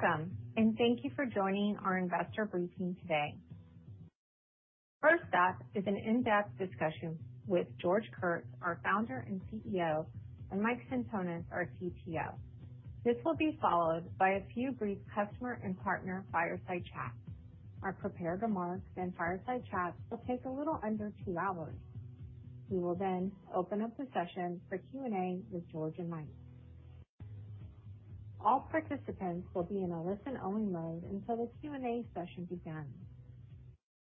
Welcome, and thank you for joining our investor briefing today. First up is an in-depth discussion with George Kurtz, our Founder and CEO, and Mike Sentonas, our CPO. This will be followed by a few brief customer and partner fireside chats. Our prepared remarks and fireside chats will take a little under two hours. We will then open up the session for Q&A with George and Mike. All participants will be in a listen-only mode until the Q&A session begins.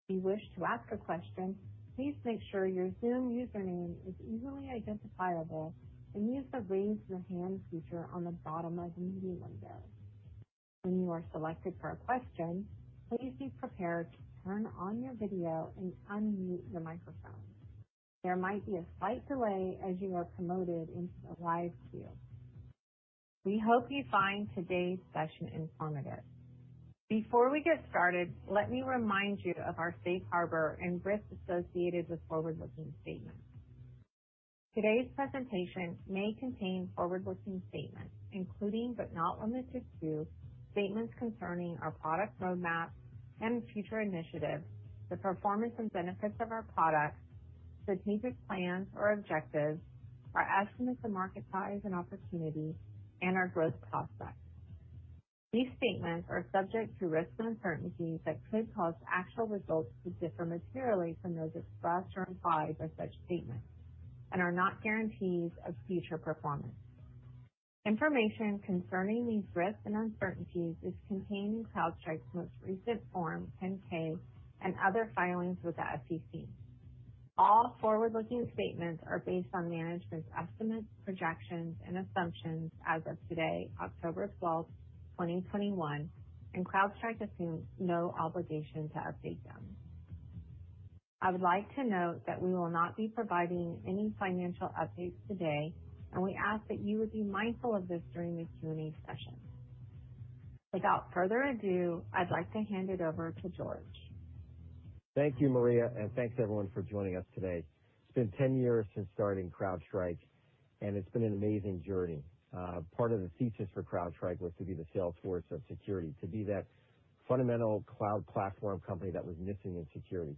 If you wish to ask a question, please make sure your Zoom username is easily identifiable and use the Raise Your Hand feature on the bottom of your meeting window. When you are selected for a question, please be prepared to turn on your video and unmute your microphone. There might be a slight delay as you are promoted into the live queue. We hope you find today's session informative. Before we get started, let me remind you of our safe harbor and risks associated with forward-looking statements. Today's presentation may contain forward-looking statements including, but not limited to, statements concerning our product roadmap and future initiatives, the performance and benefits of our products, strategic plans or objectives, our estimate of market size and opportunity, and our growth prospects. These statements are subject to risks and uncertainties that could cause actual results to differ materially from those expressed or implied by such statements, and are not guarantees of future performance. Information concerning these risks and uncertainties is contained in CrowdStrike's most recent Form 10-K and other filings with the SEC. All forward-looking statements are based on management's estimates, projections, and assumptions as of today, 12 October 2021, and CrowdStrike assumes no obligation to update them. I would like to note that we will not be providing any financial updates today, and we ask that you would be mindful of this during the Q&A session. Without further ado, I'd like to hand it over to George. Thank you, Maria. Thanks everyone for joining us today. It's been 10 years since starting CrowdStrike. It's been an amazing journey. Part of the thesis for CrowdStrike was to be the Salesforce of security, to be that fundamental cloud platform company that was missing in security.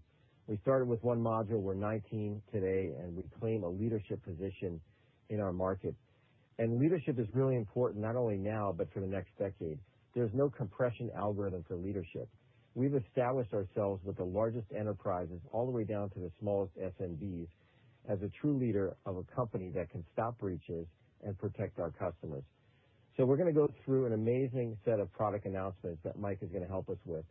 We started with one module. We're 19 today. We claim a leadership position in our market. Leadership is really important, not only now, but for the next decade. There's no compression algorithm for leadership. We've established ourselves with the largest enterprises all the way down to the smallest SMBs as a true leader of a company that can stop breaches and protect our customers. We're going to go through an amazing set of product announcements that Mike is going to help us with,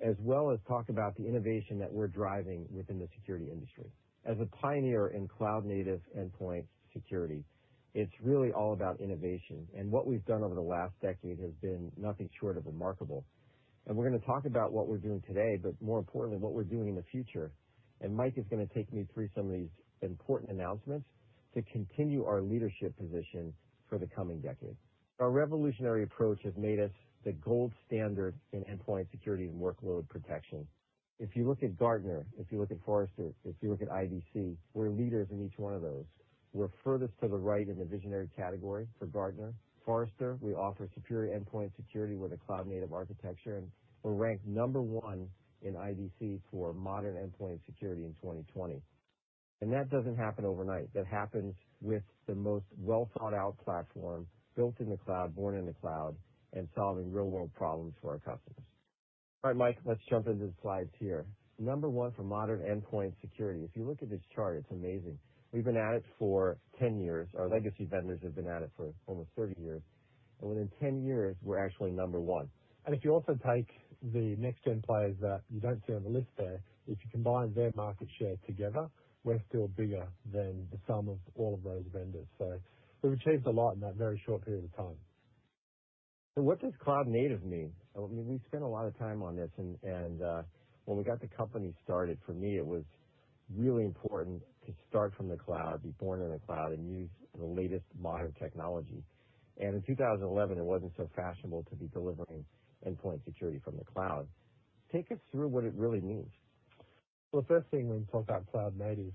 as well as talk about the innovation that we're driving within the security industry. As a pioneer in cloud-native endpoint security, it's really all about innovation. What we've done over the last decade has been nothing short of remarkable. We're going to talk about what we're doing today, but more importantly, what we're doing in the future. Mike is going to take me through some of these important announcements to continue our leadership position for the coming decade. Our revolutionary approach has made us the gold standard in endpoint security and workload protection. If you look at Gartner, if you look at Forrester, if you look at IDC, we're leaders in each one of those. We're furthest to the right in the visionary category for Gartner. Forrester, we offer superior endpoint security with a cloud-native architecture, and we're ranked number one in IDC for modern endpoint security in 2020. That doesn't happen overnight. That happens with the most well-thought-out platform built in the cloud, born in the cloud, and solving real-world problems for our customers. All right, Mike, let's jump into the slides here. Number one for modern endpoint security. If you look at this chart, it's amazing. We've been at it for 10 years. Our legacy vendors have been at it for almost 30 years. Within 10 years, we're actually number one. If you also take the next-gen players that you don't see on the list there, if you combine their market share together, we're still bigger than the sum of all of those vendors. We've achieved a lot in that very short period of time. What does cloud native mean? We spent a lot of time on this and, when we got the company started, for me, it was really important to start from the cloud, be born in the cloud, and use the latest modern technology. In 2011, it wasn't so fashionable to be delivering endpoint security from the cloud. Take us through what it really means. Well, first thing when you talk about cloud native,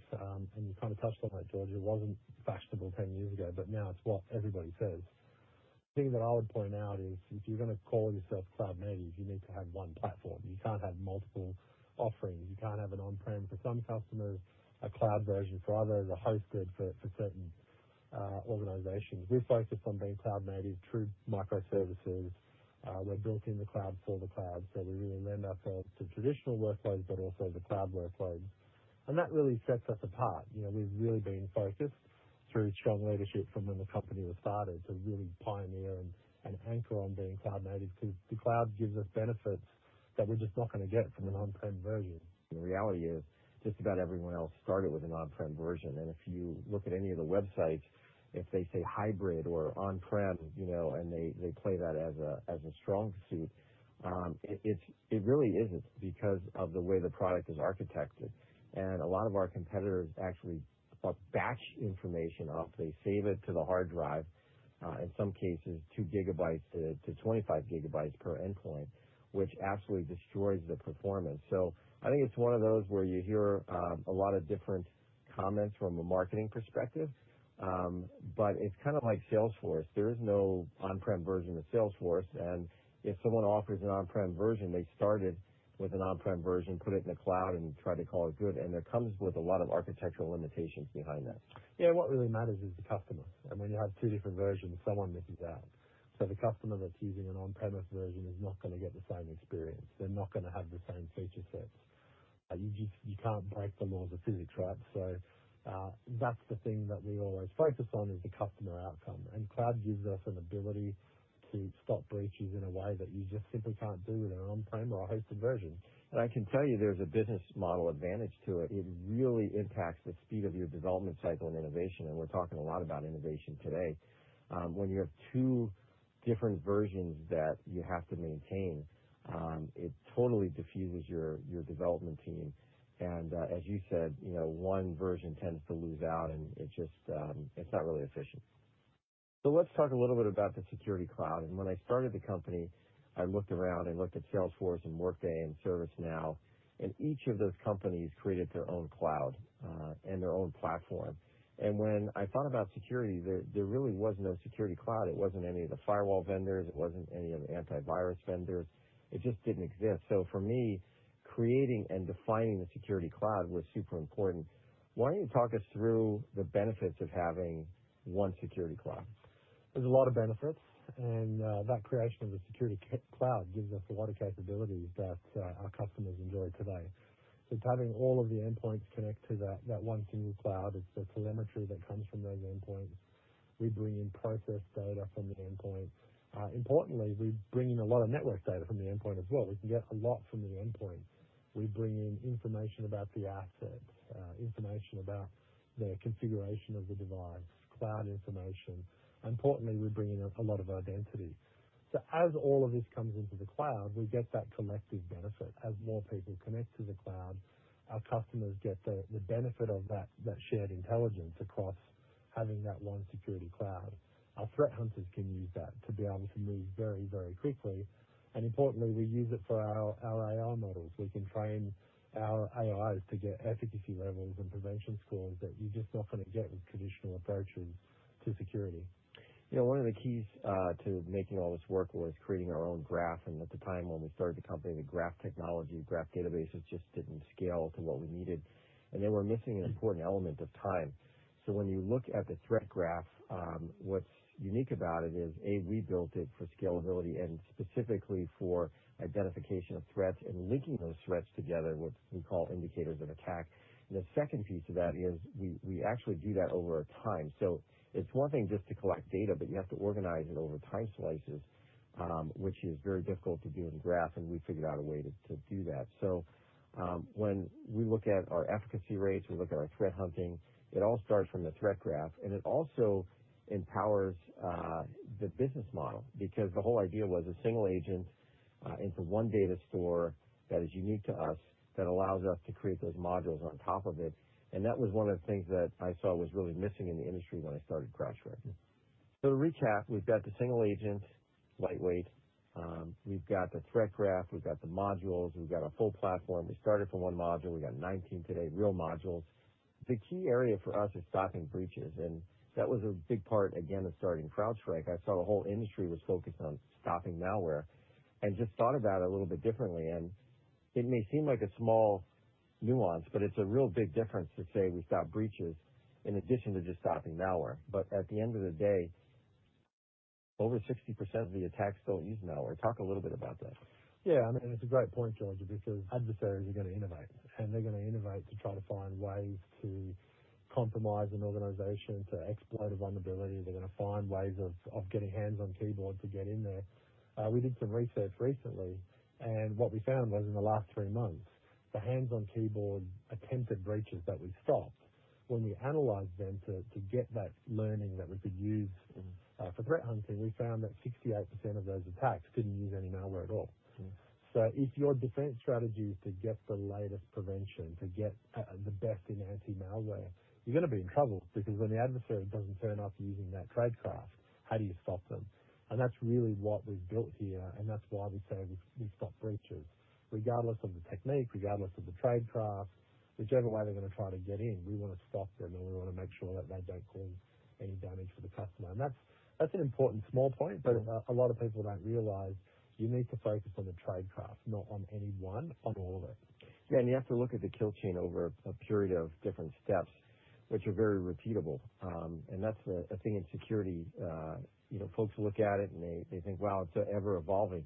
and you kind of touched on it, George, it wasn't fashionable 10 years ago. Now it's what everybody says. The thing that I would point out is, if you're going to call yourself cloud native, you need to have one platform. You can't have multiple offerings. You can't have an on-prem for some customers, a cloud version for others, a hosted for certain organizations. We're focused on being cloud native through microservices. We're built in the cloud for the cloud. We really lend ourselves to traditional workloads, but also the cloud workloads. That really sets us apart. We've really been focused through strong leadership from when the company was started to really pioneer and anchor on being cloud native because the cloud gives us benefits that we're just not going to get from an on-prem version. The reality is, just about everyone else started with an on-prem version. If you look at any of the websites, if they say hybrid or on-prem, and they play that as a strong suit, it really isn't because of the way the product is architected. A lot of our competitors actually bulk batch information off. They save it to the hard drive, in some cases, 2 GB to 25 GB per endpoint, which absolutely destroys the performance. I think it's one of those where you hear a lot of different comments from a marketing perspective. It's like Salesforce. There is no on-prem version of Salesforce, and if someone offers an on-prem version, they started with an on-prem version, put it in the cloud, and tried to call it good. That comes with a lot of architectural limitations behind that. Yeah. What really matters is the customer. When you have two different versions, someone misses out. The customer that's using an on-premise version is not going to get the same experience. They're not going to have the same feature sets. You can't break the laws of physics, right? That's the thing that we always focus on is the customer outcome. Cloud gives us an ability to stop breaches in a way that you just simply can't do with an on-prem or a hosted version. I can tell you there's a business model advantage to it. It really impacts the speed of your development cycle and innovation, and we're talking a lot about innovation today. When you have two different versions that you have to maintain, it totally diffuses your development team. As you said, one version tends to lose out, and it's not really efficient. Let's talk a little bit about the security cloud. When I started the company, I looked around and looked at Salesforce and Workday and ServiceNow, and each of those companies created their own cloud, and their own platform. When I thought about security, there really was no security cloud. It wasn't any of the firewall vendors. It wasn't any of the antivirus vendors. It just didn't exist. For me, creating and defining the security cloud was super important. Why don't you talk us through the benefits of having one security cloud? There's a lot of benefits, and that creation of the security cloud gives us a lot of capabilities that our customers enjoy today. It's having all of the endpoints connect to that one single cloud. It's the telemetry that comes from those endpoints. We bring in process data from the endpoint. Importantly, we bring in a lot of network data from the endpoint as well. We can get a lot from the endpoint. We bring in information about the assets, information about the configuration of the device, cloud information. Importantly, we bring in a lot of identity. As all of this comes into the cloud, we get that collective benefit. As more people connect to the cloud, our customers get the benefit of that shared intelligence across having that one security cloud. Our threat hunters can use that to be able to move very, very quickly. Importantly, we use it for our AI models. We can train our AIs to get efficacy levels and prevention scores that you're just not going to get with traditional approaches to security. One of the keys to making all this work was creating our own Threat Graph. At the time when we started the company, the graph technology, graph databases just didn't scale to what we needed. They were missing an important element of time. When you look at the Threat Graph, what's unique about it is, A, we built it for scalability and specifically for identification of threats and linking those threats together, what we call Indicators of Attack. The second piece of that is we actually do that over a time. It's one thing just to collect data, but you have to organize it over time slices, which is very difficult to do in graph, and we figured out a way to do that. When we look at our efficacy rates, we look at our threat hunting, it all starts from the Threat Graph, and it also empowers the business model because the whole idea was a single agent into one data store that is unique to us, that allows us to create those modules on top of it. That was one of the things that I saw was really missing in the industry when I started CrowdStrike. To recap, we've got the single agent, lightweight. We've got the Threat Graph. We've got the modules. We've got a full platform. We started from one module. We got 19 today, real modules. The key area for us is stopping breaches, and that was a big part, again, of starting CrowdStrike. I saw the whole industry was focused on stopping malware and just thought about it a little bit differently. It may seem like a small nuance, but it's a real big difference to say we stop breaches in addition to just stopping malware. At the end of the day, over 60% of the attacks don't use malware. Talk a little bit about that. Yeah. I mean, it's a great point, George, because adversaries are going to innovate. They're going to innovate to try to find ways to compromise an organization to exploit a vulnerability. They're going to find ways of getting hands on keyboard to get in there. We did some research recently. What we found was in the last three months, the hands-on-keyboard attempted breaches that we stopped when we analyzed them to get that learning that we could use for threat hunting, we found that 68% of those attacks didn't use any malware at all. If your defense strategy is to get the latest prevention, to get the best in anti-malware, you're going to be in trouble because when the adversary doesn't turn up using that tradecraft, how do you stop them? That's really what we've built here, and that's why we say we stop breaches. Regardless of the technique, regardless of the tradecraft, whichever way they're going to try to get in, we want to stop them, and we want to make sure that they don't cause any damage for the customer. That's an important small point. A lot of people don't realize you need to focus on the tradecraft, not on any one, on all of it. Yeah, you have to look at the kill chain over a period of different steps, which are very repeatable. That's the thing in security. Folks look at it and they think, wow, it's ever-evolving.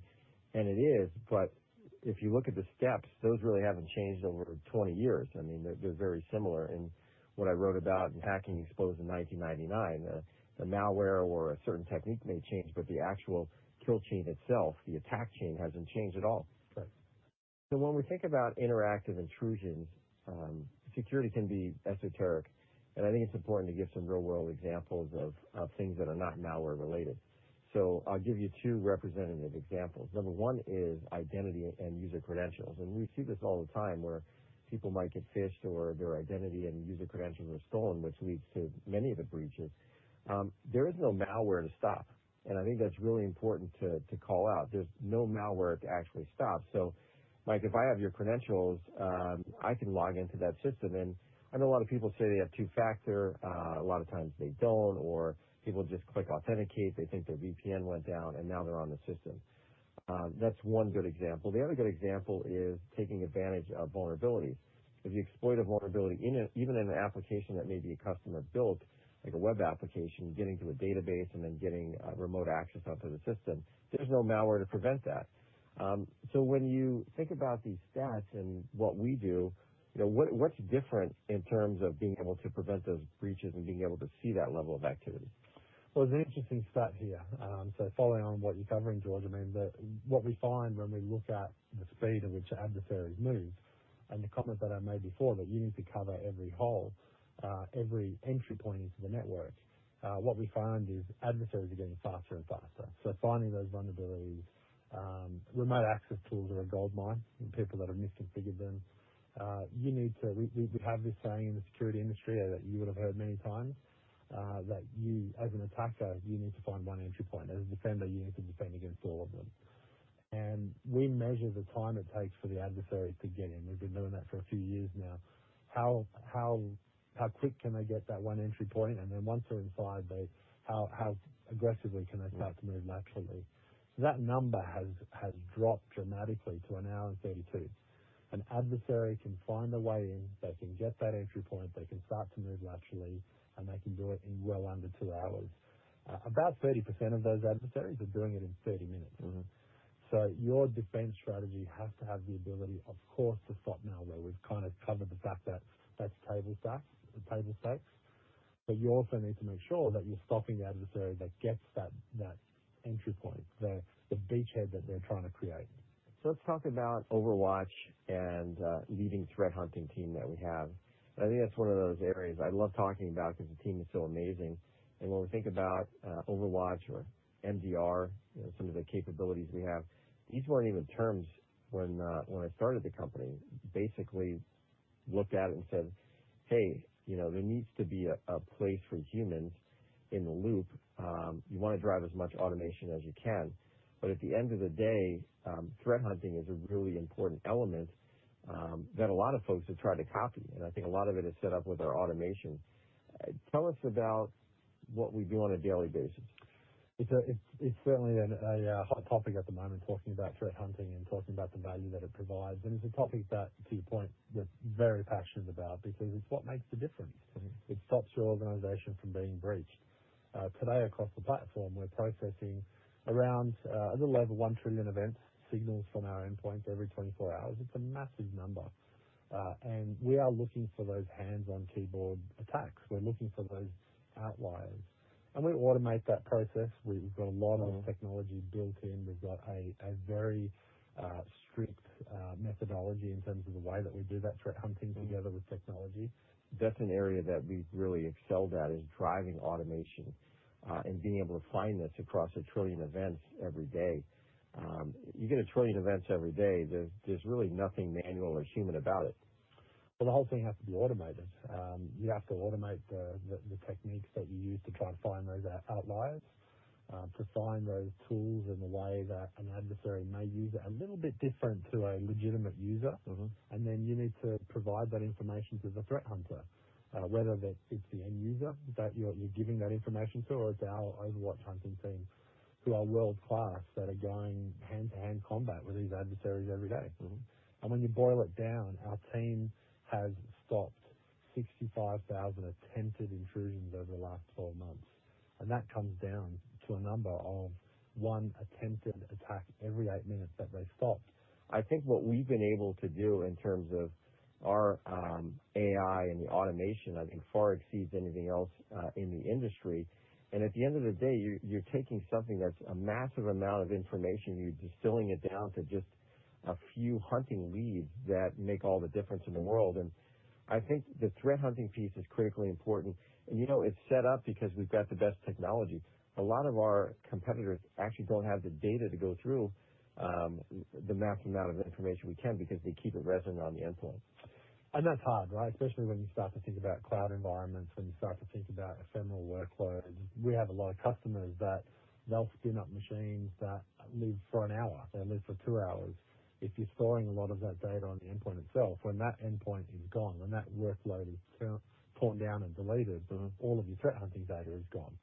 It is, but if you look at the steps, those really haven't changed over 20 years. I mean, they're very similar. What I wrote about in Hacking Exposed in 1999, the malware or a certain technique may change, but the actual kill chain itself, the attack chain, hasn't changed at all. Right. When we think about interactive intrusions, security can be esoteric, and I think it's important to give some real-world examples of things that are not malware related. I'll give you two representative examples. Number one is identity and user credentials, and we see this all the time where people might get phished or their identity and user credentials are stolen, which leads to many of the breaches. There is no malware to stop, and I think that's really important to call out. There's no malware to actually stop. Mike, if I have your credentials, I can log into that system. I know a lot of people say they have two-factor. A lot of times they don't, or people just click authenticate. They think their VPN went down, and now they're on the system. That's one good example. The other good example is taking advantage of vulnerabilities. If you exploit a vulnerability, even in an application that maybe a customer built, like a web application, getting to a database and then getting remote access onto the system, there's no malware to prevent that. When you think about these stats and what we do, what's different in terms of being able to prevent those breaches and being able to see that level of activity? There's an interesting stat here. Following on what you're covering, George, what we find when we look at the speed at which adversaries move and the comment that I made before, that you need to cover every hole, every entry point into the network. What we find is adversaries are getting faster and faster. Finding those vulnerabilities. Remote access tools are a goldmine, and people that have misconfigured them. We have this saying in the security industry that you would have heard many times, that you as an attacker, you need to find one entry point. As a defender, you need to defend against all of them. We measure the time it takes for the adversary to get in. We've been doing that for a few years now. How quick can they get that one entry point? Once they're inside, how aggressively can they start to move laterally? That number has dropped dramatically to an hour and 32. An adversary can find a way in, they can get that entry point, they can start to move laterally, and they can do it in well under two hours. About 30% of those adversaries are doing it in 30 minutes. Your defense strategy has to have the ability, of course, to stop malware. We've kind of covered the fact that that's table stakes. You also need to make sure that you're stopping the adversary that gets that entry point, the beachhead that they're trying to create. Let's talk about Falcon OverWatch and leading threat hunting team that we have. I think that's one of those areas I love talking about because the team is so amazing. When we think about Falcon OverWatch or MDR, some of the capabilities we have, these weren't even terms when I started the company. Basically looked at it and said, "Hey, there needs to be a place for humans in the loop." You want to drive as much automation as you can, but at the end of the day, threat hunting is a really important element that a lot of folks have tried to copy. I think a lot of it is set up with our automation. Tell us about what we do on a daily basis. It's certainly a hot topic at the moment, talking about threat hunting and talking about the value that it provides. It's a topic that, to your point, we're very passionate about because it's what makes the difference. It stops your organization from being breached. Today across the platform, we're processing around a little over 1 trillion events, signals from our endpoint every 24 hours. It's a massive number. We are looking for those hands-on-keyboard attacks. We're looking for those outliers, and we automate that process. We've got a lot of technology built-in. We've got a very strict methodology in terms of the way that we do that threat hunting together with technology. That's an area that we've really excelled at, is driving automation and being able to find this across 1 trillion events every day. You get 1 trillion events every day, there's really nothing manual or human about it. The whole thing has to be automated. You have to automate the techniques that you use to try to find those outliers, to find those tools and the way that an adversary may use it a little bit different to a legitimate user. You need to provide that information to the threat hunter, whether it's the end user that you're giving that information to or it's our OverWatch hunting team, who are world-class, that are going hand-to-hand combat with these adversaries every day. When you boil it down, our team has stopped 65,000 attempted intrusions over the last 12 months, and that comes down to a number of one attempted attack every eight minutes that they've stopped. I think what we've been able to do in terms of our AI and the automation, I think far exceeds anything else in the industry. At the end of the day, you're taking something that's a massive amount of information. You're distilling it down to just a few hunting leads that make all the difference in the world. I think the threat hunting piece is critically important. It's set up because we've got the best technology. A lot of our competitors actually don't have the data to go through the massive amount of information we can because they keep it resident on the endpoint. That's hard, right? Especially when you start to think about cloud environments, when you start to think about ephemeral workloads. We have a lot of customers that they'll spin up machines that live for an hour, they live for two hours. If you're storing a lot of that data on the endpoint itself, when that endpoint is gone, when that workload is torn down and deleted all of your threat hunting data is gone.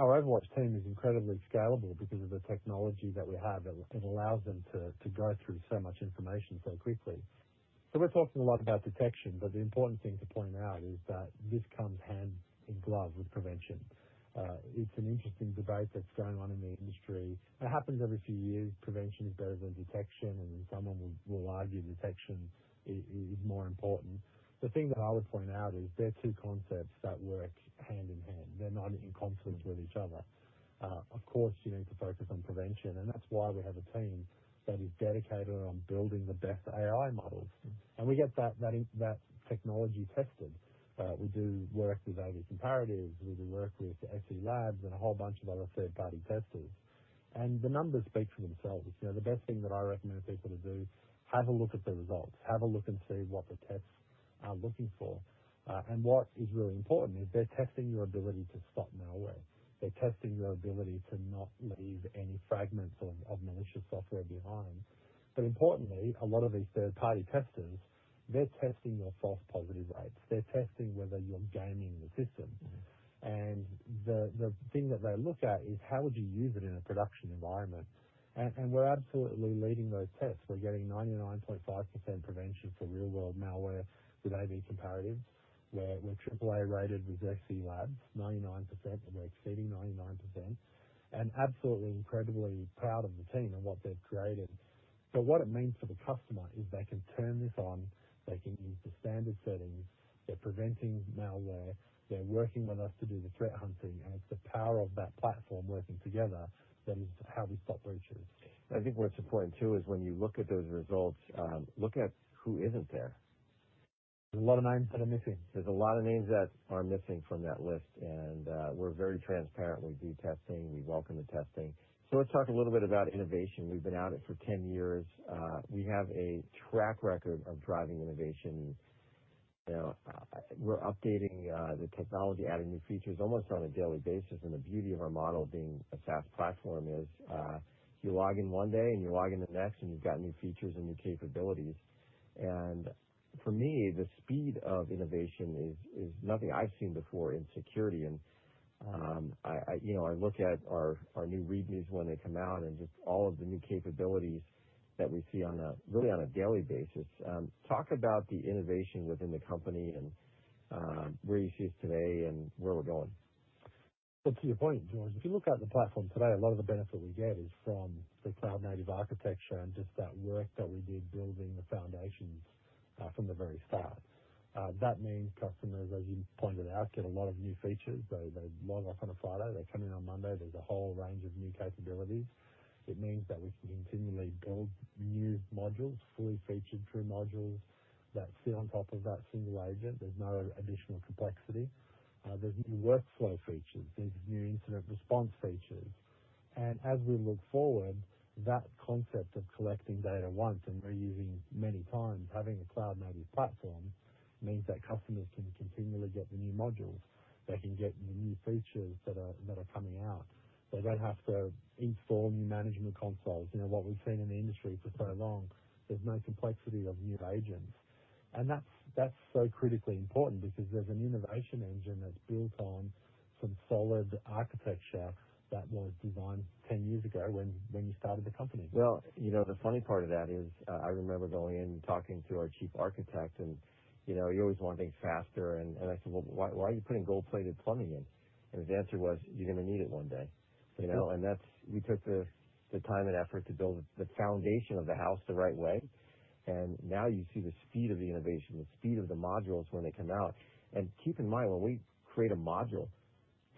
Our OverWatch team is incredibly scalable because of the technology that we have. It allows them to go through so much information so quickly. We're talking a lot about detection, but the important thing to point out is that this comes hand in glove with prevention. It's an interesting debate that's going on in the industry. It happens every few years. Prevention is better than detection, and someone will argue detection is more important. The thing that I would point out is they're two concepts that work hand in hand. They're not in conflict with each other. Of course, you need to focus on prevention, and that's why we have a team that is dedicated on building the best AI models. We get that technology tested. We work with AV-Comparatives, we work with SE Labs and a whole bunch of other third-party testers. The numbers speak for themselves. The best thing that I recommend people to do, have a look at the results, have a look and see what the tests are looking for. What is really important is they're testing your ability to stop malware. They're testing your ability to not leave any fragments of malicious software behind. Importantly, a lot of these third-party testers, they're testing your false positive rates. They're testing whether you're gaming the system. The thing that they look at is how would you use it in a production environment? We're absolutely leading those tests. We're getting 99.5% prevention for real-world malware with AV-Comparatives. We're AAA-rated with SE Labs, 99%, and we're exceeding 99%. Absolutely incredibly proud of the team and what they've created. What it means for the customer is they can turn this on, they can use the standard settings, they're preventing malware, they're working with us to do the threat hunting, and it's the power of that platform working together that is how we stop breaches. I think what's important too is when you look at those results, look at who isn't there. There's a lot of names that are missing. There's a lot of names that are missing from that list, and we're very transparent. We do testing. We welcome the testing. Let's talk a little bit about innovation. We've been at it for 10 years. We have a track record of driving innovation. We're updating the technology, adding new features almost on a daily basis, and the beauty of our model being a SaaS platform is you log in one day and you log in the next, and you've got new features and new capabilities. For me, the speed of innovation is nothing I've seen before in security. I look at our new readmes when they come out and just all of the new capabilities that we see really on a daily basis. Talk about the innovation within the company and where you see us today and where we're going. To your point, George, if you look at the platform today, a lot of the benefit we get is from the cloud-native architecture and just that work that we did building the foundations from the very start. That means customers, as you pointed out, get a lot of new features. They log off on a Friday, they come in on Monday, there's a whole range of new capabilities. It means that we can continually build new modules, fully featured true modules that sit on top of that single agent. There's no additional complexity. There's new workflow features. There's new incident response features. As we look forward, that concept of collecting data once and reusing many times, having a cloud-native platform means that customers can continually get the new modules. They can get the new features that are coming out. They don't have to install new management consoles. What we've seen in the industry for so long, there's no complexity of new agents. That's so critically important because there's an innovation engine that's built on some solid architecture that was designed 10 years ago when you started the company. Well, the funny part of that is I remember going in and talking to our chief architect and you always want things faster, and I said, "Well, why are you putting gold-plated plumbing in?" His answer was, "You're going to need it one day." We took the time and effort to build the foundation of the house the right way, and now you see the speed of the innovation, the speed of the modules when they come out. Keep in mind, when we create a module,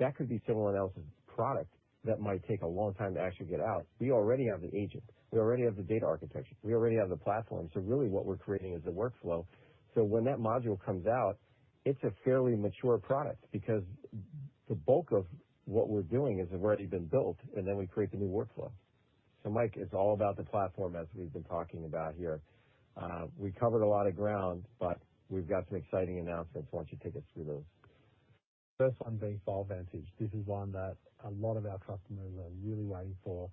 that could be someone else's product that might take a long time to actually get out. We already have the agent. We already have the data architecture. We already have the platform. Really what we're creating is the workflow. When that module comes out, it's a fairly mature product because the bulk of what we're doing has already been built, and then we create the new workflow. Mike, it's all about the platform as we've been talking about here. We covered a lot of ground, we've got some exciting announcements. Why don't you take us through those? First one being FileVantage. This is one that a lot of our customers are really waiting for.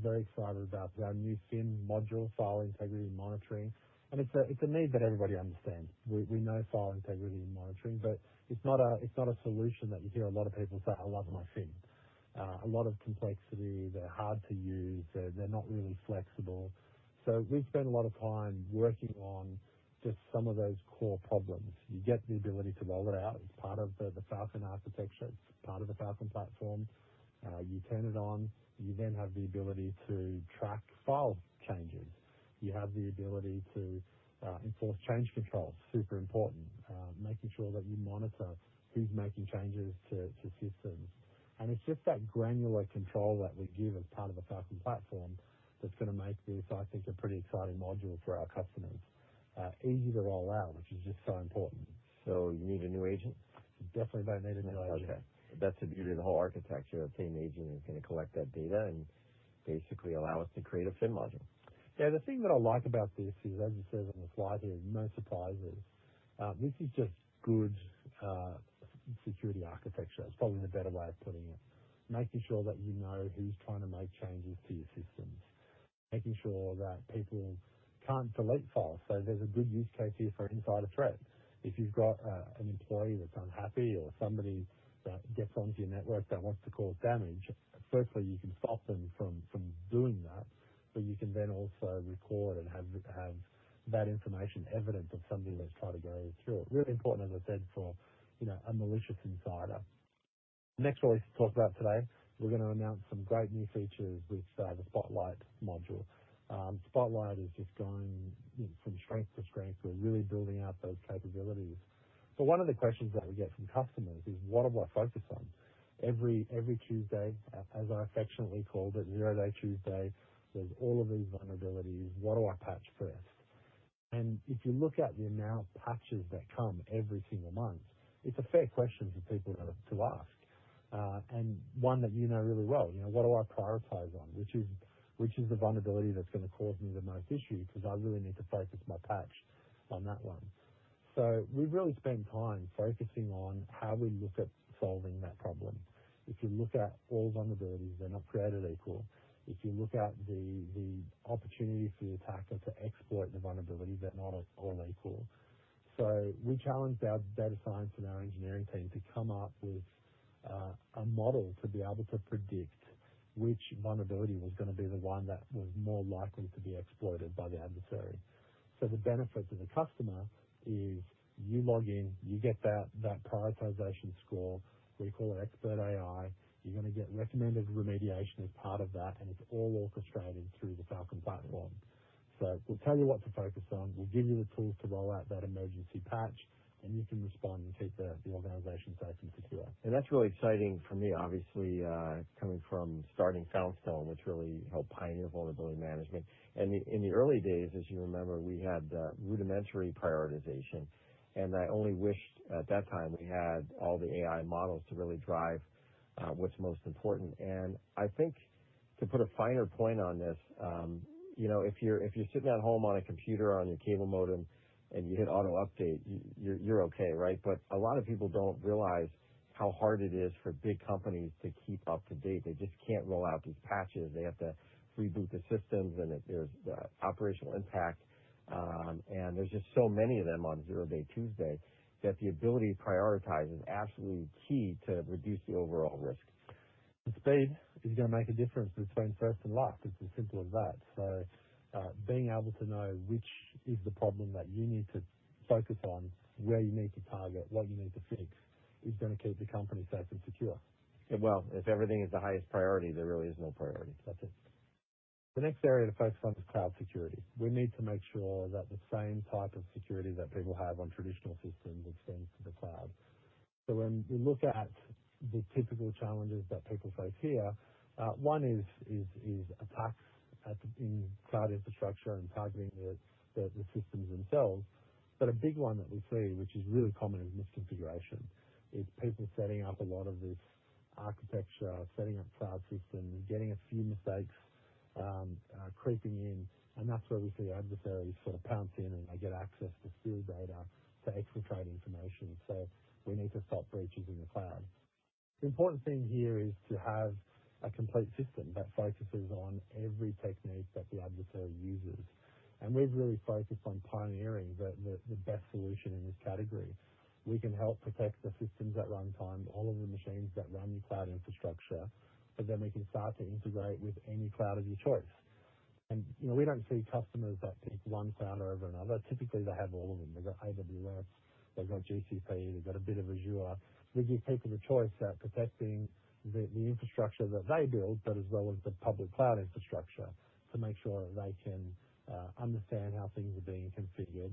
Very excited about our new SIEM module, File Integrity Monitoring. It's a need that everybody understands. We know File Integrity Monitoring, but it's not a solution that you hear a lot of people say, "I love my SIEM." A lot of complexity. They're hard to use. They're not really flexible. We've spent a lot of time working on just some of those core problems. You get the ability to roll it out. It's part of the Falcon architecture. It's part of the Falcon platform. You turn it on. You then have the ability to track file changes. You have the ability to enforce change control. Super important. Making sure that you monitor who's making changes to systems. It's just that granular control that we give as part of the Falcon platform that's going to make this, I think, a pretty exciting module for our customers. Easy to roll out, which is just so important. You need a new agent? Definitely don't need a new agent. Okay. That's the beauty of the whole architecture, a thin agent is going to collect that data and basically allow us to create a FIM module. Yeah, the thing that I like about this is, as it says on the slide here, no surprises. This is just good security architecture. That's probably the better way of putting it. Making sure that you know who's trying to make changes to your systems. Making sure that people can't delete files. There's a good use case here for insider threat. If you've got an employee that's unhappy or somebody that gets onto your network that wants to cause damage, firstly, you can stop them from doing that, but you can then also record and have that information, evidence of somebody that's tried to go through it. Really important, as I said, for a malicious insider. Next release to talk about today, we're going to announce some great new features with the Spotlight module. Spotlight is just going from strength to strength. We're really building out those capabilities. One of the questions that we get from customers is, what do I focus on? Every Tuesday, as I affectionately call it Zero Day Tuesday, there's all of these vulnerabilities. What do I patch first? If you look at the amount of patches that come every single month, it's a fair question for people to ask, and one that you know really well. What do I prioritize on? Which is the vulnerability that's going to cause me the most issue? Because I really need to focus my patch on that one. We've really spent time focusing on how we look at solving that problem. If you look at all vulnerabilities, they're not created equal. If you look at the opportunity for the attacker to exploit the vulnerabilities, they're not all equal. We challenged our data science and our engineering team to come up with a model to be able to predict which vulnerability was going to be the one that was more likely to be exploited by the adversary. The benefit to the customer is you log in, you get that prioritization score. We call it ExPRT.ai. You're going to get recommended remediation as part of that, and it's all orchestrated through the Falcon platform. We'll tell you what to focus on. We'll give you the tools to roll out that emergency patch, and you can respond and keep the organization safe and secure. That's really exciting for me. Obviously, coming from starting Foundstone, which really helped pioneer vulnerability management. In the early days, as you remember, we had rudimentary prioritization, and I only wished at that time we had all the AI models to really drive what's most important. I think to put a finer point on this, if you're sitting at home on a computer on your cable modem and you hit auto update, you're okay, right? A lot of people don't realize how hard it is for big companies to keep up to date. They just can't roll out these patches. They have to reboot the systems, and there's operational impact. There's just so many of them on Patch Tuesday that the ability to prioritize is absolutely key to reduce the overall risk. Speed is going to make a difference between first and last. It's as simple as that. Being able to know which is the problem that you need to focus on, where you need to target, what you need to fix, is going to keep the company safe and secure. Well, if everything is the highest priority, there really is no priority. That's it. The next area to focus on is cloud security. We need to make sure that the same type of security that people have on traditional systems extends to the cloud. When we look at the typical challenges that people face here, one is attacks in cloud infrastructure and targeting the systems themselves. A big one that we see, which is really common, is misconfiguration, is people setting up a lot of this architecture, setting up cloud systems, and getting a few mistakes creeping in. That's where we see adversaries sort of pounce in, and they get access to steal data, to exfiltrate information. We need to stop breaches in the cloud. The important thing here is to have a complete system that focuses on every technique that the adversary uses. We've really focused on pioneering the best solution in this category. We can help protect the systems at runtime, all of the machines that run your cloud infrastructure, but then we can start to integrate with any cloud of your choice. We don't see customers that pick one cloud over another. Typically, they have all of them. They've got AWS, they've got GCP, they've got a bit of Azure. We give people the choice at protecting the infrastructure that they build, but as well as the public cloud infrastructure to make sure that they can understand how things are being configured.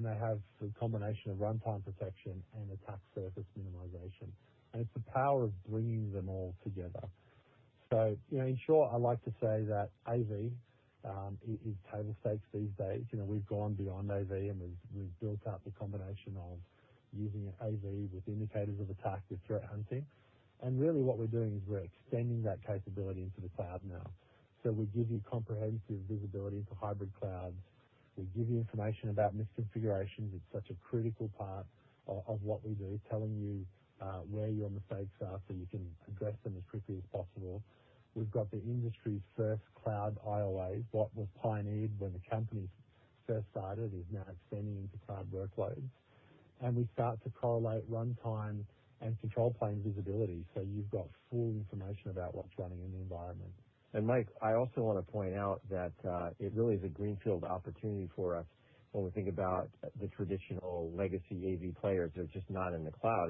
They have the combination of runtime protection and attack surface minimization, and it's the power of bringing them all together. In short, I like to say that AV is table stakes these days. We've gone beyond AV and we've built up the combination of using an AV with Indicators of Attack with threat hunting. Really what we're doing is we're extending that capability into the cloud now. We give you comprehensive visibility into hybrid clouds. We give you information about misconfigurations. It's such a critical part of what we do, telling you where your mistakes are so you can address them as quickly as possible. We've got the industry's first cloud IOA. What was pioneered when the company first started is now extending into cloud workloads. We start to correlate runtime and control plane visibility. You've got full information about what's running in the environment. Mike, I also want to point out that it really is a greenfield opportunity for us when we think about the traditional legacy AV players. They're just not in the cloud.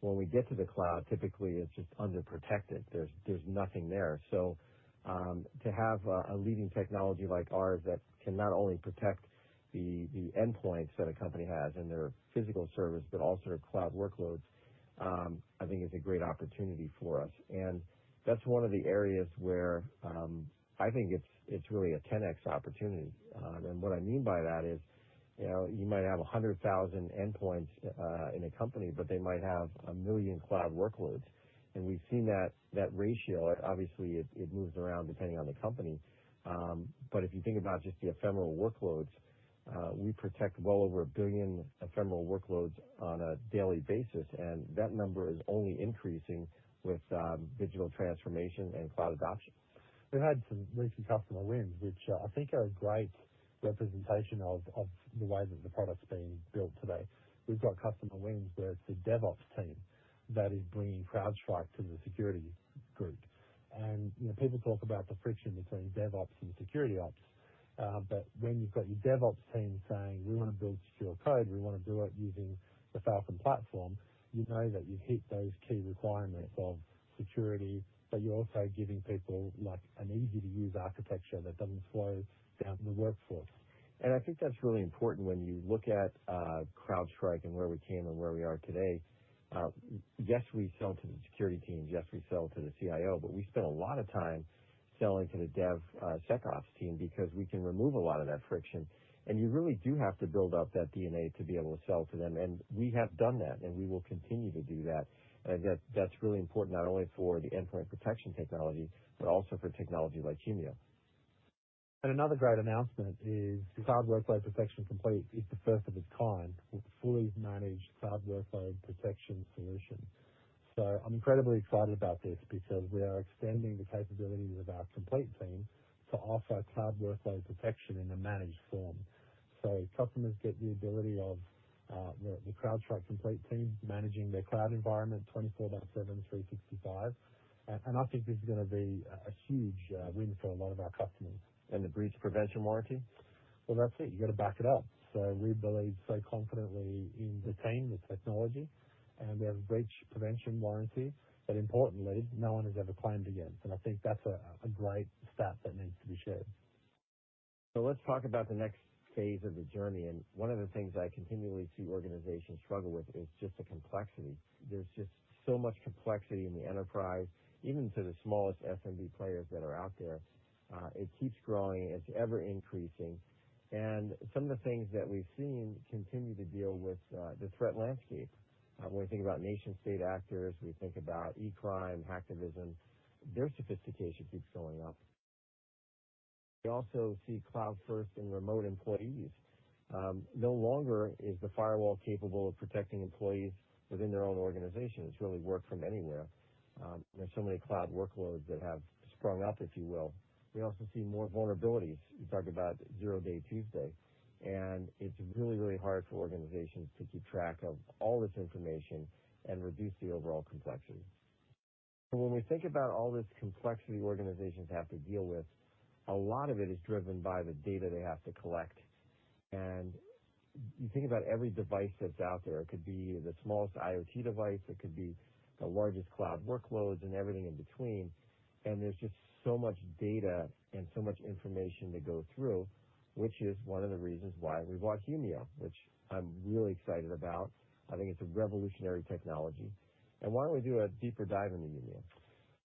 When we get to the cloud, typically it's just underprotected. There's nothing there. To have a leading technology like ours that can not only protect the endpoints that a company has and their physical servers, but also their cloud workloads, I think is a great opportunity for us. That's one of the areas where I think it's really a 10x opportunity. What I mean by that is you might have 100,000 endpoints in a company, but they might have 1 million cloud workloads. We've seen that ratio, obviously, it moves around depending on the company. If you think about just the ephemeral workloads, we protect well over 1 billion ephemeral workloads on a daily basis, and that number is only increasing with digital transformation and cloud adoption. We've had some recent customer wins, which I think are a great representation of the way that the product's being built today. We've got customer wins where it's the DevOps team that is bringing CrowdStrike to the security group. People talk about the friction between DevOps and Security Ops. When you've got your DevOps team saying, "We want to build secure code, we want to do it using the Falcon platform," you know that you hit those key requirements of security, but you're also giving people an easy-to-use architecture that doesn't slow down the workforce. I think that's really important when you look at CrowdStrike and where we came and where we are today. Yes, we sell to the security teams, yes, we sell to the CIO, but we spend a lot of time selling to the DevSecOps team because we can remove a lot of that friction, and you really do have to build up that DNA to be able to sell to them. We have done that, and we will continue to do that. That's really important not only for the endpoint protection technology, but also for technology like Humio. Another great announcement is Falcon Cloud Workload Protection Complete is the first of its kind with fully managed cloud workload protection solution. I'm incredibly excited about this because we are extending the capabilities of our Falcon Complete team to offer cloud workload protection in a managed form. Customers get the ability of the CrowdStrike Falcon Complete team managing their cloud environment 24/7, 365. I think this is going to be a huge win for a lot of our customers. The breach prevention warranty. Well, that's it. You got to back it up. We believe so confidently in the team, the technology, and we have a breach prevention warranty that importantly, no one has ever claimed against. I think that's a great stat that needs to be shared. Let's talk about the next phase of the journey. One of the things I continually see organizations struggle with is just the complexity. There is just so much complexity in the enterprise, even to the smallest SMB players that are out there. It keeps growing, it is ever-increasing. Some of the things that we've seen continue to deal with the threat landscape. When we think about nation-state actors, we think about e-crime, hacktivism, their sophistication keeps going up. We also see cloud first and remote employees. No longer is the firewall capable of protecting employees within their own organization. It is really work from anywhere. There are so many cloud workloads that have sprung up, if you will. We also see more vulnerabilities. You talk about Patch Tuesday. It is really hard for organizations to keep track of all this information and reduce the overall complexity. When we think about all this complexity organizations have to deal with, a lot of it is driven by the data they have to collect. You think about every device that's out there, it could be the smallest IoT device, it could be the largest cloud workloads and everything in between. There's just so much data and so much information to go through, which is one of the reasons why we bought Humio, which I'm really excited about. I think it's a revolutionary technology. Why don't we do a deeper dive into Humio?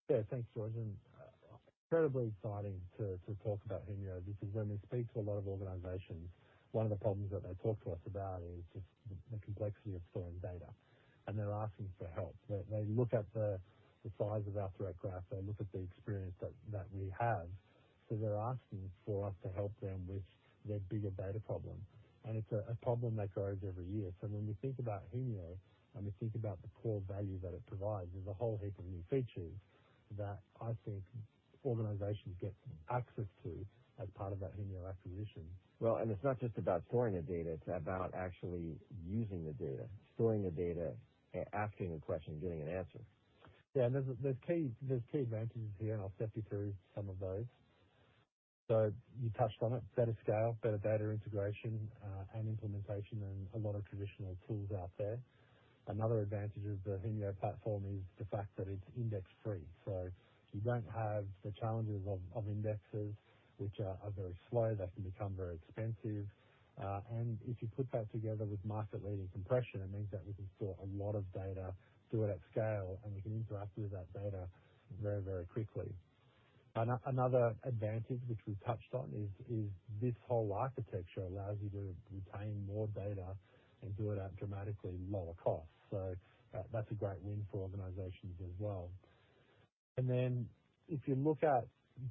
Yeah, thanks, George, incredibly exciting to talk about Humio, because when we speak to a lot of organizations, one of the problems that they talk to us about is just the complexity of storing data. They're asking for help. They look at the size of our Threat Graph. They look at the experience that we have. They're asking for us to help them with their bigger data problem. It's a problem that grows every year. When we think about Humio and we think about the core value that it provides, there's a whole heap of new features that I think organizations get access to as part of that Humio acquisition. Well, it's not just about storing the data, it's about actually using the data, storing the data, asking a question, getting an answer. There's key advantages here, and I'll step you through some of those. You touched on it, better scale, better data integration, and implementation than a lot of traditional tools out there. Another advantage of the Humio platform is the fact that it's index-free. You don't have the challenges of indexes, which are very slow, they can become very expensive. If you put that together with market-leading compression, it means that we can store a lot of data, do it at scale, and we can interact with that data very quickly. Another advantage which we've touched on is this whole architecture allows you to retain more data and do it at dramatically lower cost. That's a great win for organizations as well. If you look at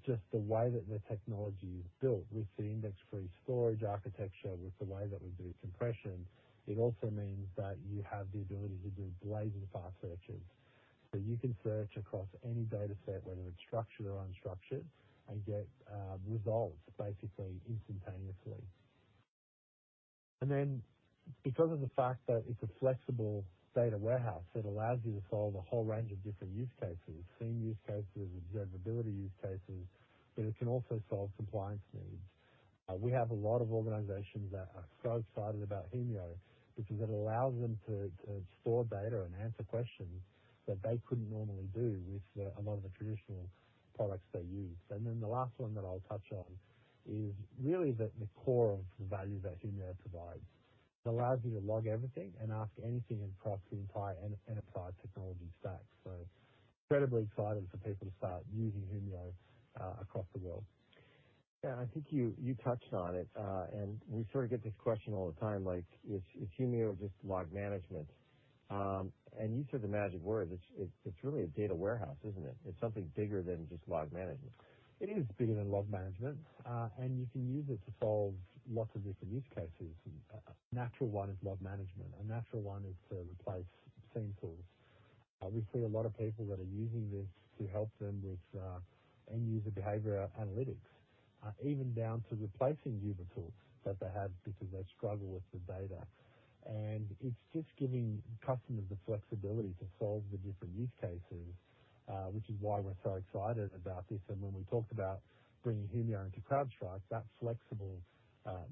just the way that the technology is built with the index-free storage architecture, with the way that we do compression, it also means that you have the ability to do blazing fast searches. You can search across any data set, whether it's structured or unstructured, and get results basically instantaneously. Because of the fact that it's a flexible data warehouse, it allows you to solve a whole range of different use cases, SIEM use cases, observability use cases, but it can also solve compliance needs. We have a lot of organizations that are so excited about Humio because it allows them to store data and answer questions that they couldn't normally do with a lot of the traditional products they use. The last one that I'll touch on is really the core of the value that Humio provides. It allows you to log everything and ask anything across the entire enterprise technology stack. Incredibly excited for people to start using Humio across the world. Yeah, I think you touched on it, we sort of get this question all the time, like is Humio just log management? You said the magic words. It's really a data warehouse, isn't it? It's something bigger than just log management. It is bigger than log management. You can use it to solve lots of different use cases. A natural one is log management. A natural one is to replace SIEM tools. We see a lot of people that are using this to help them with end user behavior analytics, even down to replacing UEBA tools that they have because they struggle with the data. It's just giving customers the flexibility to solve the different use cases, which is why we're so excited about this. When we talk about bringing Humio into CrowdStrike, that flexible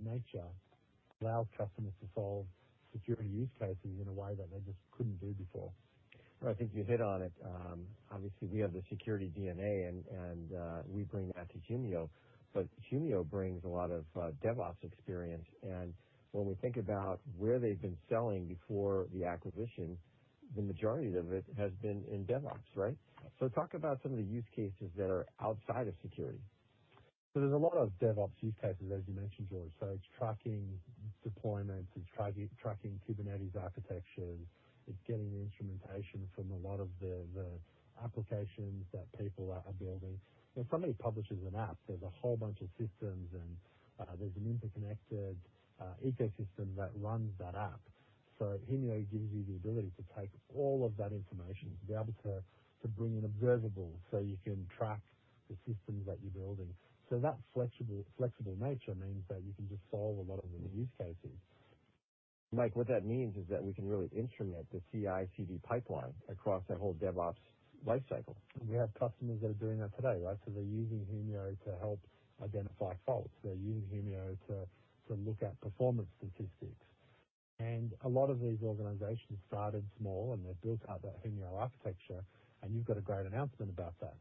nature. Allow customers to solve security use cases in a way that they just couldn't do before. Well, I think you hit on it. Obviously, we have the security DNA, and we bring that to Humio, but Humio brings a lot of DevOps experience. When we think about where they've been selling before the acquisition, the majority of it has been in DevOps, right? Yes. Talk about some of the use cases that are outside of security. There's a lot of DevOps use cases, as you mentioned, George. It's tracking deployments, it's tracking Kubernetes architectures. It's getting the instrumentation from a lot of the applications that people are building. If somebody publishes an app, there's a whole bunch of systems, and there's an interconnected ecosystem that runs that app. Humio gives you the ability to take all of that information, to be able to bring in observables so you can track the systems that you're building. That flexible nature means that you can just solve a lot of the new use cases. Mike, what that means is that we can really instrument the CI/CD pipeline across that whole DevOps life cycle. We have customers that are doing that today. They're using Humio to help identify faults. They're using Humio to look at performance statistics. A lot of these organizations started small, and they've built out that Humio architecture, and you've got a great announcement about that.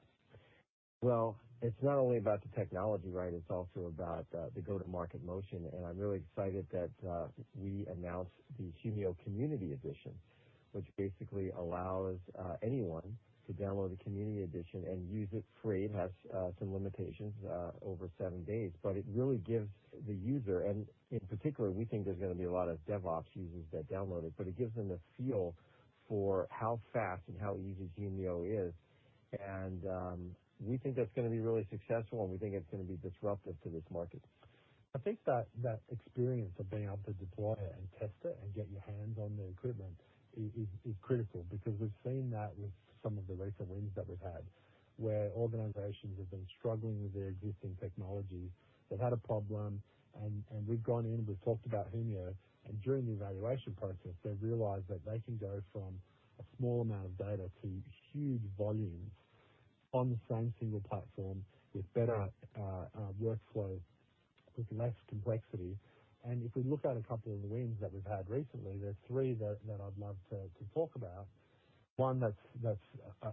Well, it's not only about the technology. It's also about the go-to-market motion, and I'm really excited that we announced the Humio Community Edition, which basically allows anyone to download a community edition and use it free. It has some limitations over seven days, but it really gives the user, and in particular, we think there's going to be a lot of DevOps users that download it, but it gives them the feel for how fast and how easy Humio is. We think that's going to be really successful, and we think it's going to be disruptive to this market. I think that experience of being able to deploy it and test it and get your hands on the equipment is critical because we've seen that with some of the recent wins that we've had, where organizations have been struggling with their existing technologies. They've had a problem, and we've gone in, we've talked about Humio, and during the evaluation process, they've realized that they can go from a small amount of data to huge volumes on the same single platform with better workflows, with less complexity. If we look at a couple of the wins that we've had recently, there are three that I'd love to talk about. One that's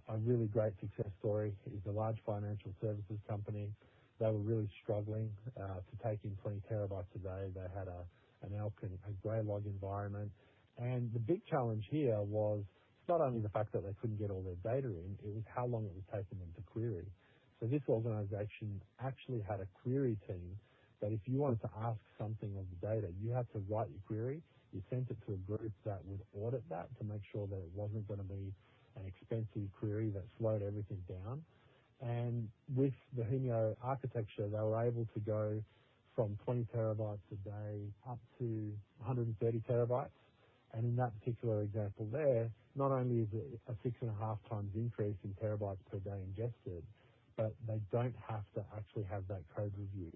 a really great success story is a large financial services company. They were really struggling to take in 20 TB a day. They had an ELK and a Graylog environment. The big challenge here was not only the fact that they couldn't get all their data in, it was how long it was taking them to query. This organization actually had a query team that if you wanted to ask something of the data, you had to write your query. You sent it to a group that would audit that to make sure that it wasn't going to be an expensive query that slowed everything down. With the Humio architecture, they were able to go from 20 TB a day up to 130 TB. In that particular example there, not only is it a 6.5x increase in TB per day ingested, but they don't have to actually have that code review.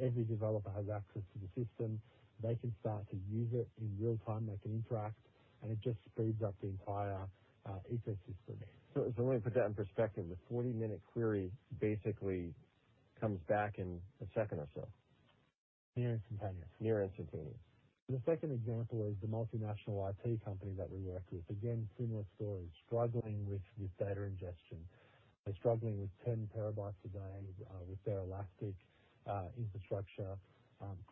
Every developer has access to the system. They can start to use it in real time, they can interact, and it just speeds up the entire ecosystem. Let me put that in perspective. The 40-minute query basically comes back in a second or so. Near instantaneous. Near instantaneous. The second example is the multinational IT company that we worked with. Again, similar story, struggling with data ingestion. They're struggling with 10 TB a day with their Elastic infrastructure.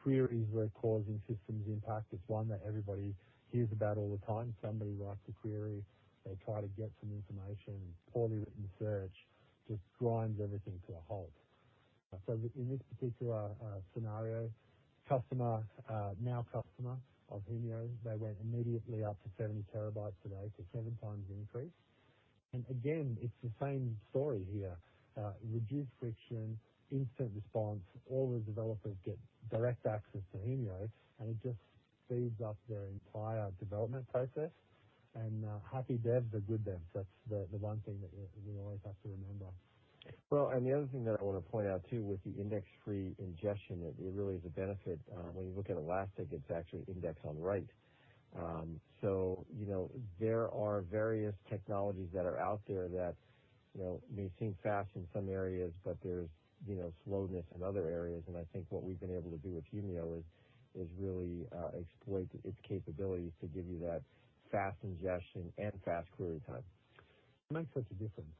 Queries were causing systems impact. It's one that everybody hears about all the time. Somebody writes a query, they try to get some information, poorly written search just grinds everything to a halt. In this particular scenario, now customer of Humio, they went immediately up to 70 TB a day, seven times increase. Again, it's the same story here, reduced friction, instant response. All the developers get direct access to Humio, and it just speeds up their entire development process. Happy devs are good devs. That's the one thing that we always have to remember. The other thing that I want to point out, too, with the index-free ingestion, it really is a benefit. When you look at Elastic, it's actually index on write. There are various technologies that are out there that may seem fast in some areas, but there's slowness in other areas, and I think what we've been able to do with Humio is really exploit its capabilities to give you that fast ingestion and fast query time. It makes such a difference.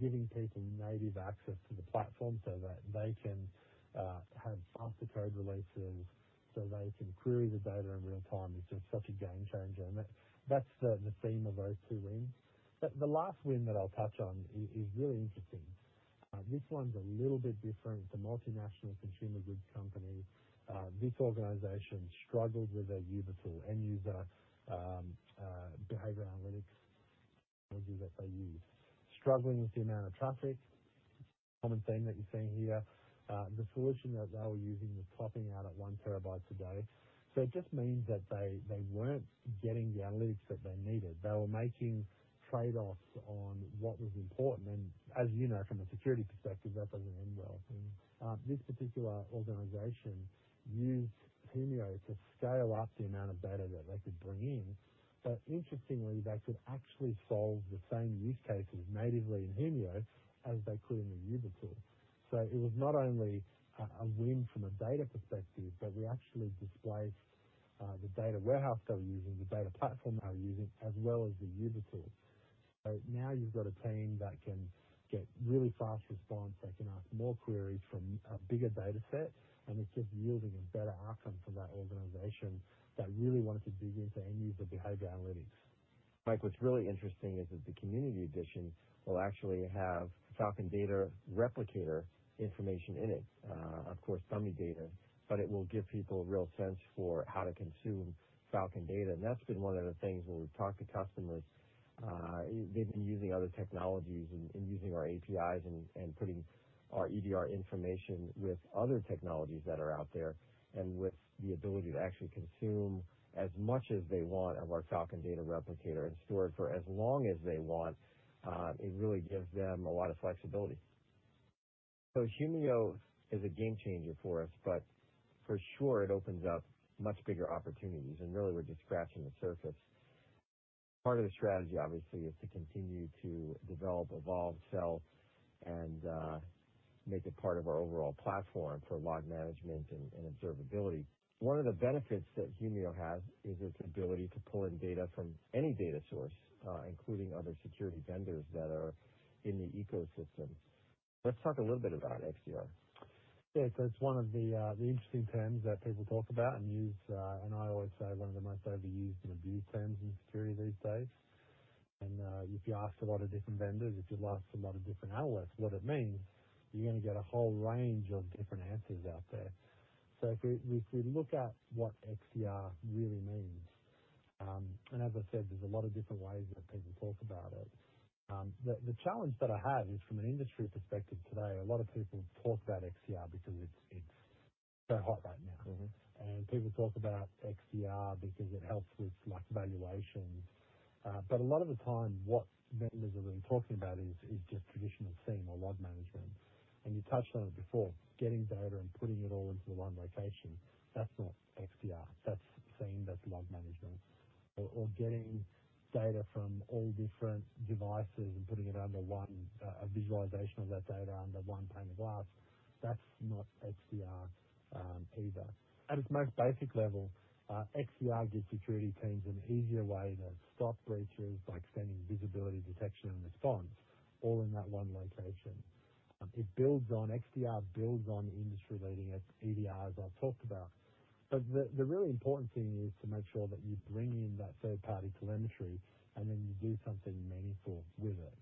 Giving people native access to the platform so that they can have faster code releases, so they can query the data in real time is just such a game changer, and that's the theme of those two wins. The last win that I'll touch on is really interesting. This one's a little bit different. It's a multinational consumer goods company. This organization struggled with their UEBA tool, User and Entity Behavior Analytics technology that they use. Struggling with the amount of traffic, common theme that you're seeing here. The solution that they were using was topping out at 1 terabyte a day. It just means that they weren't getting the analytics that they needed. They were making trade-offs on what was important, and as you know from a security perspective, that doesn't end well. This particular organization used Humio to scale up the amount of data that they could bring in. Interestingly, they could actually solve the same use cases natively in Humio as they could in the UEBA tool. It was not only a win from a data perspective, but we actually displaced the data warehouse they were using, the data platform they were using, as well as the user tools. Now you've got a team that can get really fast response. They can ask more queries from a bigger data set, and it's just yielding a better outcome for that organization that really wanted to dig into and use the behavior analytics. Mike, what's really interesting is that the Community Edition will actually have Falcon Data Replicator information in it. Of course, dummy data, but it will give people a real sense for how to consume Falcon data. That's been one of the things where we've talked to customers. They've been using other technologies and using our APIs and putting our EDR information with other technologies that are out there, and with the ability to actually consume as much as they want of our Falcon Data Replicator and store it for as long as they want. It really gives them a lot of flexibility. Humio is a game changer for us, but for sure, it opens up much bigger opportunities, and really, we're just scratching the surface. Part of the strategy, obviously, is to continue to develop, evolve, sell, and make it part of our overall platform for log management and observability. One of the benefits that Humio has is its ability to pull in data from any data source, including other security vendors that are in the ecosystem. Let's talk a little bit about XDR. Yeah. It's one of the interesting terms that people talk about and use, and I always say one of the most overused and abused terms in security these days. If you ask a lot of different vendors, if you ask a lot of different analysts what it means, you're going to get a whole range of different answers out there. If we look at what XDR really means, and as I said, there's a lot of different ways that people talk about it. The challenge that I have is from an industry perspective today, a lot of people talk about XDR because it's so hot right now. People talk about XDR because it helps with valuations. A lot of the time, what vendors have been talking about is just traditional SIEM or log management. You touched on it before, getting data and putting it all into the one location. That's not XDR. That's SIEM. That's log management. Getting data from all different devices and putting it under one visualization of that data under one pane of glass. That's not XDR either. At its most basic level, XDR gives security teams an easier way to stop breaches by extending visibility, detection, and response all in that one location. XDR builds on industry-leading EDRs I've talked about. The really important thing is to make sure that you bring in that third-party telemetry and then you do something meaningful with it.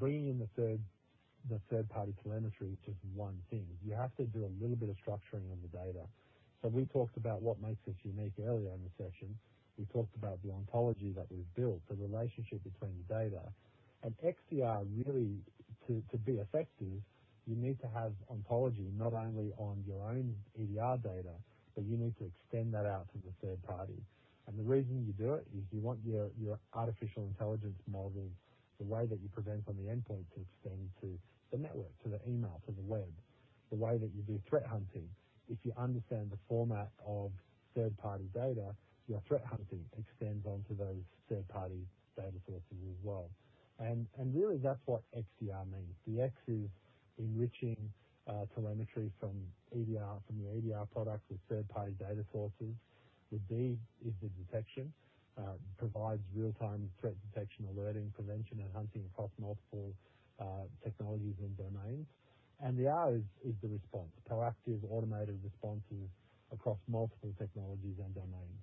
Bringing in the third-party telemetry is just one thing. You have to do a little bit of structuring of the data. We talked about what makes us unique earlier in the session. We talked about the ontology that we've built, the relationship between the data. XDR really to be effective, you need to have ontology not only on your own EDR data, but you need to extend that out to the third party. The reason you do it is you want your artificial intelligence models, the way that you prevent on the endpoint to extend to the network, to the email, to the web, the way that you do threat hunting. If you understand the format of third-party data, your threat hunting extends onto those third-party data sources as well. Really that's what XDR means. The X is enriching telemetry from your EDR products with third-party data sources. The D is the detection. Provides real-time threat detection, alerting, prevention, and hunting across multiple technologies and domains. The R is the response, proactive, automated responses across multiple technologies and domains.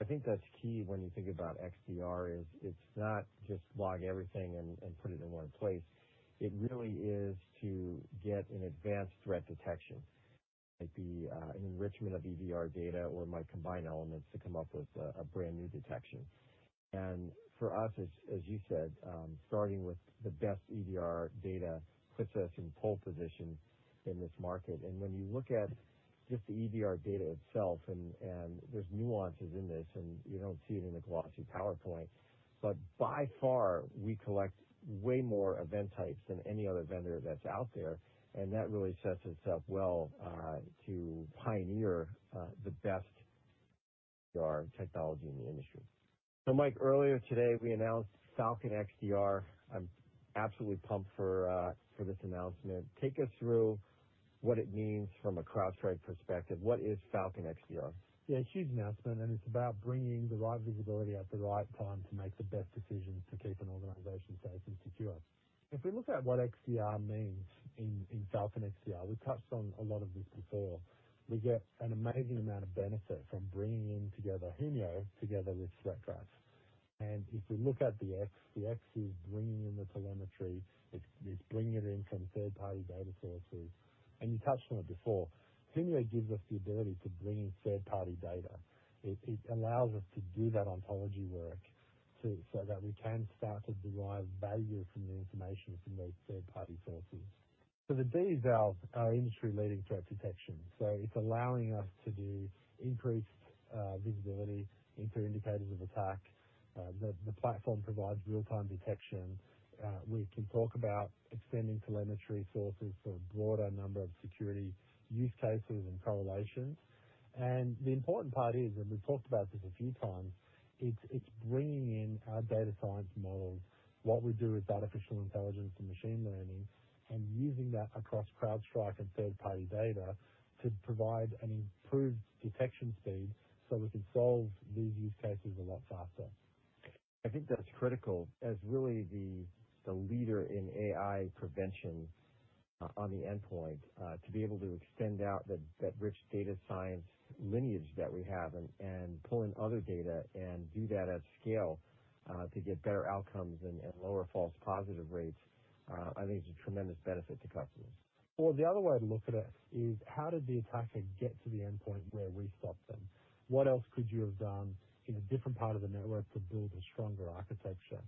I think that's key when you think about XDR is it's not just log everything and put it in one place. It really is to get an advanced threat detection. It might be an enrichment of EDR data, or it might combine elements to come up with a brand-new detection. For us, as you said, starting with the best EDR data puts us in pole position in this market. When you look at just the EDR data itself, there's nuances in this, you don't see it in a glossy PowerPoint, but by far we collect way more event types than any other vendor that's out there, that really sets us up well to pioneer the best XDR technology in the industry. Mike, earlier today we announced Falcon XDR. I'm absolutely pumped for this announcement. Take us through what it means from a CrowdStrike perspective. What is Falcon XDR? Yeah, huge announcement, and it's about bringing the right visibility at the right time to make the best decisions to keep an organization safe and secure. If we look at what XDR means in Falcon XDR, we've touched on a lot of this before. We get an amazing amount of benefit from bringing in together Humio together with Threat Graph. If we look at the X, the X is bringing in the telemetry. It's bringing it in from third-party data sources. You touched on it before. Humio gives us the ability to bring in third-party data. It allows us to do that ontology work so that we can start to derive value from the information from these third-party sources. The D is our industry-leading threat protection. It's allowing us to do increased visibility into indicators of attack. The platform provides real-time detection. We can talk about extending telemetry sources for a broader number of security use cases and correlations. The important part is, and we've talked about this a few times, it's bringing in our data science models, what we do with artificial intelligence and machine learning, and using that across CrowdStrike and third-party data to provide an improved detection speed so we can solve these use cases a lot faster. I think that's critical as really the leader in AI prevention on the endpoint to be able to extend out that rich data science lineage that we have and pull in other data and do that at scale to get better outcomes and lower false positive rates, I think is a tremendous benefit to customers. The other way to look at it is how did the attacker get to the endpoint where we stopped them? What else could you have done in a different part of the network to build a stronger architecture?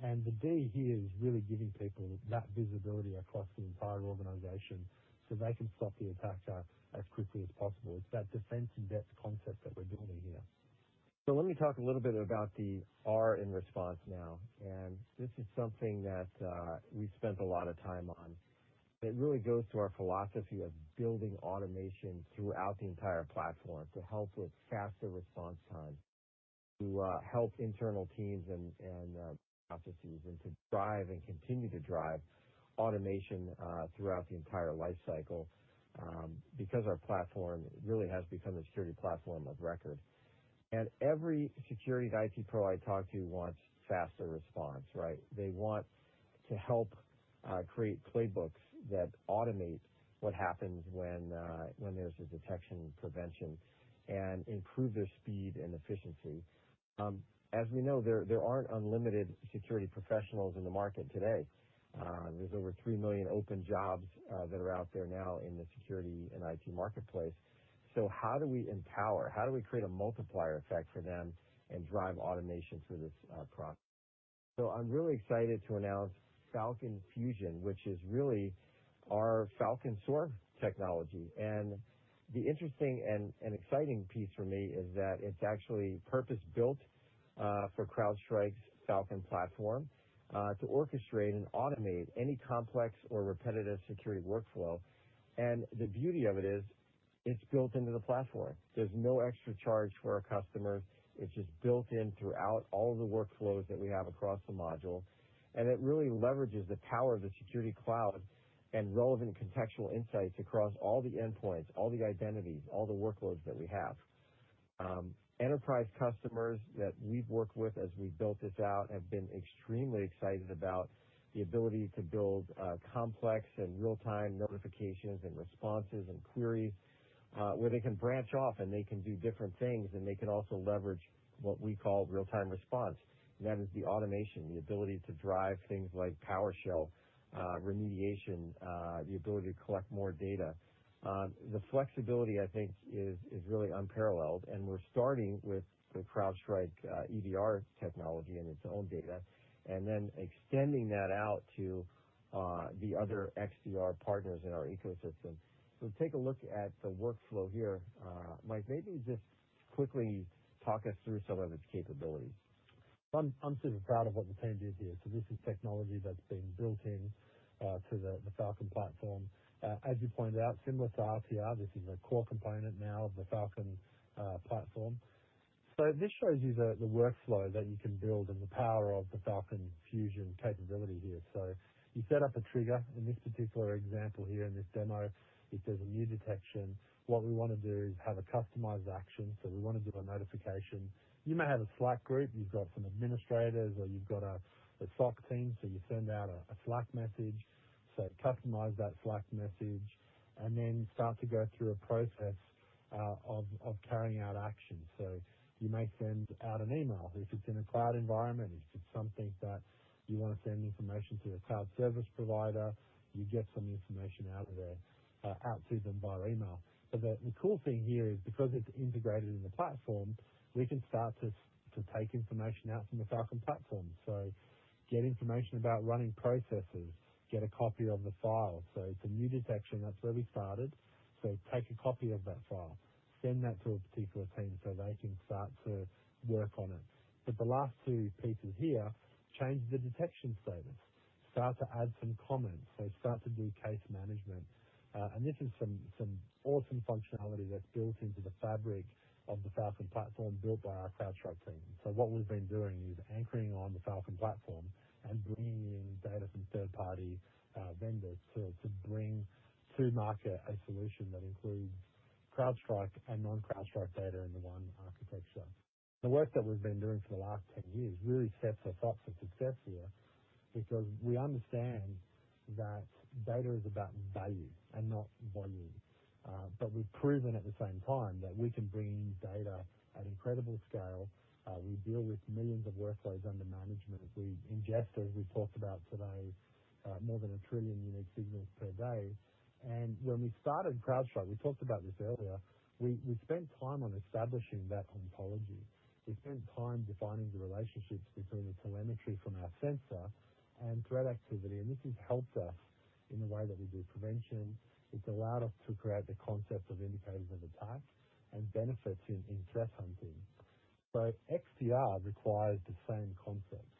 The XDR here is really giving people that visibility across the entire organization so they can stop the attacker as quickly as possible. It's that defense in depth concept that we're building here. Let me talk a little bit about the R in response now. This is something that we've spent a lot of time on. It really goes to our philosophy of building automation throughout the entire platform to help with faster response time, to help internal teams and processes, and to drive and continue to drive automation throughout the entire life cycle, because our platform really has become a security platform of record. Every security IT pro I talk to wants faster response, right? They want to help create playbooks that automate what happens when there's a detection prevention and improve their speed and efficiency. As we know, there aren't unlimited security professionals in the market today. There's over 3 million open jobs that are out there now in the security and IT marketplace. How do we empower? How do we create a multiplier effect for them and drive automation through this process? I'm really excited to announce Falcon Fusion, which is really our Falcon SOAR technology. The interesting and exciting piece for me is that it's actually purpose-built for CrowdStrike's Falcon platform to orchestrate and automate any complex or repetitive security workflow. The beauty of it is it's built into the platform. There's no extra charge for our customers. It's just built-in throughout all of the workflows that we have across the module. It really leverages the power of the security cloud and relevant contextual insights across all the endpoints, all the identities, all the workloads that we have. Enterprise customers that we've worked with as we've built this out have been extremely excited about the ability to build complex and real-time notifications and responses and queries where they can branch off and they can do different things, and they can also leverage what we call real-time response. That is the automation, the ability to drive things like PowerShell remediation, the ability to collect more data. The flexibility, I think, is really unparalleled, and we're starting with the CrowdStrike EDR technology and its own data, and then extending that out to the other XDR partners in our ecosystem. Take a look at the workflow here. Michael Sentonas, maybe just quickly talk us through some of its capabilities. I'm super proud of what the team did here. This is technology that's been built into the Falcon platform. As you pointed out, similar to RTR, this is a core component now of the Falcon platform. This shows you the workflow that you can build and the power of the Falcon Fusion capability here. You set up a trigger. In this particular example here in this demo, if there's a new detection, what we want to do is have a customized action. We want to do a notification. You may have a Slack group, you've got some administrators, or you've got a SOC team, so you send out a Slack message. Customize that Slack message and then start to go through a process of carrying out actions. You may send out an email. If it's in a cloud environment, if it's something that you want to send information to a cloud service provider, you get some information out to them via email. The cool thing here is because it's integrated in the platform, we can start to take information out from the Falcon platform. Get information about running processes, get a copy of the file. It's a new detection, that's where we started. Take a copy of that file, send that to a particular team so they can start to work on it. The last two pieces here, change the detection status. Start to add some comments. Start to do case management. This is some awesome functionality that's built into the fabric of the Falcon platform built by our CrowdStrike team. What we've been doing is anchoring on the Falcon Platform and bringing in data from third-party vendors to bring to market a solution that includes CrowdStrike and non-CrowdStrike data into one architecture. The work that we've been doing for the last 10 years really sets us up for success here because we understand that data is about value and not volume. We've proven at the same time that we can bring in data at incredible scale. We deal with millions of workflows under management. We ingest, as we talked about today, more than a trillion unique signals per day. When we started CrowdStrike, we talked about this earlier, we spent time on establishing that ontology. We spent time defining the relationships between the telemetry from our sensor and threat activity, and this has helped us in the way that we do prevention. It's allowed us to create the concept of Indicators of Attack and benefits in threat hunting. XDR requires the same concepts.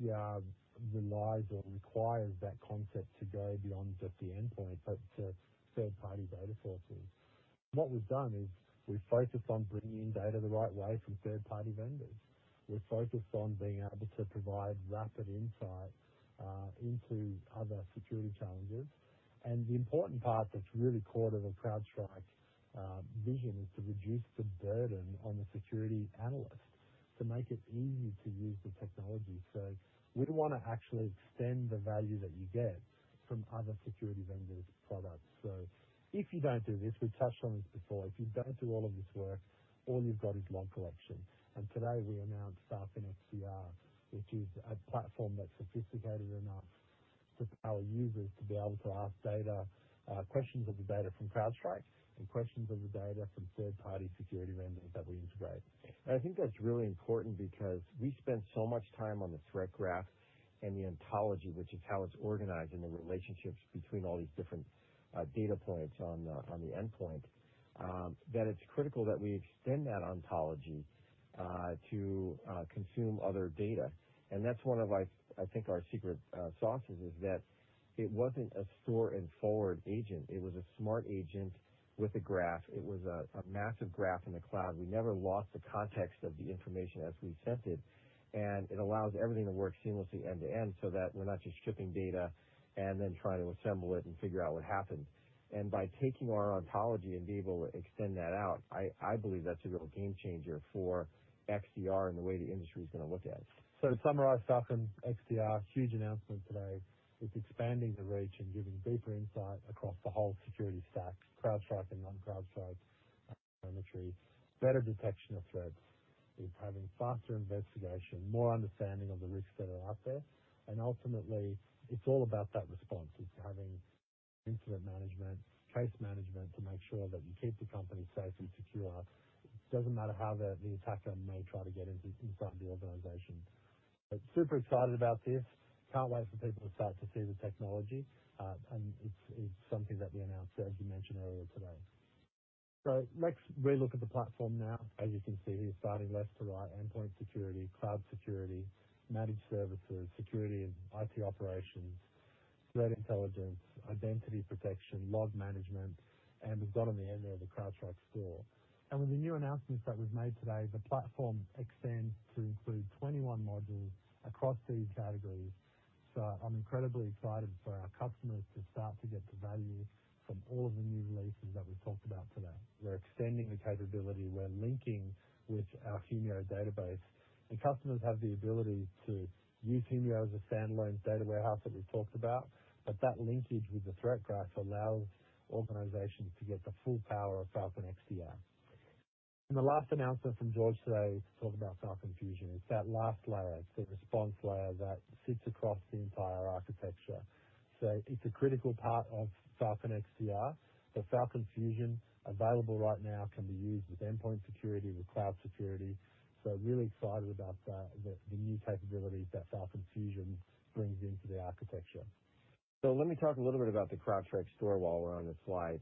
XDR relies or requires that concept to go beyond just the endpoint, but to third-party data sources. What we've done is we've focused on bringing in data the right way from third-party vendors. We're focused on being able to provide rapid insight into other security challenges. The important part that's really core to the CrowdStrike vision is to reduce the burden on the security analyst to make it easy to use the technology. We want to actually extend the value that you get from other security vendors' products. If you don't do this, we've touched on this before, if you don't do all of this work, all you've got is log collection. Today, we announced Falcon XDR, which is a platform that's sophisticated enough to power users to be able to ask questions of the data from CrowdStrike, and questions of the data from third-party security vendors that we integrate. I think that's really important because we spend so much time on the Threat Graph and the ontology, which is how it's organized and the relationships between all these different data points on the endpoint, that it's critical that we extend that ontology to consume other data. That's one of, I think, our secret sauces is that it wasn't a store and forward agent. It was a smart agent with a graph. It was a massive graph in the cloud. We never lost the context of the information as we sent it, and it allows everything to work seamlessly end to end so that we're not just shipping data and then trying to assemble it and figure out what happened. By taking our ontology and being able to extend that out, I believe that's a real game changer for XDR and the way the industry is going to look at it. To summarize Falcon XDR, huge announcement today. It's expanding the reach and giving deeper insight across the whole security stack, CrowdStrike and non-CrowdStrike telemetry, better detection of threats. It's having faster investigation, more understanding of the risks that are out there, and ultimately, it's all about that response. It's having incident management, case management to make sure that you keep the company safe and secure. It doesn't matter how the attacker may try to get inside the organization. Super excited about this. Can't wait for people to start to see the technology, and it's something that we announced, as you mentioned earlier today. Let's re-look at the platform now. As you can see here, starting left to right, endpoint security, cloud security, managed services, security and IT operations, threat intelligence, identity protection, log management, and we've got on the end there the CrowdStrike Store. With the new announcements that we've made today, the platform extends to include 21 modules across these categories. I'm incredibly excited for our customers to start to get the value from all of the new releases that we've talked about today. We're extending the capability. We're linking with our Humio database, and customers have the ability to use Humio as a standalone data warehouse that we've talked about, but that linkage with the Threat Graph allows organizations to get the full power of Falcon XDR. The last announcement from George today talked about Falcon Fusion. It's that last layer. It's the response layer that sits across the entire architecture. It's a critical part of Falcon XDR. Falcon Fusion, available right now, can be used with endpoint security, with cloud security. Really excited about the new capabilities that Falcon Fusion brings into the architecture. Let me talk a little bit about the CrowdStrike Store while we're on this slide.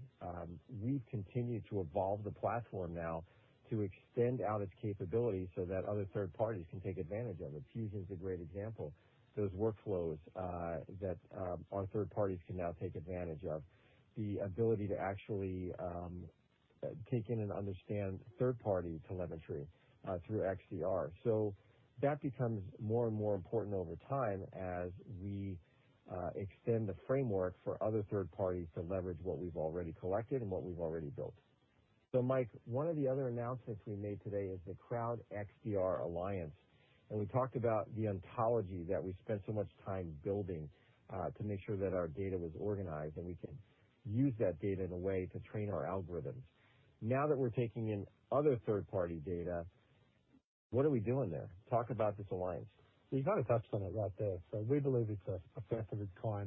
We've continued to evolve the platform now to extend out its capabilities so that other third parties can take advantage of it. Fusion's a great example. Those workflows that our third parties can now take advantage of. The ability to actually take in and understand third-party telemetry through XDR. That becomes more and more important over time as we extend the framework for other third parties to leverage what we've already collected and what we've already built. Michael, one of the other announcements we made today is the CrowdXDR Alliance, and we talked about the ontology that we spent so much time building to make sure that our data was organized, and we can use that data in a way to train our algorithms. Now that we're taking in other third-party data, what are we doing there? Talk about this alliance. You kind of touched on it right there. We believe it's a first-of-its-kind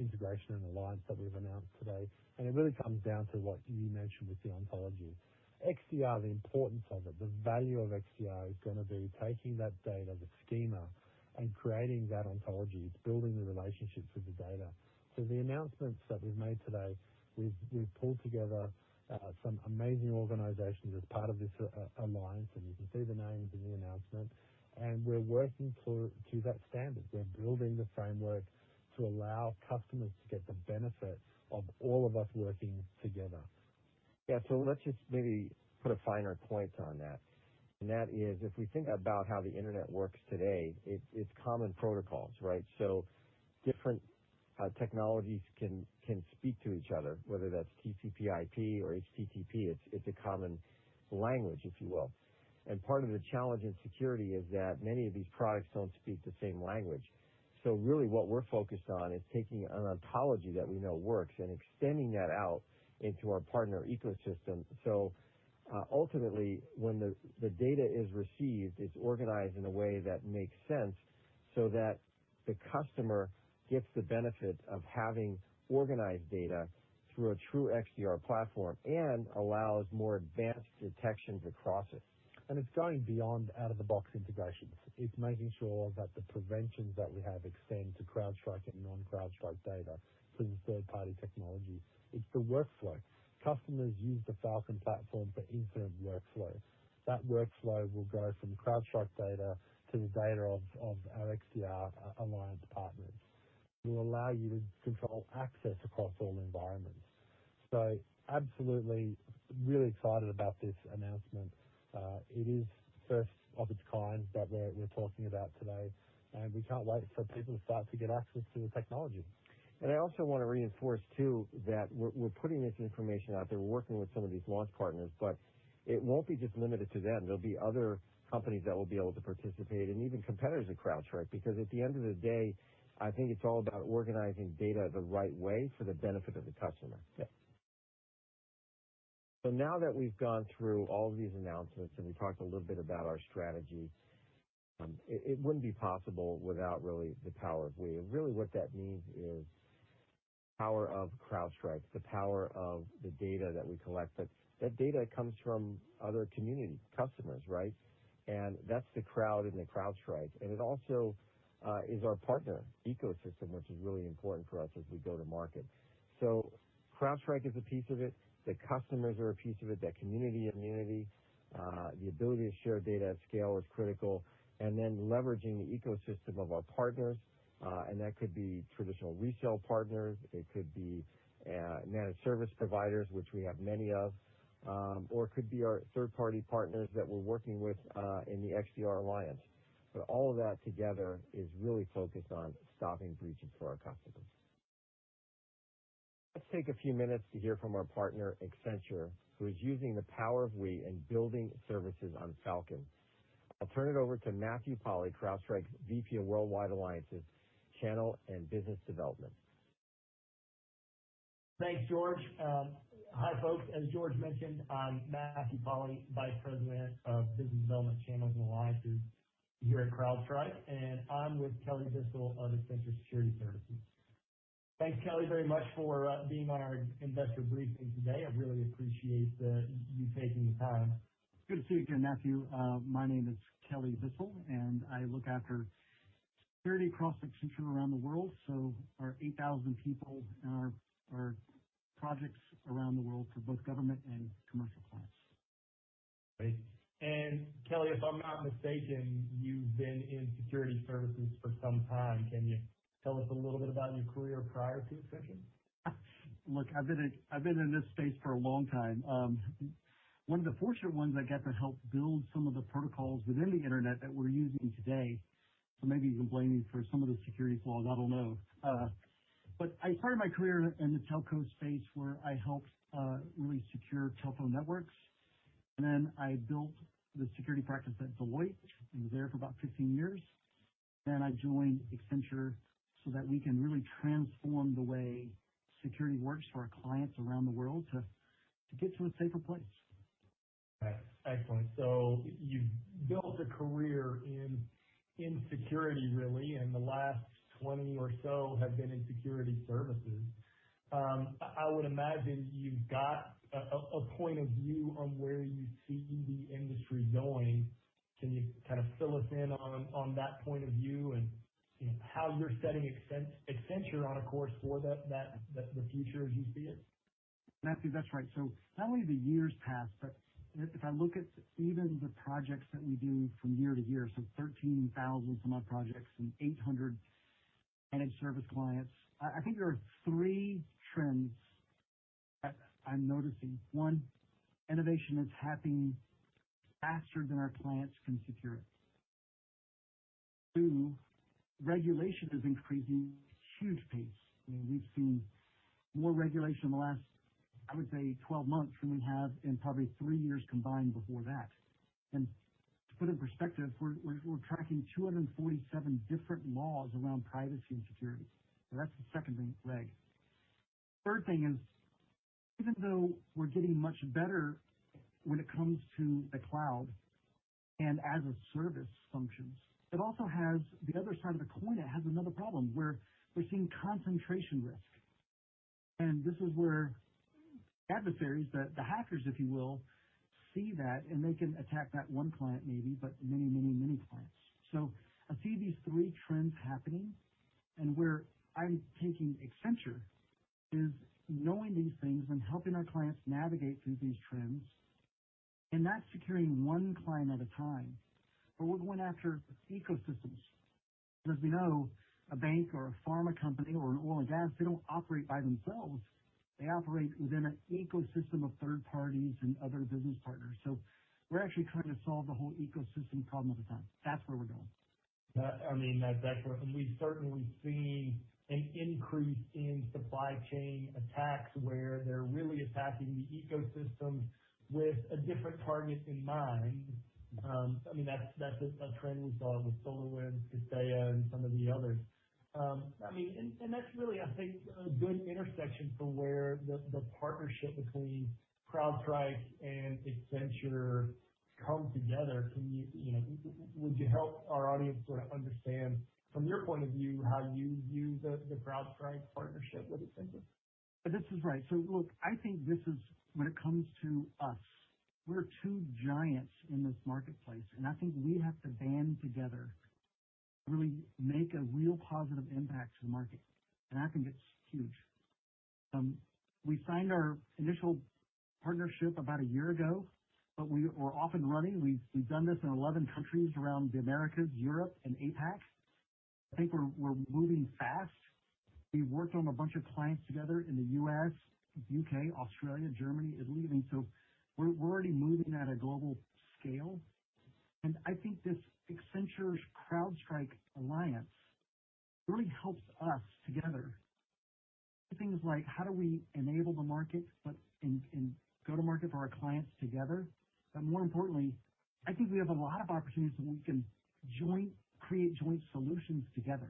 integration and Alliance that we've announced today, and it really comes down to what you mentioned with the ontology. XDR, the importance of it, the value of XDR is going to be taking that data, the schema, and creating that ontology. It's building the relationships with the data. The announcements that we've made today, we've pulled together some amazing organizations as part of this Alliance, and you can see the names in the announcement, and we're working to that standard. We're building the framework to allow customers to get the benefit of all of us working together. Yeah. Let's just maybe put a finer point on that. That is, if we think about how the internet works today, it's common protocols, right? Different technologies can speak to each other, whether that's TCP/IP or HTTP, it's a common language, if you will. Part of the challenge in security is that many of these products don't speak the same language. Really what we're focused on is taking an ontology that we know works and extending that out into our partner ecosystem. Ultimately, when the data is received, it's organized in a way that makes sense so that the customer gets the benefit of having organized data through a true XDR platform and allows more advanced detections across it. It's going beyond out-of-the-box integrations. It's making sure that the preventions that we have extend to CrowdStrike and non-CrowdStrike data through the third-party technology. It's the workflow. Customers use the Falcon platform for incident workflow. That workflow will go from CrowdStrike data to the data of our XDR alliance partners will allow you to control access across all environments. Absolutely really excited about this announcement. It is 1st of its kind that we're talking about today, and we can't wait for people to start to get access to the technology. I also want to reinforce too that we're putting this information out there. We're working with some of these launch partners, it won't be just limited to them. There'll be other companies that will be able to participate, and even competitors at CrowdStrike. At the end of the day, I think it's all about organizing data the right way for the benefit of the customer. Yeah. Now that we've gone through all of these announcements, and we talked a little bit about our strategy, it wouldn't be possible without really the Power of We, and really what that means is the power of CrowdStrike, the power of the data that we collect, that data comes from other community customers, right. That's the crowd in the CrowdStrike. It also is our partner ecosystem, which is really important for us as we go to market. CrowdStrike is a piece of it. The customers are a piece of it. That community immunity, the ability to share data at scale is critical. Then leveraging the ecosystem of our partners. That could be traditional resale partners, it could be managed service providers, which we have many of, or it could be our third-party partners that we're working with in the XDR Alliance. All of that together is really focused on stopping breaches for our customers. Let's take a few minutes to hear from our partner, Accenture, who is using the Power of We in building services on Falcon. I'll turn it over to Matthew Polly, CrowdStrike's VP of Worldwide Alliances, Channel and Business Development. Thanks, George. Hi, folks. As George mentioned, I'm Matthew Polly, Vice President of Business Development Channels and Alliances here at CrowdStrike, and I'm with Kelly Bissell of Accenture Security Services. Thanks, Kelly, very much for being on our investor briefing today. I really appreciate you taking the time. Good to see you again, Matthew. My name is Kelly Bissell, and I look after security across Accenture around the world, so our 8,000 people and our projects around the world for both government and commercial clients. Great. Kelly, if I'm not mistaken, you've been in security services for some time. Can you tell us a little bit about your career prior to Accenture? Look, I've been in this space for a long time. One of the fortunate ones that got to help build some of the protocols within the Internet that we're using today. Maybe you can blame me for some of the security flaws, I don't know. I started my career in the telco space where I helped really secure telephone networks. I built the security practice at Deloitte and was there for about 15 years. I joined Accenture so that we can really transform the way security works for our clients around the world to get to a safer place. Excellent. You've built a career in security really, and the last 20 or so have been in security services. I would imagine you've got a point of view on where you see the industry going. Can you kind of fill us in on that point of view and how you're setting Accenture on a course for the future as you see it? Matthew, that's right. Not only the years past, but if I look at even the projects that we do from year to year, 13,000 some odd projects and 800 managed service clients, I think there are three trends that I'm noticing. One, innovation is happening faster than our clients can secure it. Two, regulation is increasing at a huge pace. I mean, we've seen more regulation in the last, I would say, 12 months than we have in probably three years combined before that. To put it in perspective, we're tracking 247 different laws around privacy and security. That's the second thing, reg. Third thing is, even though we're getting much better when it comes to the cloud and as-a-service functions, it also has the other side of the coin that has another problem where we're seeing concentration risk. This is where adversaries, the hackers, if you will, see that, and they can attack that one client maybe, but many clients. I see these three trends happening and where I'm taking Accenture is knowing these things and helping our clients navigate through these trends and not securing one client at a time, but we're going after ecosystems. As we know, a bank or a pharma company or an oil and gas, they don't operate by themselves. They operate within an ecosystem of third parties and other business partners. We're actually trying to solve the whole ecosystem problem at the time. That's where we're going. That's excellent. We've certainly seen an increase in supply chain attacks where they're really attacking the ecosystems with a different target in mind. That's a trend we saw with SolarWinds, Kaseya, and some of the others. That's really, I think, a good intersection for where the partnership between CrowdStrike and Accenture come together. Would you help our audience sort of understand from your point of view how you view the CrowdStrike partnership with Accenture? This is right. Look, I think this is when it comes to us, we're two giants in this marketplace, and I think we have to band together to really make a real positive impact to the market. I think it's huge. We signed our initial partnership about a year ago, but we're off and running. We've done this in 11 countries around the Americas, Europe, and APAC. I think we're moving fast. We've worked on a bunch of clients together in the U.S., U.K., Australia, Germany, Italy. We're already moving at a global scale, and I think this Accenture-CrowdStrike alliance really helps us together. Things like how do we enable the market, but in go-to-market for our clients together, but more importantly, I think we have a lot of opportunities that we can create joint solutions together.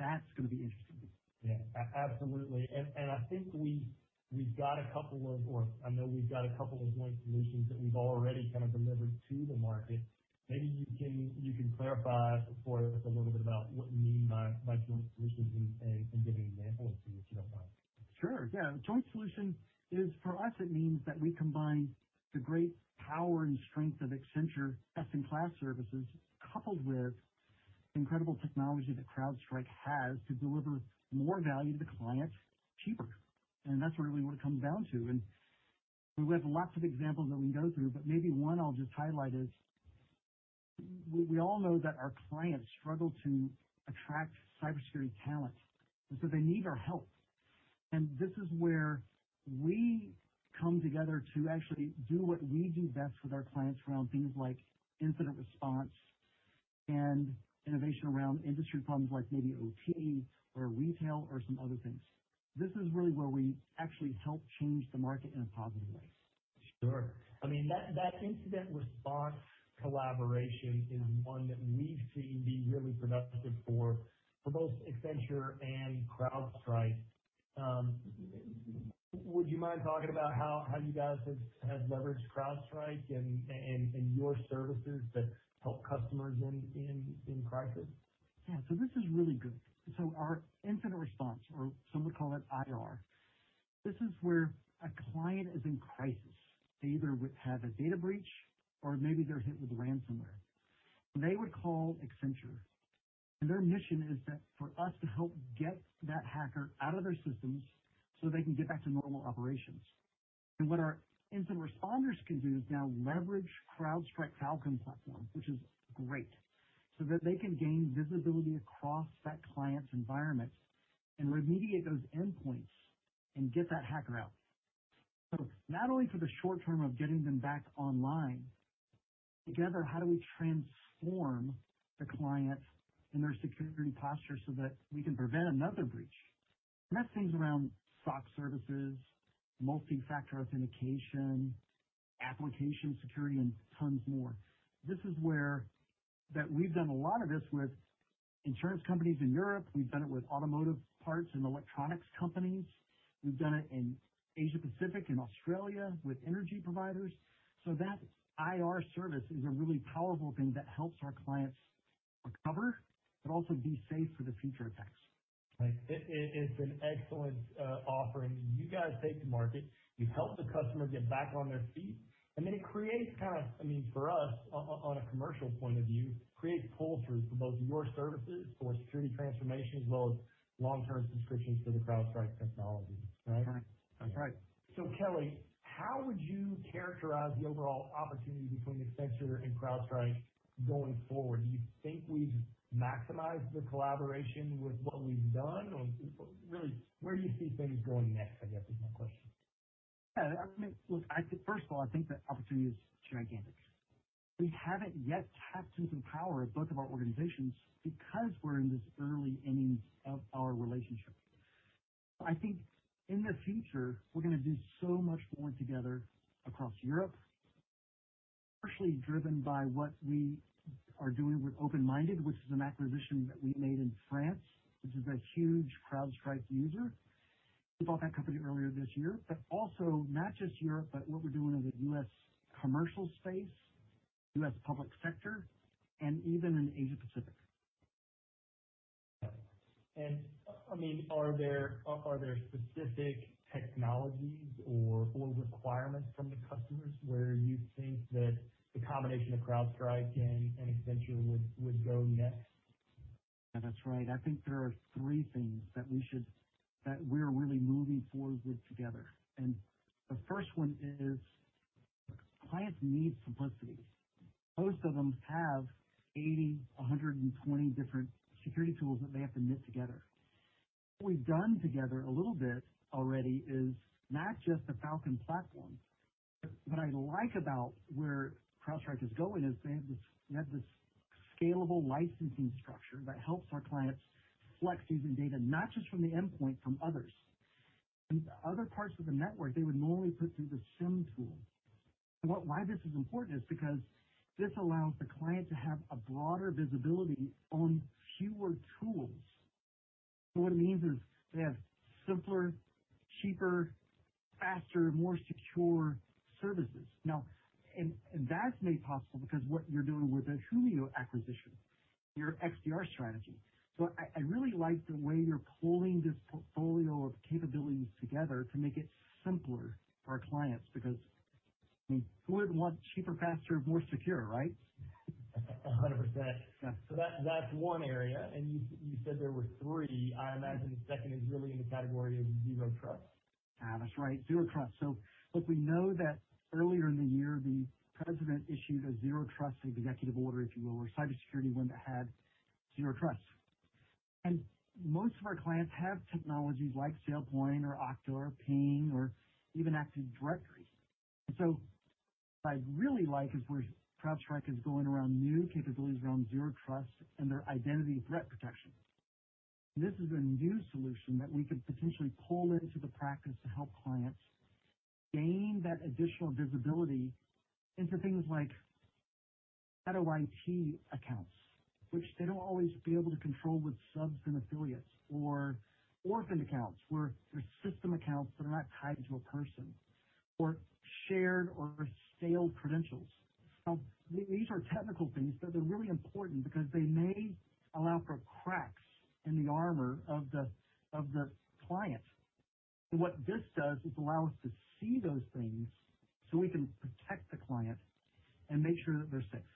That's going to be interesting. Yeah, absolutely. I know we've got a couple of joint solutions that we've already kind of delivered to the market. Maybe you can clarify for us a little bit about what you mean by joint solutions and give an example or two, if you don't mind. Sure, yeah. Joint solution is, for us, it means that we combine the great power and strength of Accenture best-in-class services, coupled with incredible technology that CrowdStrike has to deliver more value to the clients cheaper. That's really what it comes down to. We have lots of examples that we can go through, but maybe one I'll just highlight is, we all know that our clients struggle to attract cybersecurity talent, and so they need our help. This is where we come together to actually do what we do best with our clients around things like incident response and innovation around industry problems like maybe OT or retail or some other things. This is really where we actually help change the market in a positive way. Sure. That incident response collaboration is one that we've seen be really productive for both Accenture and CrowdStrike. Would you mind talking about how you guys have leveraged CrowdStrike and your services that help customers in crisis? Yeah. This is really good. Our incident response, or some would call it IR, this is where a client is in crisis. They either have a data breach or maybe they're hit with ransomware. They would call Accenture, their mission is that for us to help get that hacker out of their systems so they can get back to normal operations. What our incident responders can do is now leverage CrowdStrike Falcon platform, which is great, so that they can gain visibility across that client's environment and remediate those endpoints and get that hacker out. Not only for the short term of getting them back online, together, how do we transform the client and their security posture so that we can prevent another breach? That's things around SOC services, multi-factor authentication, application security, and tons more. This is where that we've done a lot of this with insurance companies in Europe. We've done it with automotive parts and electronics companies. We've done it in Asia-Pacific and Australia with energy providers. That IR service is a really powerful thing that helps our clients recover, but also be safe for the future attacks. Right. It's an excellent offering. You guys take to market, you help the customer get back on their feet, then it creates kind of, for us, on a commercial point of view, creates pull-throughs for both your services for security transformation as well as long-term subscriptions to the CrowdStrike technology, right? Right. That's right. Kelly, how would you characterize the overall opportunity between Accenture and CrowdStrike going forward? Do you think we've maximized the collaboration with what we've done, or really where do you see things going next, I guess is my question? First of all, I think the opportunity is gigantic. We haven't yet tapped into the power of both of our organizations because we're in this early innings of our relationship. I think in the future, we're going to do so much more together across Europe, partially driven by what we are doing with Openminded, which is an acquisition that we made in France, which is a huge CrowdStrike user. We bought that company earlier this year. Not just Europe, but what we're doing in the U.S. commercial space, U.S. public sector, and even in Asia-Pacific. Yeah. Are there specific technologies or requirements from the customers where you think that the combination of CrowdStrike and Accenture would go next? That's right. I think there are three things that we're really moving forward with together. The first one is clients need simplicity. Most of them have 80, 120 different security tools that they have to knit together. What we've done together a little bit already is not just the CrowdStrike Falcon platform, but what I like about where CrowdStrike is going is they have this scalable licensing structure that helps our clients flex using data, not just from the endpoint, from others. Other parts of the network, they would normally put through the SIEM tool. Why this is important is because this allows the client to have a broader visibility on fewer tools. What it means is they have simpler, cheaper, faster, more secure services. Now, that's made possible because what you're doing with the Humio acquisition, your XDR strategy. I really like the way you're pulling this portfolio of capabilities together to make it simpler for our clients because who wouldn't want cheaper, faster, more secure, right? 100%. That's one area, and you said there were three. I imagine the second is really in the category of zero trust. That's right, zero trust. Look, we know that earlier in the year, the president issued a zero trust executive order, if you will, or cybersecurity one that had zero trust. Most of our clients have technologies like SailPoint or Okta or Ping or even Active Directories. What I really like is where CrowdStrike is going around new capabilities around zero trust and their identity threat protection. This is a new solution that we could potentially pull into the practice to help clients gain that additional visibility into things like shadow IT accounts, which they don't always be able to control with subs and affiliates or orphaned accounts where there's system accounts that are not tied to a person or shared or stale credentials. These are technical things, but they're really important because they may allow for cracks in the armor of the client. What this does is allow us to see those things so we can protect the client and make sure that they're safe.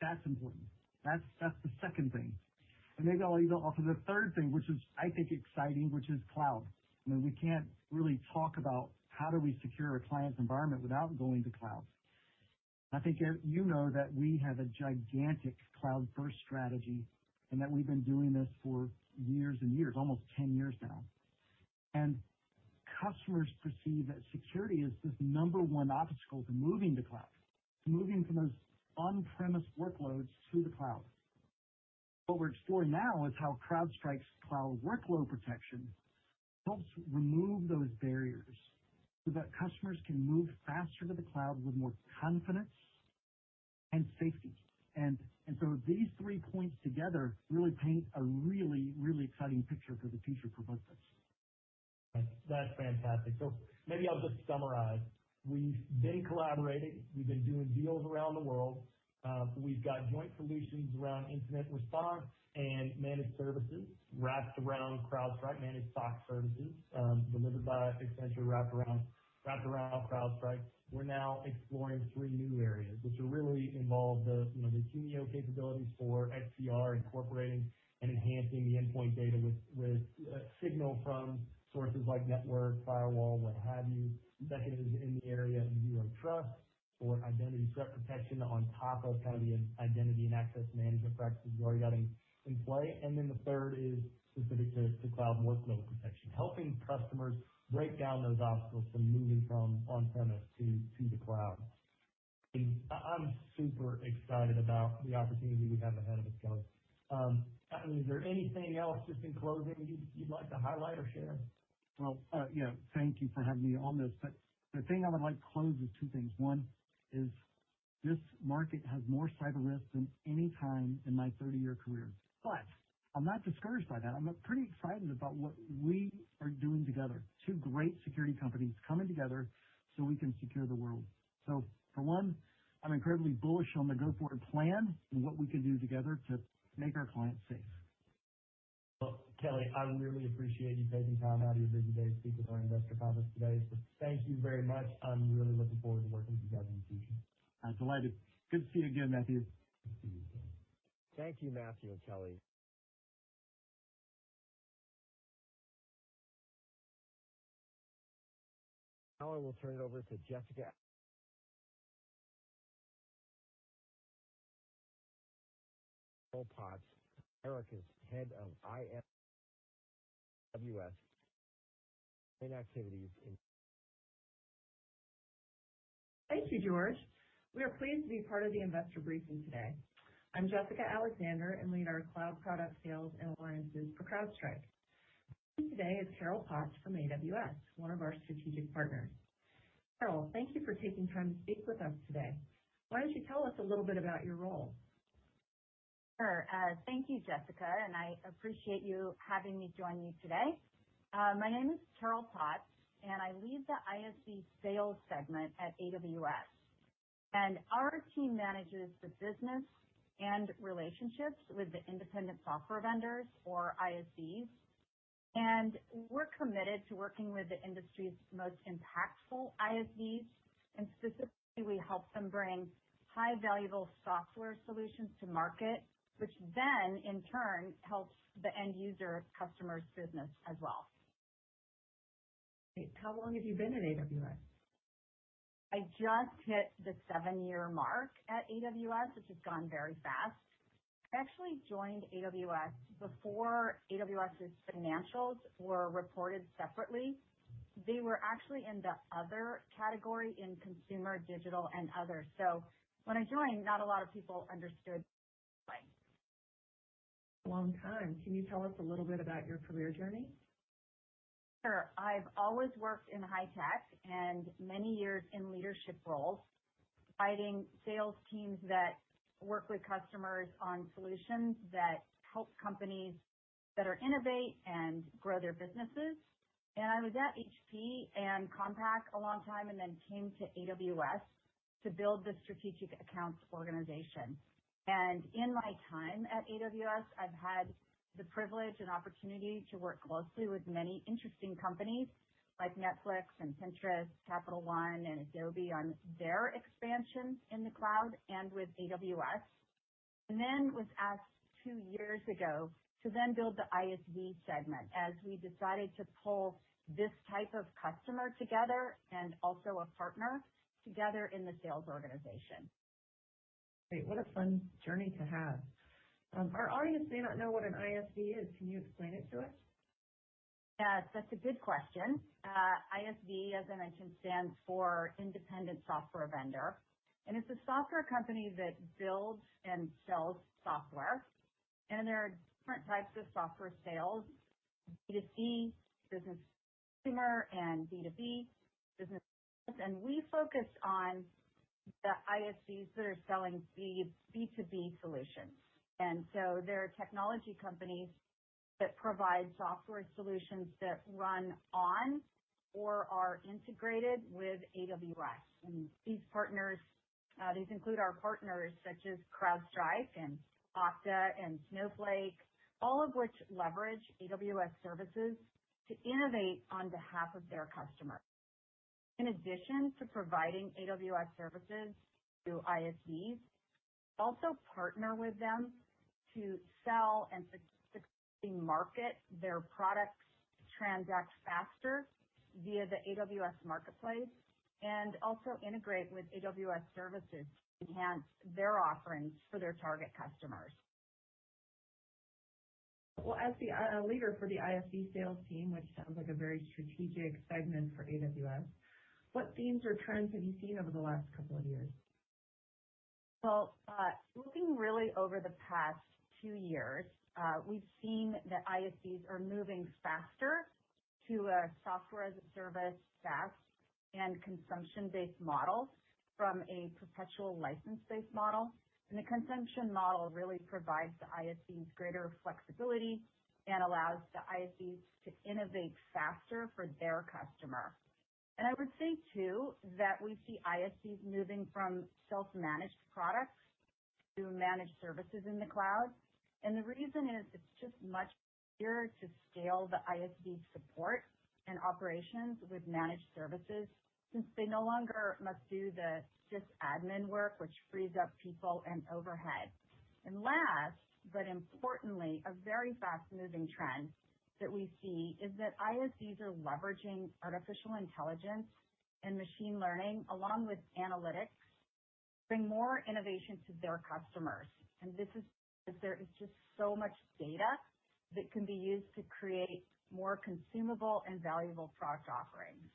That's important. That's the second thing. Maybe I'll even offer the third thing, which is, I think, exciting, which is cloud. We can't really talk about how do we secure a client's environment without going to cloud. I think you know that we have a gigantic cloud-first strategy and that we've been doing this for years and years, almost 10 years now. Customers perceive that security is this number one obstacle to moving to cloud, to moving from those on-premise workloads to the cloud. What we're exploring now is how CrowdStrike's cloud workload protection helps remove those barriers so that customers can move faster to the cloud with more confidence and safety. These three points together really paint a really exciting picture for the future for both of us. That's fantastic. Maybe I'll just summarize. We've been collaborating. We've been doing deals around the world. We've got joint solutions around incident response and managed services wrapped around CrowdStrike Managed SOC services, delivered by Accenture wrapped around CrowdStrike. We're now exploring three new areas, which really involve the Humio capabilities for XDR incorporating and enhancing the endpoint data with signal from sources like network, firewall, what have you. Second is in the area of zero trust or identity threat protection on top of kind of the identity and access management practices you already have in play. Then the third is specific to cloud workload protection, helping customers break down those obstacles from moving from on-premise to the cloud. I'm super excited about the opportunity we have ahead of us, Kelly. Is there anything else just in closing you'd like to highlight or share? Yeah. Thank you for having me on this. The thing I would like close is two things. One is this market has more cyber risk than any time in my 30-year career. I'm not discouraged by that. I'm pretty excited about what we are doing together. Two great security companies coming together so we can secure the world. For one, I'm incredibly bullish on the go-forward plan and what we can do together to make our clients safe. Well, Kelly, I really appreciate you taking time out of your busy day to speak with our investor conference today. Thank you very much. I'm really looking forward to working with you guys in the future. I'm delighted. Good to see you again, Matthew. Thank you. Thank you, Matthew and Kelly. Now I will turn it over to Jessica Alexander. Carol Potts, Carol is head of ISV sales at AWS. Thank you, George. We are pleased to be part of the investor briefing today. I'm Jessica Alexander and lead our cloud product sales and alliances for CrowdStrike. Joining me today is Carol Potts from AWS, one of our strategic partners. Carol, thank you for taking time to speak with us today. Why don't you tell us a little bit about your role? Sure. Thank you, Jessica, I appreciate you having me join you today. My name is Carol Potts, I lead the ISV sales segment at AWS. Our team manages the business and relationships with the independent software vendors or ISVs. We're committed to working with the industry's most impactful ISVs, specifically, we help them bring high valuable software solutions to market, which then in turn helps the end user customer's business as well. Great. How long have you been at AWS? I just hit the seven-year mark at AWS, which has gone very fast. I actually joined AWS before AWS's financials were reported separately. They were actually in the other category in consumer digital and others. When I joined, not a lot of people understood what that was like. That's a long time. Can you tell us a little bit about your career journey? Sure. I've always worked in high tech and many years in leadership roles, providing sales teams that work with customers on solutions that help companies better innovate and grow their businesses. I was at HP and Compaq a long time and then came to AWS to build the strategic accounts organization. In my time at AWS, I've had the privilege and opportunity to work closely with many interesting companies like Netflix and Pinterest, Capital One and Adobe on their expansion in the cloud and with AWS. Was asked two years ago to then build the ISV segment as we decided to pull this type of customer together, and also a partner together in the sales organization. Great. What a fun journey to have. Our audience may not know what an ISV is. Can you explain it to us? Yeah, that's a good question. ISV, as I mentioned, stands for independent software vendor, and it's a software company that builds and sells software, and there are different types of software sales, B2C, business to consumer, and B2B, business to business. We focus on the ISVs that are selling B2B solutions. They're technology companies that provide software solutions that run on or are integrated with AWS. These include our partners such as CrowdStrike and Okta and Snowflake, all of which leverage AWS services to innovate on behalf of their customers. In addition to providing AWS services to ISVs, we also partner with them to sell and successfully market their products, transact faster via the AWS Marketplace, and also integrate with AWS services to enhance their offerings for their target customers. Well, as the leader for the ISV sales team, which sounds like a very strategic segment for AWS, what themes or trends have you seen over the last couple of years? Well, looking really over the past two years, we've seen that ISVs are moving faster to a software as a service, SaaS, and consumption-based model from a perpetual license-based model. The consumption model really provides the ISVs greater flexibility and allows the ISVs to innovate faster for their customer. I would say, too, that we see ISVs moving from self-managed products to managed services in the cloud. The reason is it's just much easier to scale the ISV support and operations with managed services since they no longer must do the sysadmin work, which frees up people and overhead. Last, but importantly, a very fast-moving trend that we see is that ISVs are leveraging artificial intelligence and machine learning along with analytics to bring more innovation to their customers. This is because there is just so much data that can be used to create more consumable and valuable product offerings.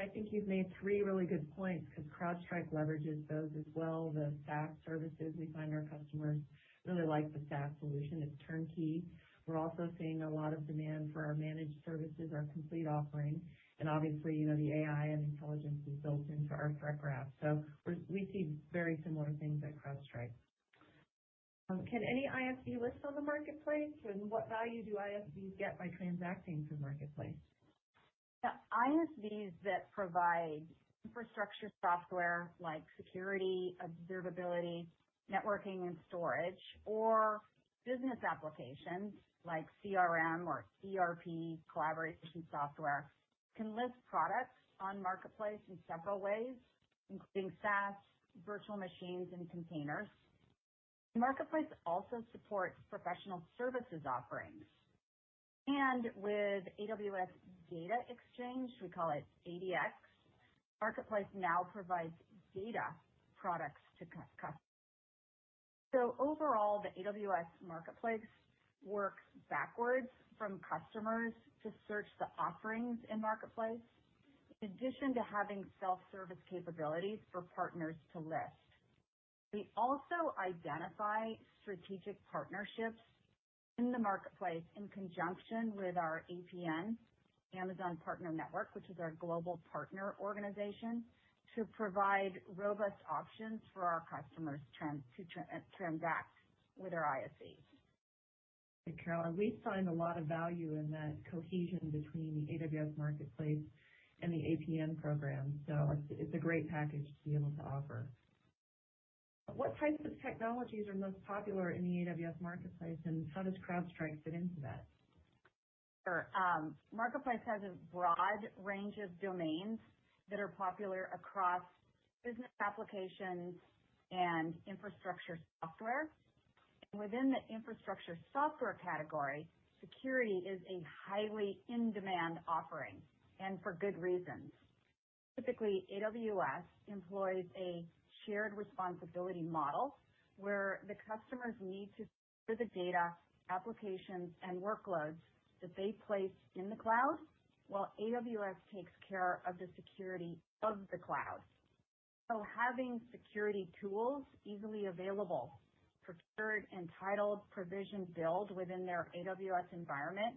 I think you've made three really good points because CrowdStrike leverages those as well. The SaaS services, we find our customers really like the SaaS solution. It's turnkey. We're also seeing a lot of demand for our managed services, our complete offering, and obviously, the AI and intelligence is built into our Threat Graph. We see very similar things at CrowdStrike. Can any ISV list on the Marketplace, and what value do ISVs get by transacting through Marketplace? Yeah. ISVs that provide infrastructure software like security, observability, networking, and storage, or business applications like CRM or ERP collaboration software can list products on Marketplace in several ways, including SaaS, virtual machines, and containers. Marketplace also supports professional services offerings, and with AWS Data Exchange, we call it ADX, Marketplace now provides data products to customers. Overall, the AWS Marketplace works backwards from customers to search the offerings in Marketplace. In addition to having self-service capabilities for partners to list, we also identify strategic partnerships in the Marketplace in conjunction with our APN, Amazon Partner Network, which is our global partner organization, to provide robust options for our customers to transact with our ISVs. Okay, Carol. We find a lot of value in that cohesion between the AWS Marketplace and the APN program. It's a great package to be able to offer. What types of technologies are most popular in the AWS Marketplace, and how does CrowdStrike fit into that? Sure. Marketplace has a broad range of domains that are popular across business applications and infrastructure software. Within the infrastructure software category, security is a highly in-demand offering, and for good reasons. Typically, AWS employs a shared responsibility model where the customers need to secure the data, applications, and workloads that they place in the cloud while AWS takes care of the security of the cloud. Having security tools easily available for procure, entitle, provision, build within their AWS environment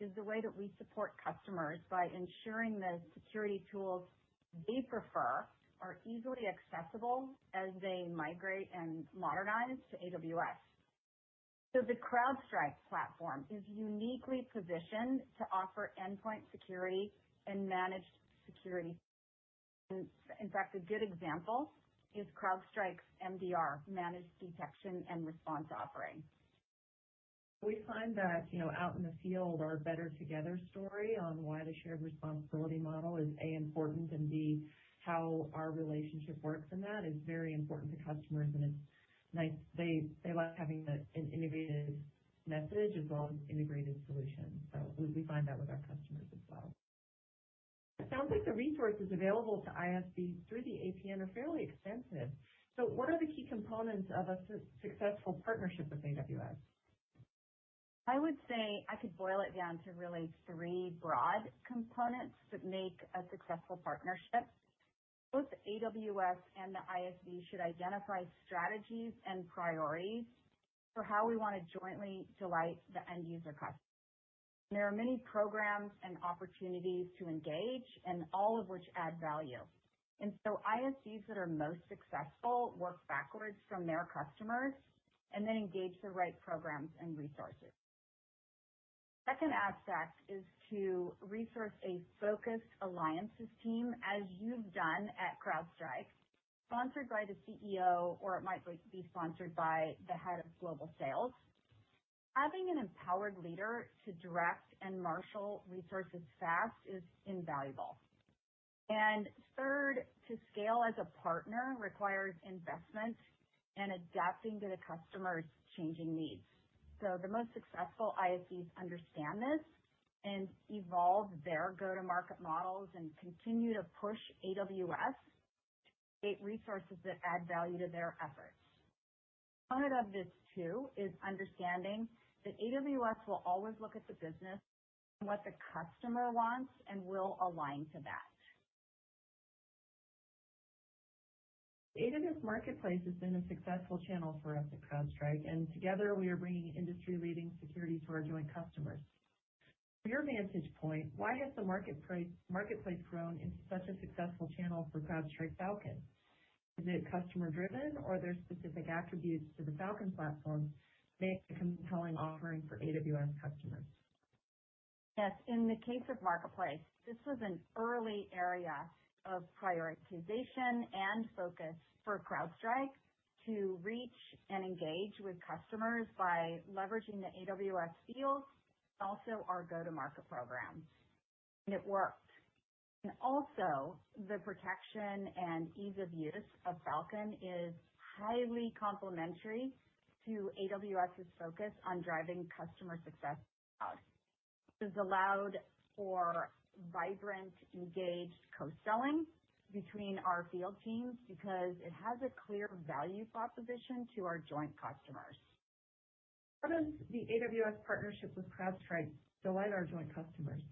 is the way that we support customers by ensuring the security tools they prefer are easily accessible as they migrate and modernize to AWS. The CrowdStrike platform is uniquely positioned to offer endpoint security and managed security. In fact, a good example is CrowdStrike's MDR, managed detection and response offering. We find that out in the field, our better together story on why the shared responsibility model is, A, important, and B, how our relationship works in that is very important to customers, and they like having an integrated message as well as integrated solutions. We find that with our customers as well. It sounds like the resources available to ISVs through the APN are fairly extensive. What are the key components of a successful partnership with AWS? I would say I could boil it down to really three broad components that make a successful partnership. Both AWS and the ISV should identify strategies and priorities for how we want to jointly delight the end user customer. There are many programs and opportunities to engage, and all of which add value. ISVs that are most successful work backwards from their customers and then engage the right programs and resources. Second aspect is to resource a focused alliances team, as you've done at CrowdStrike, sponsored by the CEO, or it might be sponsored by the head of global sales. Having an empowered leader to direct and marshal resources fast is invaluable. Third, to scale as a partner requires investment and adapting to the customer's changing needs. The most successful ISVs understand this and evolve their go-to-market models and continue to push AWS to create resources that add value to their efforts. Part of this too is understanding that AWS will always look at the business and what the customer wants and will align to that. AWS Marketplace has been a successful channel for us at CrowdStrike, and together we are bringing industry-leading security to our joint customers. From your vantage point, why has the Marketplace grown into such a successful channel for CrowdStrike Falcon? Is it customer-driven or are there specific attributes to the Falcon platform make a compelling offering for AWS customers? Yes. In the case of Marketplace, this was an early area of prioritization and focus for CrowdStrike to reach and engage with customers by leveraging the AWS deals, also our go-to-market programs, and it worked. Also, the protection and ease of use of Falcon is highly complementary to AWS's focus on driving customer success in the cloud. This allowed for vibrant, engaged co-selling between our field teams because it has a clear value proposition to our joint customers. How does the AWS partnership with CrowdStrike delight our joint customers?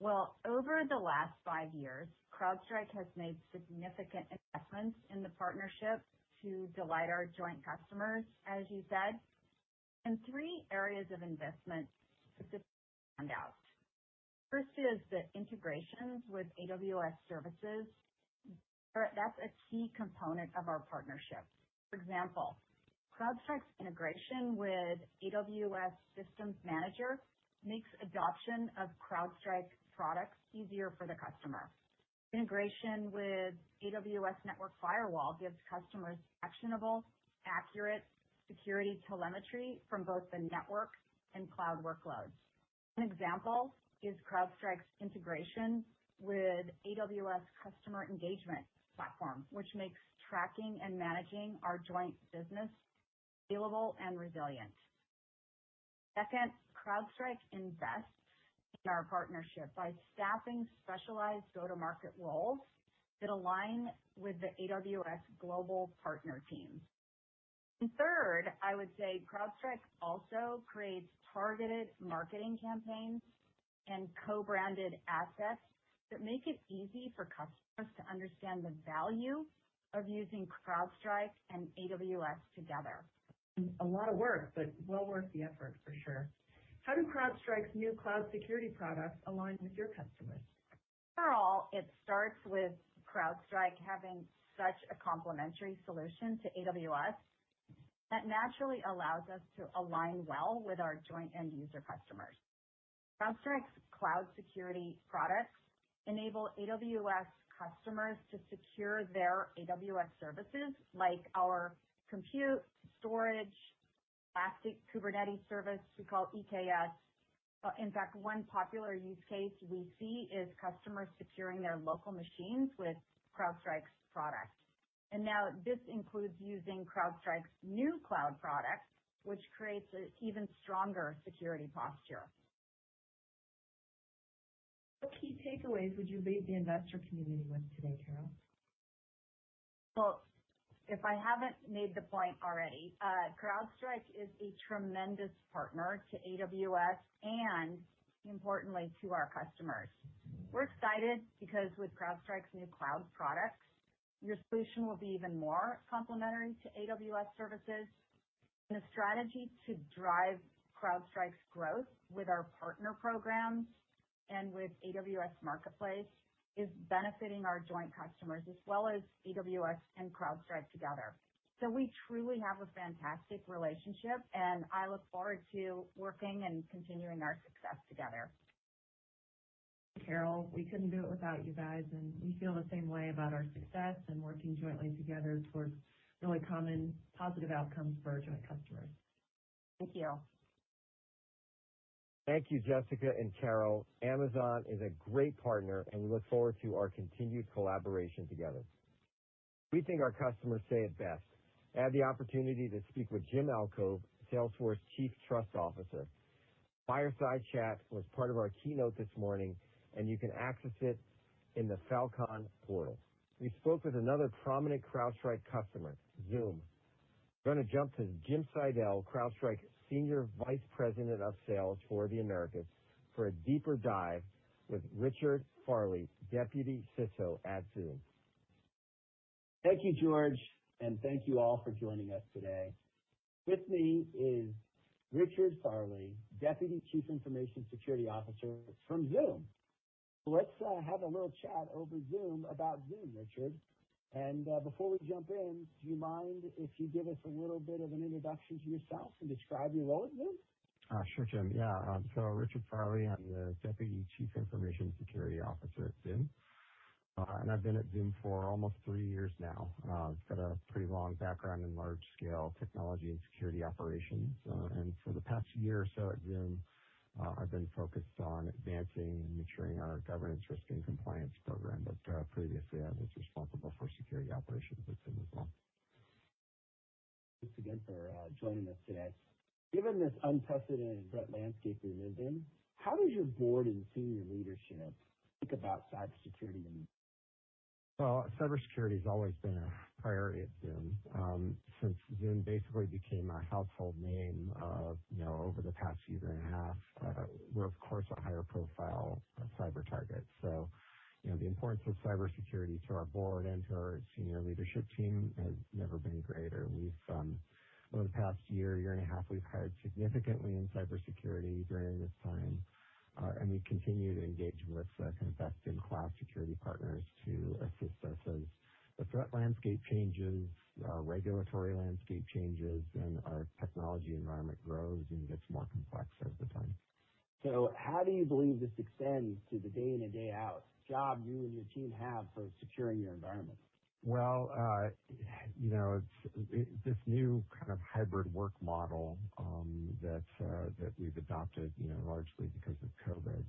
Well, over the last five years, CrowdStrike has made significant investments in the partnership to delight our joint customers, as you said. Three areas of investment specifically stand out. First is the integrations with AWS services. That's a key component of our partnership. For example, CrowdStrike's integration with AWS Systems Manager makes adoption of CrowdStrike products easier for the customer. Integration with AWS Network Firewall gives customers actionable, accurate security telemetry from both the network and cloud workloads. An example is CrowdStrike's integration with APN Customer Engagements program, which makes tracking and managing our joint business scalable and resilient. Second, CrowdStrike invests in our partnership by staffing specialized go-to-market roles that align with the AWS global partner teams. Third, I would say CrowdStrike also creates targeted marketing campaigns and co-branded assets that make it easy for customers to understand the value of using CrowdStrike and AWS together. A lot of work, but well worth the effort for sure. How do CrowdStrike's new cloud security products align with your customers? After all, it starts with CrowdStrike having such a complementary solution to AWS that naturally allows us to align well with our joint end user customers. CrowdStrike's cloud security products enable AWS customers to secure their AWS services like our compute storage Elastic Kubernetes Service we call EKS. In fact, one popular use case we see is customers securing their local machines with CrowdStrike's product. Now this includes using CrowdStrike's new cloud product, which creates an even stronger security posture. What key takeaways would you leave the investor community with today, Carol? Well, if I haven't made the point already, CrowdStrike is a tremendous partner to AWS and importantly to our customers. We're excited because with CrowdStrike's new cloud products, your solution will be even more complementary to AWS services. The strategy to drive CrowdStrike's growth with our partner programs and with AWS Marketplace is benefiting our joint customers as well as AWS and CrowdStrike together. We truly have a fantastic relationship, and I look forward to working and continuing our success together. Carol, we couldn't do it without you guys. We feel the same way about our success and working jointly together towards really common positive outcomes for our joint customers. Thank you. Thank you, Jessica and Carol. Amazon is a great partner, and we look forward to our continued collaboration together. We think our customers say it best. I had the opportunity to speak with Jim Alkove, Salesforce Chief Trust Officer. Fireside Chat was part of our keynote this morning, and you can access it in the Falcon portal. We spoke with another prominent CrowdStrike customer, Zoom. We're going to jump to Jim Seidel, CrowdStrike Senior Vice President of Sales for the Americas, for a deeper dive with Richard Farley, Deputy CISO at Zoom. Thank you, George, and thank you all for joining us today. With me is Richard Farley, Deputy Chief Information Security Officer from Zoom. Let's have a little chat over Zoom about Zoom, Richard. Before we jump in, do you mind if you give us a little bit of an introduction to yourself and describe your role at Zoom? Sure, Jim. Yeah. Richard Farley, I'm the Deputy Chief Information Security Officer at Zoom. I've been at Zoom for almost three years now. I've got a pretty long background in large-scale technology and security operations. For the past year or so at Zoom, I've been focused on advancing and maturing our governance risk and compliance program, but previously, I was responsible for security operations at Zoom as well. Thanks again for joining us today. Given this unprecedented threat landscape we live in, how does your board and senior leadership think about cybersecurity? Cybersecurity has always been a priority at Zoom. Since Zoom basically became a household name over the past year and a half, we're, of course, a higher profile cyber target. The importance of cybersecurity to our board and to our senior leadership team has never been greater. Over the past year and a half, we've hired significantly in cybersecurity during this time. We continue to engage with and invest in cloud security partners to assist us as the threat landscape changes, our regulatory landscape changes, and our technology environment grows and gets more complex over time. How do you believe this extends to the day in and day out job you and your team have for securing your environment? Well, this new kind of hybrid work model that we've adopted largely because of COVID.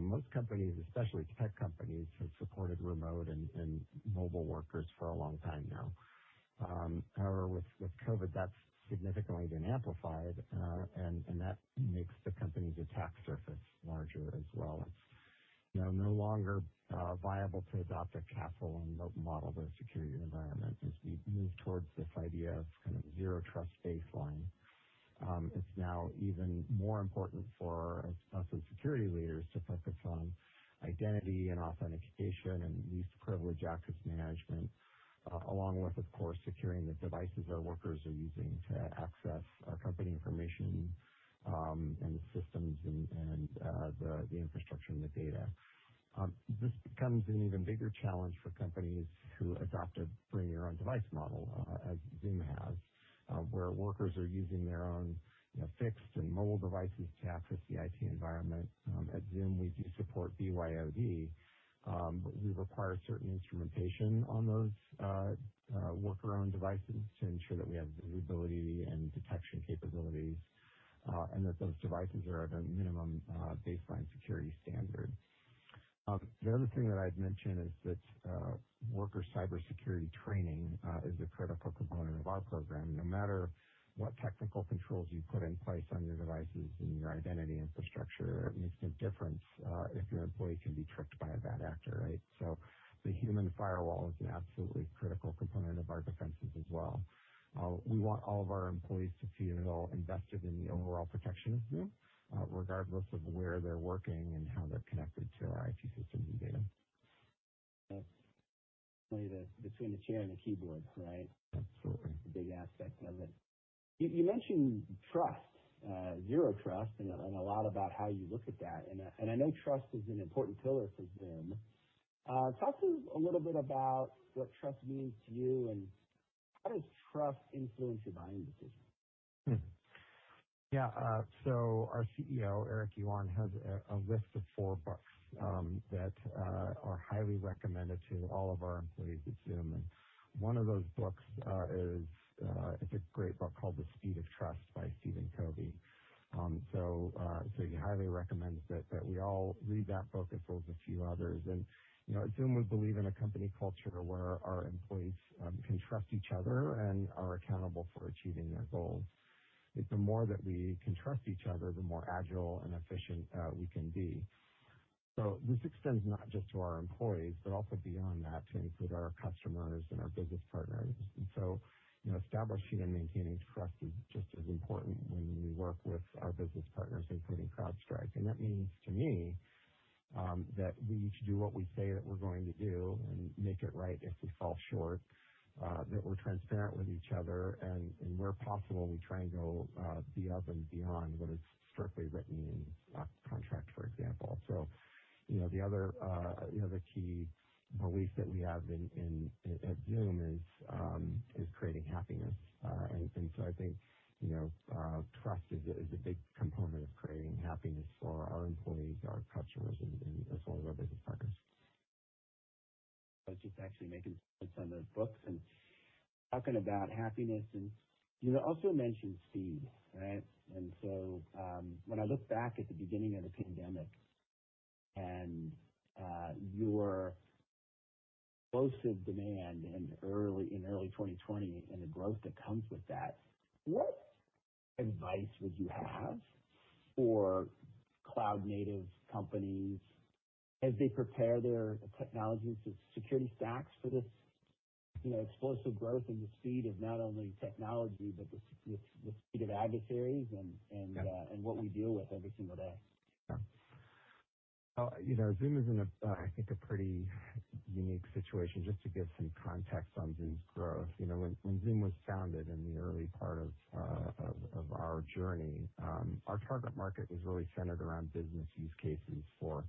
Most companies, especially tech companies, have supported remote and mobile workers for a long time now. However, with COVID, that's significantly been amplified, and that makes the company's attack surface larger as well. It's now no longer viable to adopt a castle and moat model of a security environment as we move towards this idea of zero trust baseline. It's now even more important for us as security leaders to focus on identity and authentication and least privilege access management, along with, of course, securing the devices our workers are using to access our company information, and the systems and the infrastructure and the data. This becomes an even bigger challenge for companies who adopt a bring your own device model, as Zoom has, where workers are using their own fixed and mobile devices to access the IT environment. At Zoom, we do support BYOD, we require certain instrumentation on those work around devices to ensure that we have visibility and detection capabilities, and that those devices are of a minimum baseline security standard. The other thing that I'd mention is that worker cybersecurity training is a critical component of our program. No matter what technical controls you put in place on your devices and your identity infrastructure, it makes no difference if your employee can be tricked by a bad actor, right? The human firewall is an absolutely critical component of our defenses as well. We want all of our employees to feel invested in the overall protection of Zoom, regardless of where they're working and how they're connected to our IT systems and data. That's between the chair and the keyboard, right? Absolutely. A big aspect of it. You mentioned trust, zero trust, and a lot about how you look at that, and I know trust is an important pillar for Zoom. Talk to me a little bit about what trust means to you and how does trust influence your buying decisions? Yeah. Our CEO, Eric Yuan, has a list of four books that are highly recommended to all of our employees at Zoom. One of those books is a great book called "The Speed of Trust" by Stephen Covey. He highly recommends that we all read that book as well as a few others. At Zoom, we believe in a company culture where our employees can trust each other and are accountable for achieving their goals. The more that we can trust each other, the more agile and efficient we can be. This extends not just to our employees, but also beyond that to include our customers and our business partners. Establishing and maintaining trust is just as important when we work with our business partners, including CrowdStrike. That means to me, that we each do what we say that we're going to do and make it right if we fall short, that we're transparent with each other and where possible, we try and go above and beyond what is strictly written in a contract, for example. The other key belief that we have at Zoom is creating happiness. I think, trust is a big component of creating happiness for our employees, our customers, and as well as our business partners. I was just actually making notes on those books and talking about happiness, and you also mentioned speed, right? When I look back at the beginning of the pandemic and your explosive demand in early 2020 and the growth that comes with that, what advice would you have for cloud-native companies as they prepare their technology and security stacks for this explosive growth and the speed of not only technology but the speed of adversaries. Yeah what we deal with every single day? Yeah. Zoom is in, I think, a pretty unique situation. Just to give some context on Zoom's growth. When Zoom was founded in the early part of our journey, our target market was really centered around business use cases for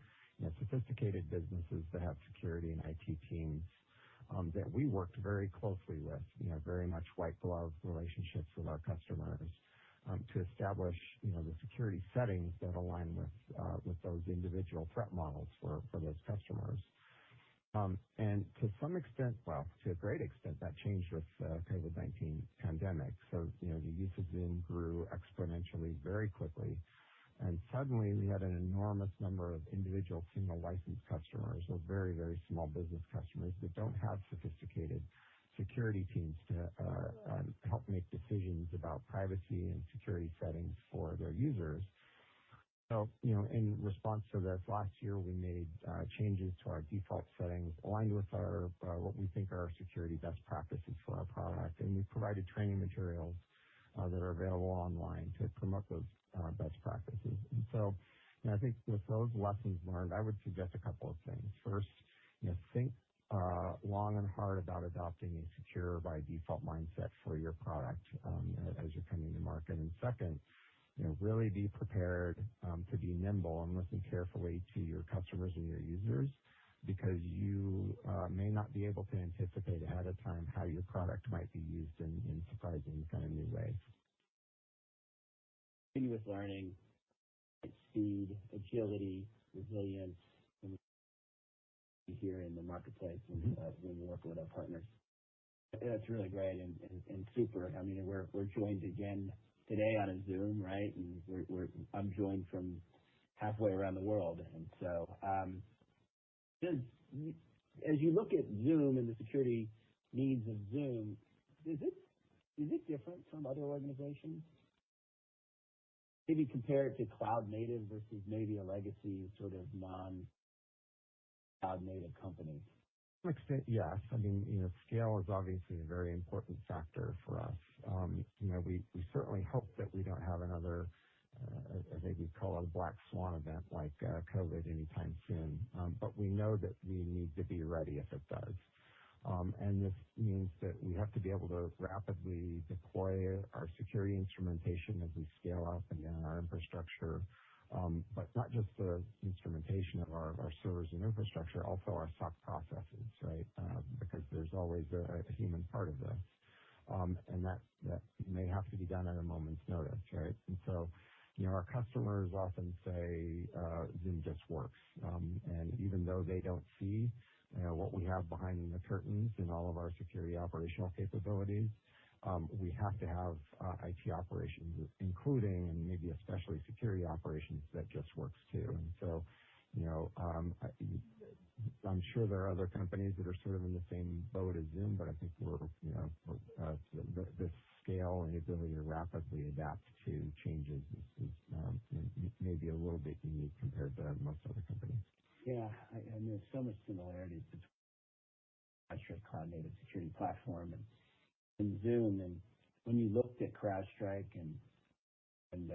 sophisticated businesses that have security and IT teams that we worked very closely with, very much white glove relationships with our customers, to establish the security settings that align with those individual threat models for those customers. To some extent, well, to a great extent, that changed with the COVID-19 pandemic. The use of Zoom grew exponentially very quickly, and suddenly we had an enormous number of individual single license customers or very small business customers that don't have sophisticated security teams to help make decisions about privacy and security settings for their users. In response to this, last year, we made changes to our default settings, aligned with what we think are our security best practices for our product, and we provided training materials that are available online to promote those best practices. I think with those lessons learned, I would suggest a couple of things. First, think long and hard about adopting a secure-by-default mindset for your product as you're coming to market. Second, really be prepared to be nimble and listen carefully to your customers and your users because you may not be able to anticipate ahead of time how your product might be used in surprising kind of new ways. Continuous learning, speed, agility, resilience, and here in the marketplace. Zoom working with our partners. That's really great and super. We're joined again today on a Zoom, right? I'm joined from halfway around the world. As you look at Zoom and the security needs of Zoom, is it different from other organizations? Maybe compare it to cloud-native versus maybe a legacy sort of non-cloud-native company. To an extent, yes. Scale is obviously a very important factor for us. We certainly hope that we don't have another, as they would call it, a black swan event like COVID-19 anytime soon. We know that we need to be ready if it does. This means that we have to be able to rapidly deploy our security instrumentation as we scale up and down our infrastructure. Not just the instrumentation of our servers and infrastructure, also our SOC processes, right? There's always a human part of this. That may have to be done at a moment's notice, right? Our customers often say Zoom just works. Even though they don't see what we have behind the curtains in all of our security operational capabilities, we have to have IT operations, including and maybe especially security operations, that just works, too. I'm sure there are other companies that are sort of in the same boat as Zoom, but I think the scale and ability to rapidly adapt to changes is maybe a little bit unique compared to most other companies. Yeah. There's so much similarities between CrowdStrike cloud-native security platform and Zoom. When you looked at CrowdStrike and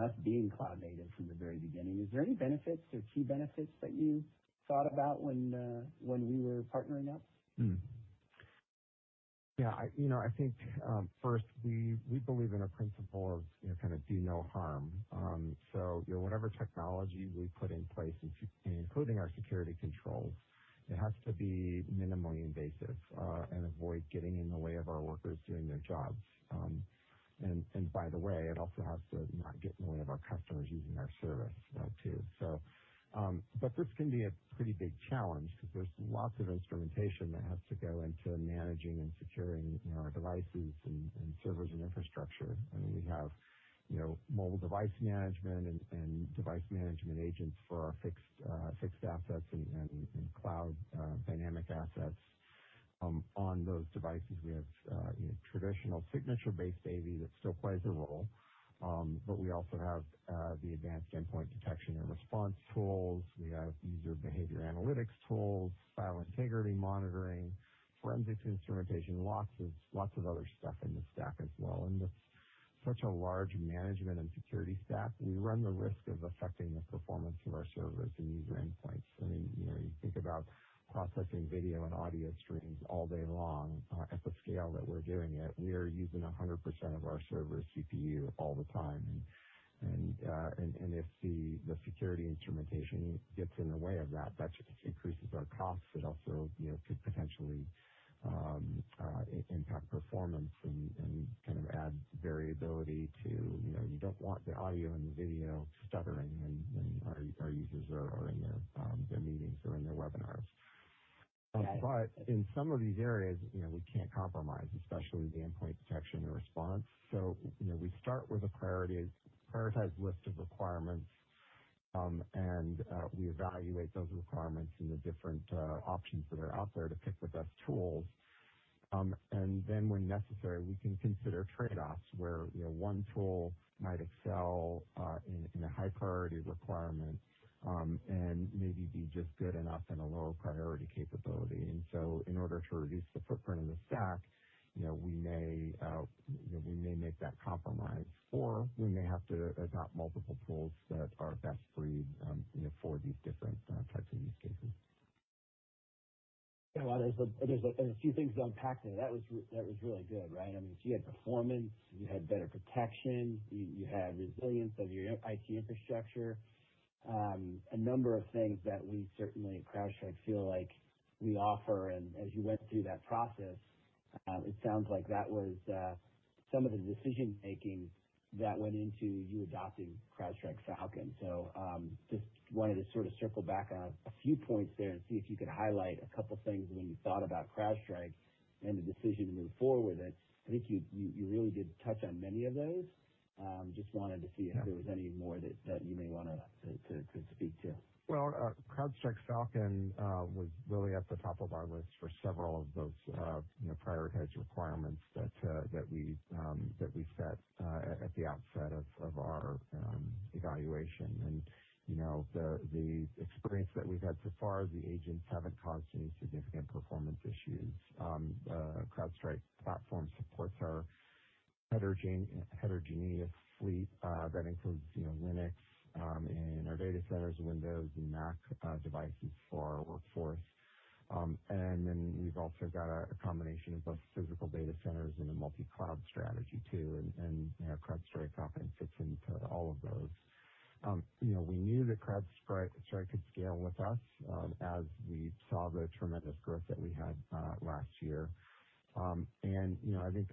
us being cloud-native from the very beginning, is there any benefits or key benefits that you thought about when we were partnering up? I think first, we believe in a principle of do no harm. Whatever technology we put in place, including our security controls, it has to be minimally invasive and avoid getting in the way of our workers doing their jobs. By the way, it also has to not get in the way of our customers using our service too. This can be a pretty big challenge because there's lots of instrumentation that has to go into managing and securing our devices and servers and infrastructure. We have mobile device management and device management agents for our fixed assets and cloud dynamic assets. On those devices, we have traditional signature-based AV that still plays a role. We also have the advanced endpoint detection and response tools. We have user behavior analytics tools, file integrity monitoring, forensics instrumentation, lots of other stuff in the stack as well. With such a large management and security stack, we run the risk of affecting the performance of our servers and user endpoints. You think about processing video and audio streams all day long at the scale that we're doing it. We are using 100% of our server's CPU all the time. If the security instrumentation gets in the way of that increases our costs. It also potentially impact performance and add variability. You don't want the audio and the video stuttering when our users are in their meetings or in their webinars. Okay. In some of these areas, we can't compromise, especially the endpoint detection and response. We start with a prioritized list of requirements, and we evaluate those requirements and the different options that are out there to pick the best tools. When necessary, we can consider trade-offs, where one tool might excel in a high-priority requirement and maybe be just good enough in a lower-priority capability. In order to reduce the footprint in the stack, we may make that compromise, or we may have to adopt multiple tools that are best for these different types of use cases. Yeah. Well, there's a few things to unpack there. That was really good, right? I mean, you had performance, you had better protection, you had resilience of your IT infrastructure. A number of things that we certainly at CrowdStrike feel like we offer. As you went through that process, it sounds like that was some of the decision-making that went into you adopting CrowdStrike Falcon. Just wanted to sort of circle back on a few points there and see if you could highlight a couple things when you thought about CrowdStrike and the decision to move forward. I think you really did touch on many of those. Just wanted to see if there was any more that you may want to speak to. Well, CrowdStrike Falcon was really at the top of our list for several of those prioritized requirements that we set at the outset of our evaluation. The experience that we've had so far, the agents haven't caused any significant performance issues. The CrowdStrike platform supports our heterogeneous fleet that includes Linux in our data centers, Windows and Mac devices for our workforce. We've also got a combination of both physical data centers and a multi-cloud strategy too, and CrowdStrike Falcon fits into all of those. We knew that CrowdStrike could scale with us as we saw the tremendous growth that we had last year. I think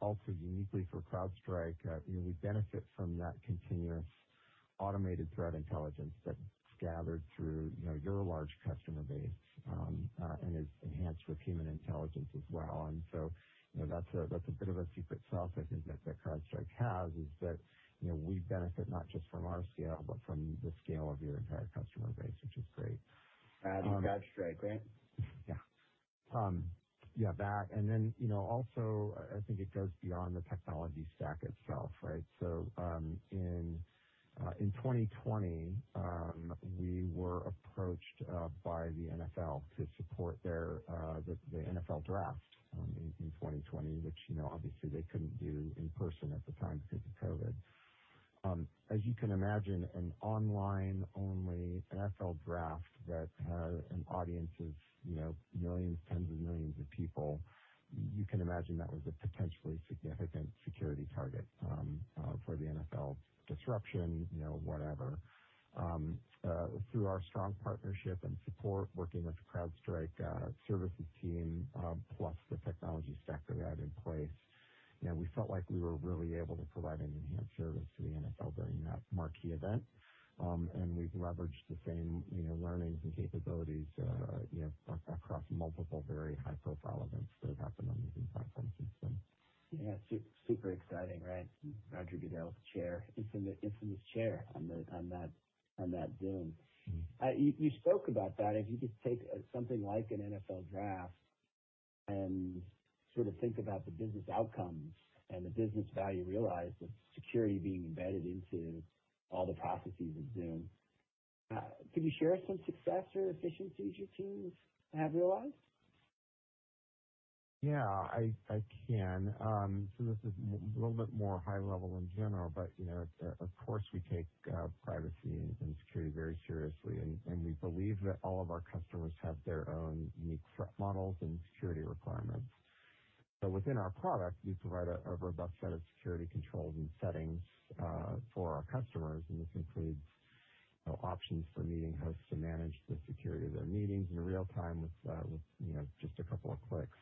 also uniquely for CrowdStrike, we benefit from that continuous automated threat intelligence that's gathered through your large customer base and is enhanced with human intelligence as well. That's a bit of a secret sauce I think that CrowdStrike has, is that we benefit not just from our scale but from the scale of your entire customer base, which is great. At CrowdStrike, right? Yeah. Also, I think it goes beyond the technology stack itself, right? In 2020, we were approached by the NFL to support the NFL Draft in 2020, which obviously they couldn't do in person at the time because of COVID. As you can imagine, an online-only NFL Draft that has an audience of millions, tens of millions of people, you can imagine that was a potentially significant security target for the NFL. Disruption, whatever. Through our strong partnership and support working with CrowdStrike services team, plus the technology stack that we had in place, we felt like we were really able to provide an enhanced service to the NFL during that marquee event. We've leveraged the same learnings and capabilities across multiple very high-profile events that have happened on the Zoom platform since then. Yeah. Super exciting, right? Roger Goodell's chair, infamous chair on that Zoom. You spoke about that. If you could take something like an NFL Draft and sort of think about the business outcomes and the business value realized with security being embedded into all the processes of Zoom, could you share some success or efficiencies your teams have realized? I can. This is a little bit more high level in general, but of course, we take privacy and security very seriously, and we believe that all of our customers have their own unique threat models and security requirements. Within our product, we provide a robust set of security controls and settings for our customers, and this includes options for meeting hosts to manage the security of their meetings in real time with just a couple of clicks.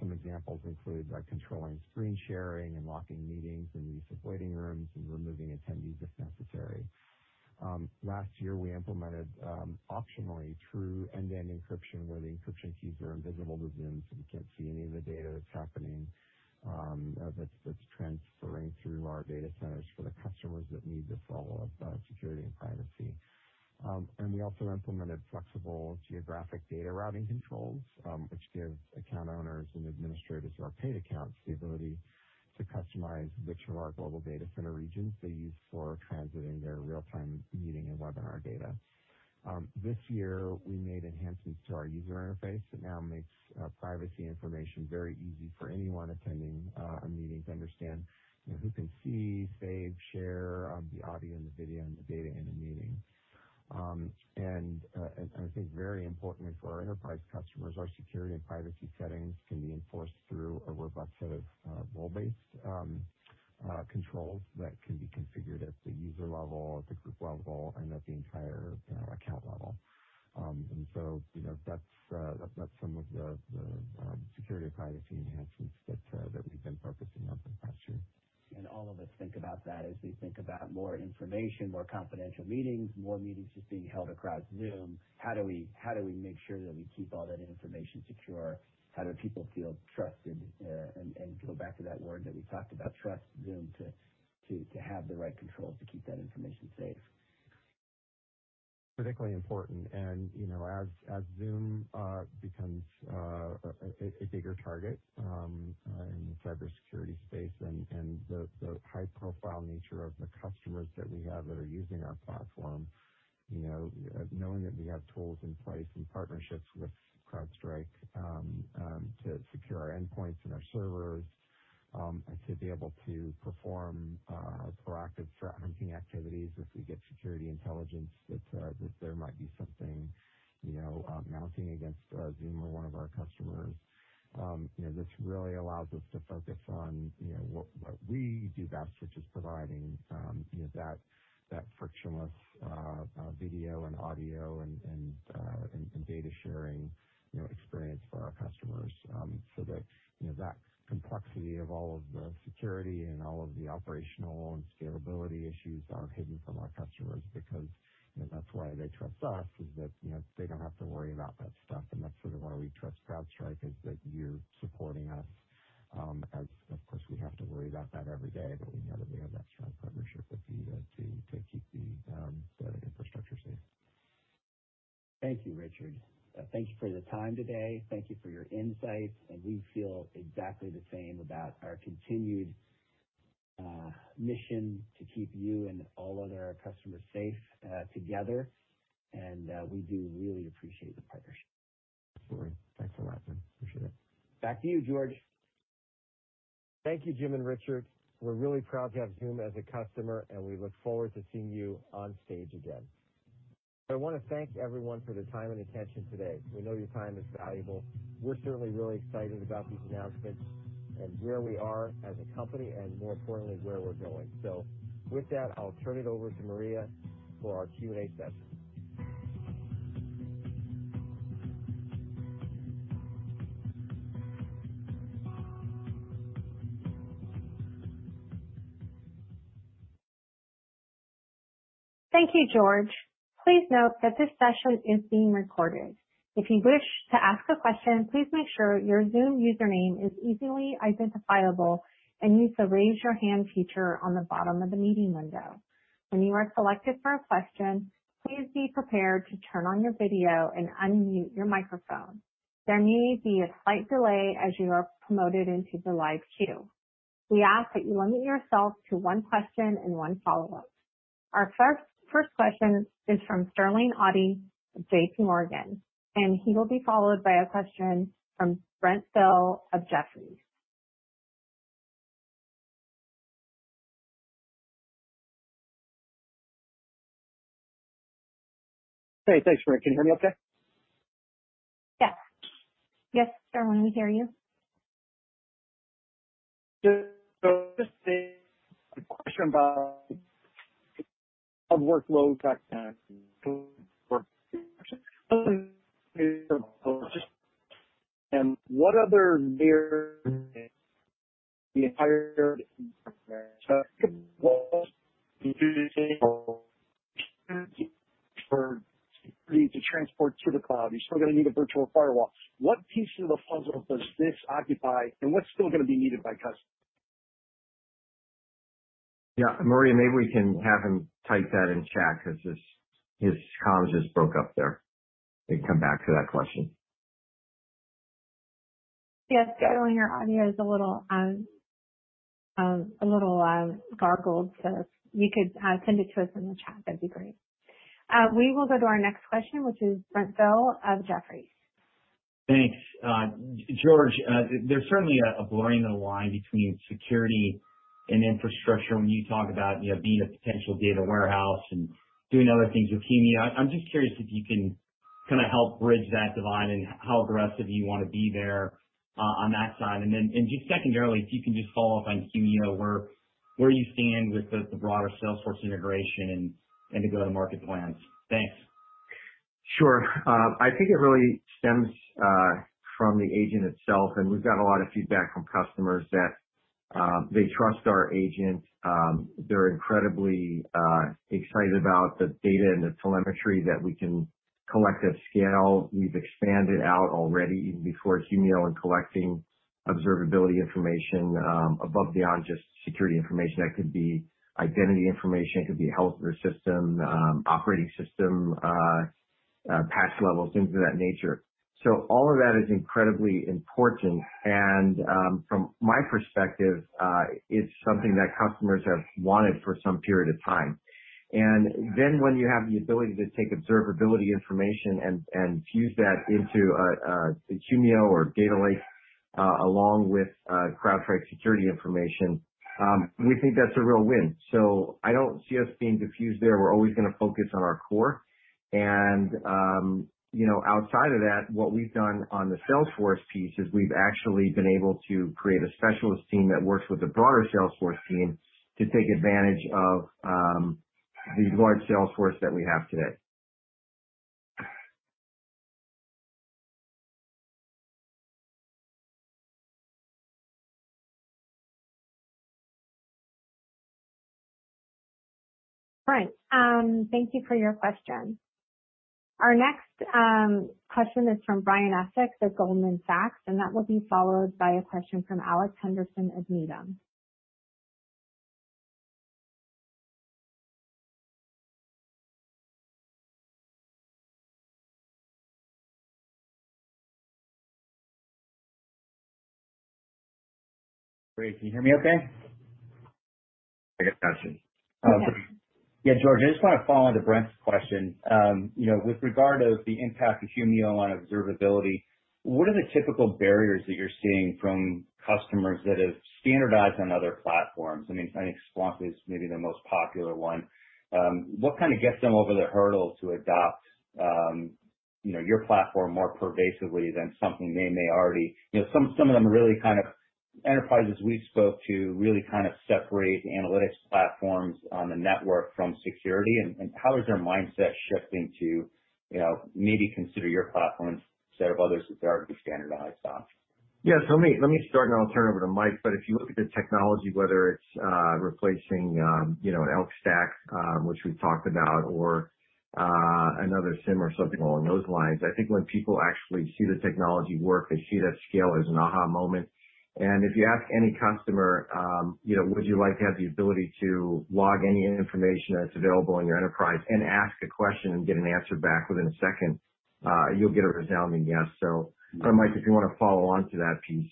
Some examples include controlling screen sharing and locking meetings in the use of waiting rooms and removing attendees if necessary. Last year, we implemented optionally through end-to-end encryption, where the encryption keys are invisible to Zoom, so we can't see any of the data that's happening, that's transferring through our data centers for the customers that need this level of security and privacy. We also implemented flexible geographic data routing controls, which give account owners and administrators who are paid accounts the ability to customize which of our global data center regions they use for transiting their real-time meeting and webinar data. This year, we made enhancements to our user interface that now makes privacy information very easy for anyone attending a meeting to understand who can see, save, share the audio and the video and the data in a meeting. I think very importantly for our enterprise customers, our security and privacy settings can be enforced through a robust set of role-based controls that can be configured at the user level, at the group level, and at the entire account level. That's some of the security and privacy enhancements that we've been focusing on for the past year. All of us think about that as we think about more information, more confidential meetings, more meetings just being held across Zoom. How do we make sure that we keep all that information secure? How do people feel trusted, and go back to that word that we talked about, trust Zoom to have the right controls to keep that information safe? Critically important. As Zoom becomes a bigger target in the cybersecurity space and the high-profile nature of the customers that we have that are using our platform, knowing that we have tools in place and partnerships with CrowdStrike to secure our endpoints and our servers, and to be able to perform proactive threat hunting activities if we get security intelligence that there might be something mounting against Zoom or one of our customers. This really allows us to focus on what we do best, which is providing that frictionless video and audio and data sharing experience for our customers. That, that complexity of all of the security and all of the operational and scalability issues are hidden from our customers because that's why they trust us, is that they don't have to worry about that stuff. That's sort of why we trust CrowdStrike, is that you're supporting us as, of course, we have to worry about that every day, but we know that we have that strong partnership with you to keep the infrastructure safe. Thank you, Richard. Thank you for your time today. Thank you for your insights. We feel exactly the same about our continued mission to keep you and all other customers safe together. We do really appreciate the partnership. Sure. Thanks a lot. I appreciate it. Back to you, George. Thank you, Jim and Richard. We're really proud to have Zoom as a customer. We look forward to seeing you on stage again. I want to thank everyone for their time and attention today. We know your time is valuable. We're certainly really excited about these announcements and where we are as a company and, more importantly, where we're going. With that, I'll turn it over to Maria for our Q&A session. Thank you, George. Please note that this session is being recorded. If you wish to ask a question, please make sure your Zoom username is easily identifiable and use the raise your hand feature on the bottom of the meeting window. When you are selected for a question, please be prepared to turn on your video and unmute your microphone. There may be a slight delay as you are promoted into the live queue. We ask that you limit yourself to one question and one follow-up. Our first question is from Sterling Auty of JPMorgan, and he will be followed by a question from Brent Thill of Jefferies. Hey, thanks, Maria. Can you hear me okay? Yes. Yes, Sterling, we hear you. Just a question about workload need to transport to the cloud. You're still going to need a virtual firewall. What piece of the puzzle does this occupy, and what's still going to be needed by customers? Yeah. Maria, maybe we can have him type that in chat because his comms just broke up there. We can come back to that question. Yes, Sterling, your audio is a little garbled, so if you could send it to us in the chat, that'd be great. We will go to our next question, which is Brent Thill of Jefferies. Thanks. George, there's certainly a blurring of the line between security and infrastructure when you talk about being a potential data warehouse and doing other things with Humio. I'm just curious if you can kind of help bridge that divide and how aggressive you want to be there on that side. Just secondarily, if you can just follow up on Humio, where you stand with the broader Salesforce integration and the go-to-market plans. Thanks. Sure. I think it really stems from the agent itself, and we've got a lot of feedback from customers that they trust our agent. They're incredibly excited about the data and the telemetry that we can collect at scale. We've expanded out already, even before Humio, in collecting observability information above and beyond just security information. That could be identity information, it could be health of your system, operating system, patch levels, things of that nature. All of that is incredibly important, and from my perspective, it's something that customers have wanted for some period of time. When you have the ability to take observability information and fuse that into a Humio or data lake along with CrowdStrike security information, we think that's a real win. I don't see us being diffused there. We're always going to focus on our core. Outside of that, what we've done on the Salesforce piece is we've actually been able to create a specialist team that works with the broader Salesforce team to take advantage of the large sales force that we have today. Right. Thank you for your question. Our next question is from Brian Essex of Goldman Sachs, and that will be followed by a question from Alex Henderson of Needham. Great. Can you hear me okay? I got. Yeah. Yeah, George, I just want to follow on to Brent's question. With regard to the impact of Humio on observability, what are the typical barriers that you're seeing from customers that have standardized on other platforms? I think Splunk is maybe the most popular one. What gets them over the hurdle to adopt your platform more pervasively than something they may already? Some of them are really kind of enterprises we spoke to, really separate analytics platforms on the network from security. How is their mindset shifting to maybe consider your platform instead of others that they're already standardized on? Yeah. Let me start, and I'll turn over to Mike. If you look at the technology, whether it's replacing an ELK stack, which we talked about, or another SIEM or something along those lines, I think when people actually see the technology work, they see that scale as an aha moment. If you ask any customer, would you like to have the ability to log any information that's available in your enterprise and ask a question and get an answer back within 1 second, you'll get a resounding yes. Mike, if you want to follow on to that piece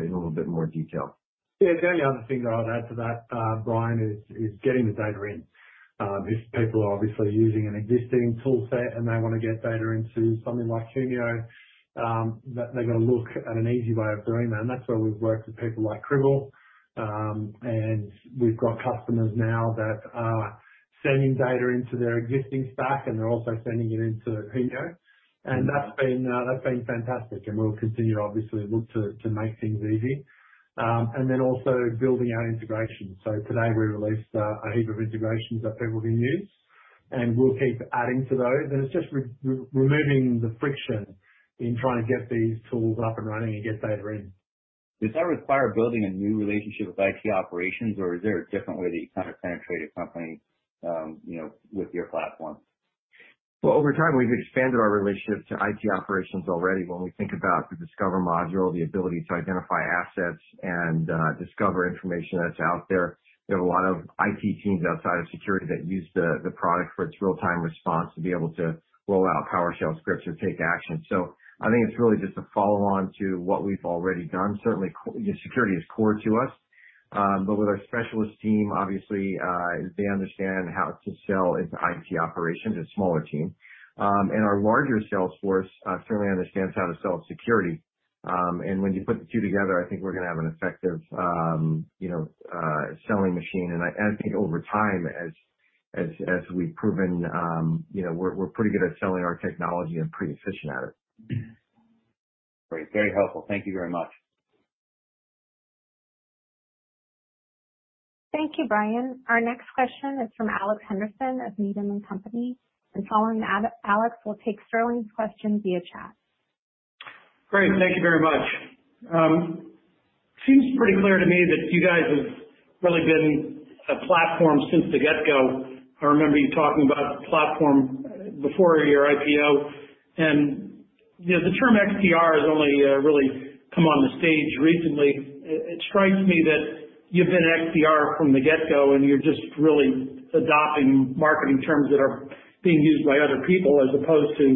in a little bit more detail. Yeah, the only other thing that I'd add to that, Brian, is getting the data in. If people are obviously using an existing toolset and they want to get data into something like Humio, they've got to look at an easy way of doing that. That's why we've worked with people like Cribl. We've got customers now that are sending data into their existing stack, and they're also sending it into Humio, and that's been fantastic, and we'll continue to obviously look to make things easy. Then also building our integration. Today we released a heap of integrations that people can use, and we'll keep adding to those. It's just removing the friction in trying to get these tools up and running and get data in. Does that require building a new relationship with IT operations, or is there a different way that you penetrate a company with your platform? Well, over time, we've expanded our relationship to IT operations already. When we think about the Falcon Discover module, the ability to identify assets and discover information that's out there are a lot of IT teams outside of security that use the product for its real-time response to be able to roll out PowerShell scripts or take action. I think it's really just a follow-on to what we've already done. Certainly, security is core to us. With our specialist team, obviously, they understand how to sell into IT operations, a smaller team. Our larger sales force certainly understands how to sell security. When you put the two together, I think we're going to have an effective selling machine. I think over time, as we've proven, we're pretty good at selling our technology and pretty efficient at it. Great. Very helpful. Thank you very much. Thank you, Brian. Our next question is from Alex Henderson of Needham & Company, and following Alex, we'll take Sterling's question via chat. Great. Thank you very much. Seems pretty clear to me that you guys have really been a platform since the get-go. I remember you talking about the platform before your IPO. The term XDR has only really come on the stage recently. It strikes me that you've been XDR from the get-go. You're just really adopting marketing terms that are being used by other people as opposed to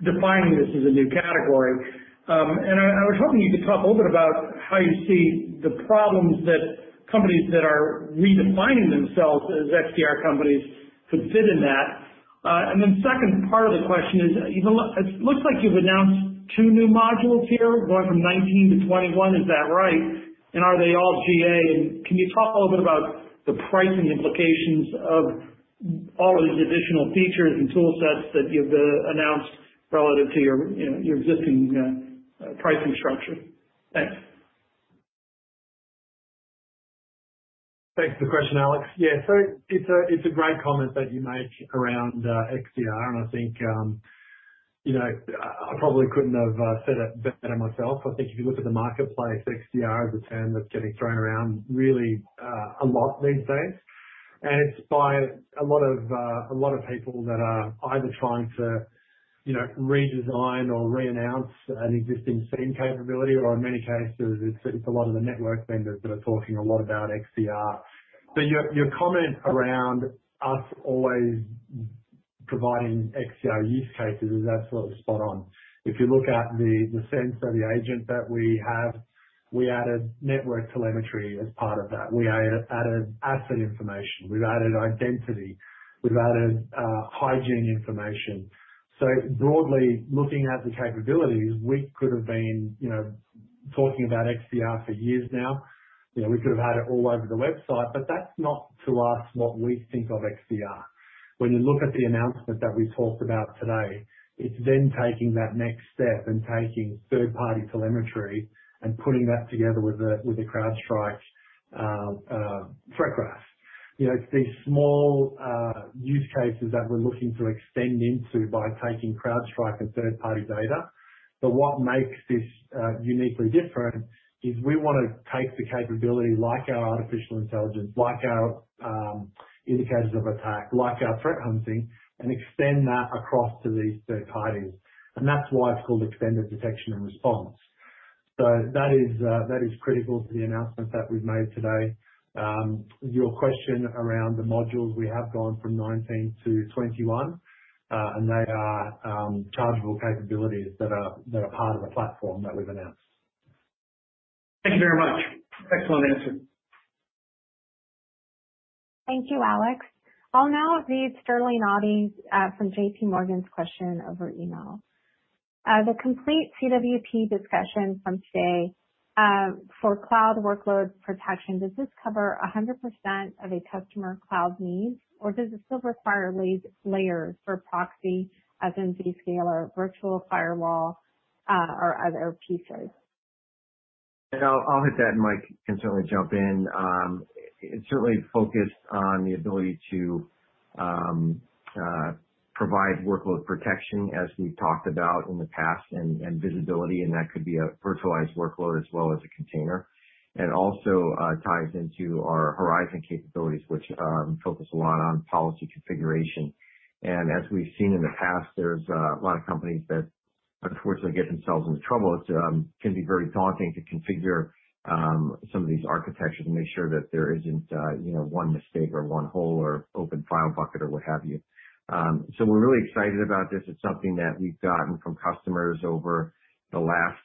defining this as a new category. I was hoping you could talk a little bit about how you see the problems that companies that are redefining themselves as XDR companies could fit in that. Second part of the question is, it looks like you've announced two new modules here, going from 19 to 21. Is that right? Are they all GA? Can you talk a little bit about the pricing implications of all of these additional features and tool sets that you've announced relative to your existing pricing structure? Thanks. Thanks for the question, Alex. Yeah. It's a great comment that you make around XDR, and I think I probably couldn't have said it better myself. I think if you look at the marketplace, XDR is a term that's getting thrown around really a lot these days. It's by a lot of people that are either trying to redesign or reannounce an existing SIEM capability, or in many cases, it's a lot of the network vendors that are talking a lot about XDR. Your comment around us always providing XDR use cases is absolutely spot on. If you look at the sense of the agent that we have, we added network telemetry as part of that. We added asset information. We've added identity. We've added hygiene information. Broadly, looking at the capabilities, we could have been talking about XDR for years now. We could have had it all over the website, but that's not, to us, what we think of XDR. When you look at the announcement that we talked about today, it's taking that next step and taking third-party telemetry and putting that together with the CrowdStrike Threat Graph. It's these small use cases that we're looking to extend into by taking CrowdStrike and third-party data. What makes this uniquely different is we want to take the capability, like our artificial intelligence, like our indicators of attack, like our threat hunting, and extend that across to these third parties. That's why it's called extended detection and response. That is critical to the announcement that we've made today. Your question around the modules, we have gone from 19 to 21. They are chargeable capabilities that are part of the platform that we've announced. Thank you very much. Excellent answer. Thank you, Alex. I'll now read Sterling Auty from JPMorgan's question over email. The Complete CWP discussion from today, for cloud workload protection, does this cover 100% of a customer cloud need, or does it still require layers for proxy, as in Zscaler, virtual firewall, or other pieces? I'll hit that, and Mike can certainly jump in. It's certainly focused on the ability to provide workload protection, as we've talked about in the past, and visibility, and that could be a virtualized workload as well as a container. Also ties into our Falcon Horizon capabilities, which focus a lot on policy configuration. As we've seen in the past, there's a lot of companies that unfortunately get themselves into trouble. It can be very daunting to configure some of these architectures and make sure that there isn't one mistake or one hole or open file bucket or what have you. We're really excited about this. It's something that we've gotten from customers over the last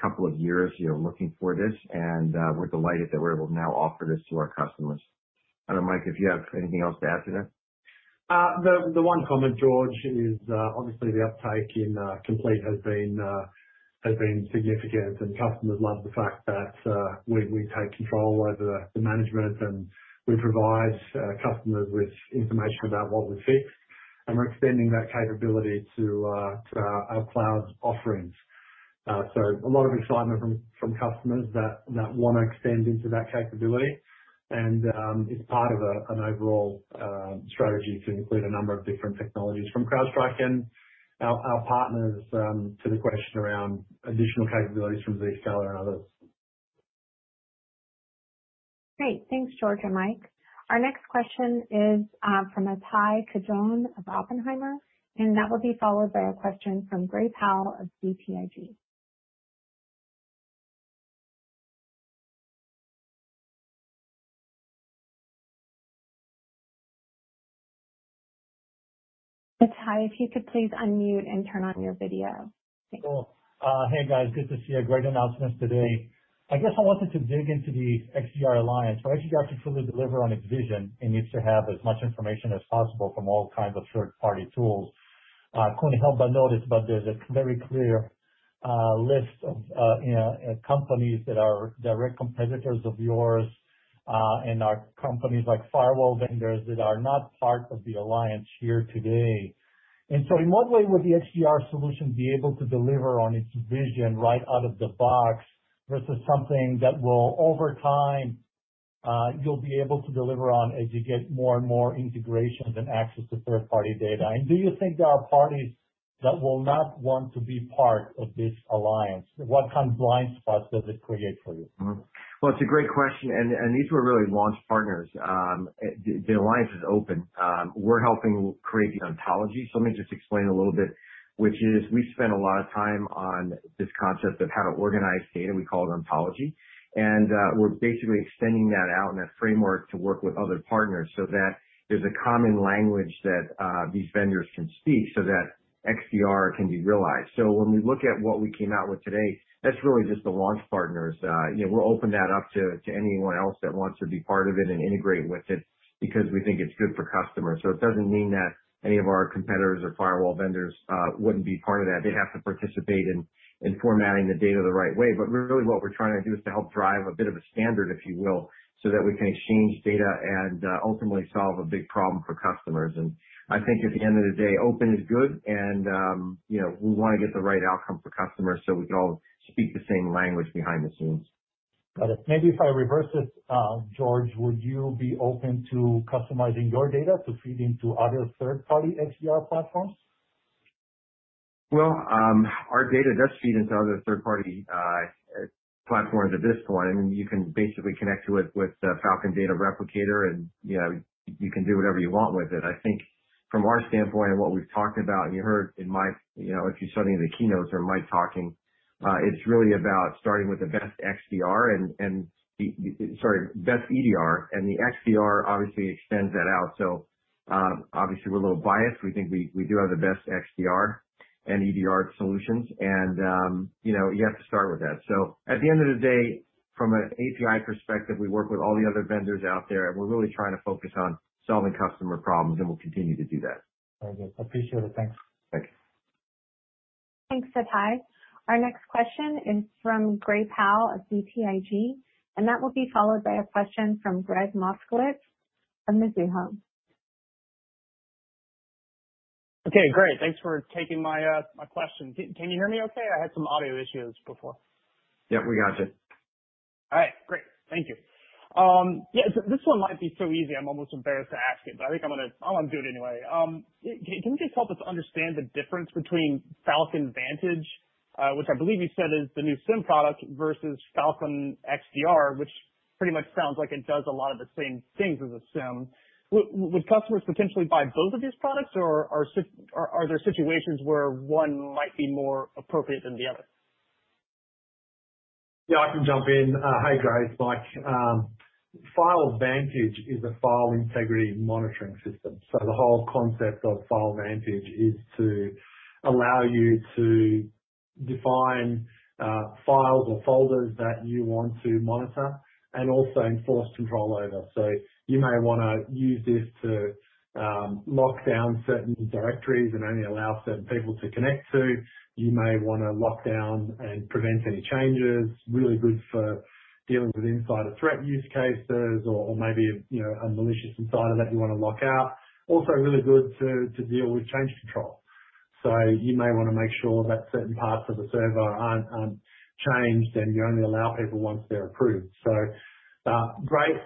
couple of years looking for this, and we're delighted that we're able to now offer this to our customers. I don't know, Mike, if you have anything else to add to that? The one comment, George, is obviously the uptake in Complete has been significant, and customers love the fact that we take control over the management, and we provide customers with information about what we fixed, and we're extending that capability to our cloud offerings. A lot of excitement from customers that want to extend into that capability. It's part of an overall strategy to include a number of different technologies from CrowdStrike and our partners, to the question around additional capabilities from Zscaler and others. Great. Thanks, George and Mike. Our next question is from Ittai Kidron of Oppenheimer. That will be followed by a question from Gray Powell of BTIG. Ittai, if you could please unmute and turn on your video. Cool. Hey, guys. Good to see you. Great announcements today. I guess I wanted to dig into the XDR alliance. For XDR to fully deliver on its vision, it needs to have as much information as possible from all kinds of third-party tools. There's a very clear list of companies that are direct competitors of yours, and are companies like firewall vendors that are not part of the XDR alliance here today. In what way would the XDR solution be able to deliver on its vision right out of the box versus something that will, over time, you'll be able to deliver on as you get more and more integrations and access to third-party data? Do you think there are parties that will not want to be part of this alliance? What kind of blind spots does it create for you? Well, it's a great question. These were really launch partners. The alliance is open. We're helping create the ontology. Let me just explain a little bit, which is we spent a lot of time on this concept of how to organize data. We call it ontology. We're basically extending that out in a framework to work with other partners so that there's a common language that these vendors can speak so that XDR can be realized. When we look at what we came out with today, that's really just the launch partners. We'll open that up to anyone else that wants to be part of it and integrate with it because we think it's good for customers. It doesn't mean that any of our competitors or firewall vendors wouldn't be part of that. They'd have to participate in formatting the data the right way. Really what we're trying to do is to help drive a bit of a standard, if you will, so that we can exchange data and ultimately solve a big problem for customers. I think at the end of the day, open is good, and we want to get the right outcome for customers so we can all speak the same language behind the scenes. Got it. Maybe if I reverse it, George, would you be open to customizing your data to feed into other third-party XDR platforms? Well, our data does feed into other third-party platforms at this point. I mean, you can basically connect to it with Falcon Data Replicator, and you can do whatever you want with it. I think from our standpoint and what we've talked about, and you heard in my if you saw any of the keynotes or Mike talking, it's really about starting with the best XDR and sorry, best EDR, and the XDR obviously extends that out. Obviously we're a little biased. We think we do have the best XDR and EDR solutions, and you have to start with that. At the end of the day, from an API perspective, we work with all the other vendors out there, and we're really trying to focus on solving customer problems, and we'll continue to do that. Very good. Appreciate it. Thanks. Thanks. Thanks, Ittai. Our next question is from Gray Powell of BTIG, and that will be followed by a question from Gregg Moskowitz of Mizuho Great. Thanks for taking my question. Can you hear me okay? I had some audio issues before. Yeah, we got you. All right. Great. Thank you. This one might be so easy, I'm almost embarrassed to ask it, but I think I'm going to do it anyway. Can you just help us understand the difference between Falcon FileVantage, which I believe you said is the new SIEM product, versus Falcon XDR, which pretty much sounds like it does a lot of the same things as a SIEM. Would customers potentially buy both of these products, or are there situations where one might be more appropriate than the other? Yeah, I can jump in. Hey, guys. Mike. Falcon FileVantage is a File Integrity Monitoring system, the whole concept of Falcon FileVantage is to allow you to define files or folders that you want to monitor and also enforce control over. You may want to use this to lock down certain directories and only allow certain people to connect to. You may want to lock down and prevent any changes. Really good for dealing with insider threat use cases or maybe a malicious insider that you want to lock out. Also really good to deal with change control. You may want to make sure that certain parts of the server aren't changed, and you only allow people once they're approved. Great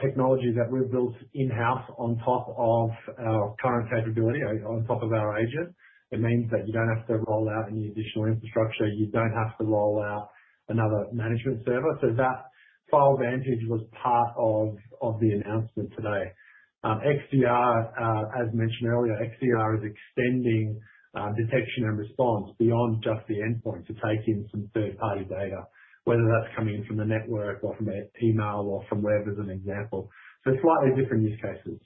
technology that we've built in-house on top of our current capability, on top of our agent. It means that you don't have to roll out any additional infrastructure. You don't have to roll out another management server. That Falcon FileVantage was part of the announcement today. XDR, as mentioned earlier, XDR is extending detection and response beyond just the endpoint to take in some third-party data, whether that's coming from the network or from an email or from web, as an example. Slightly different use cases.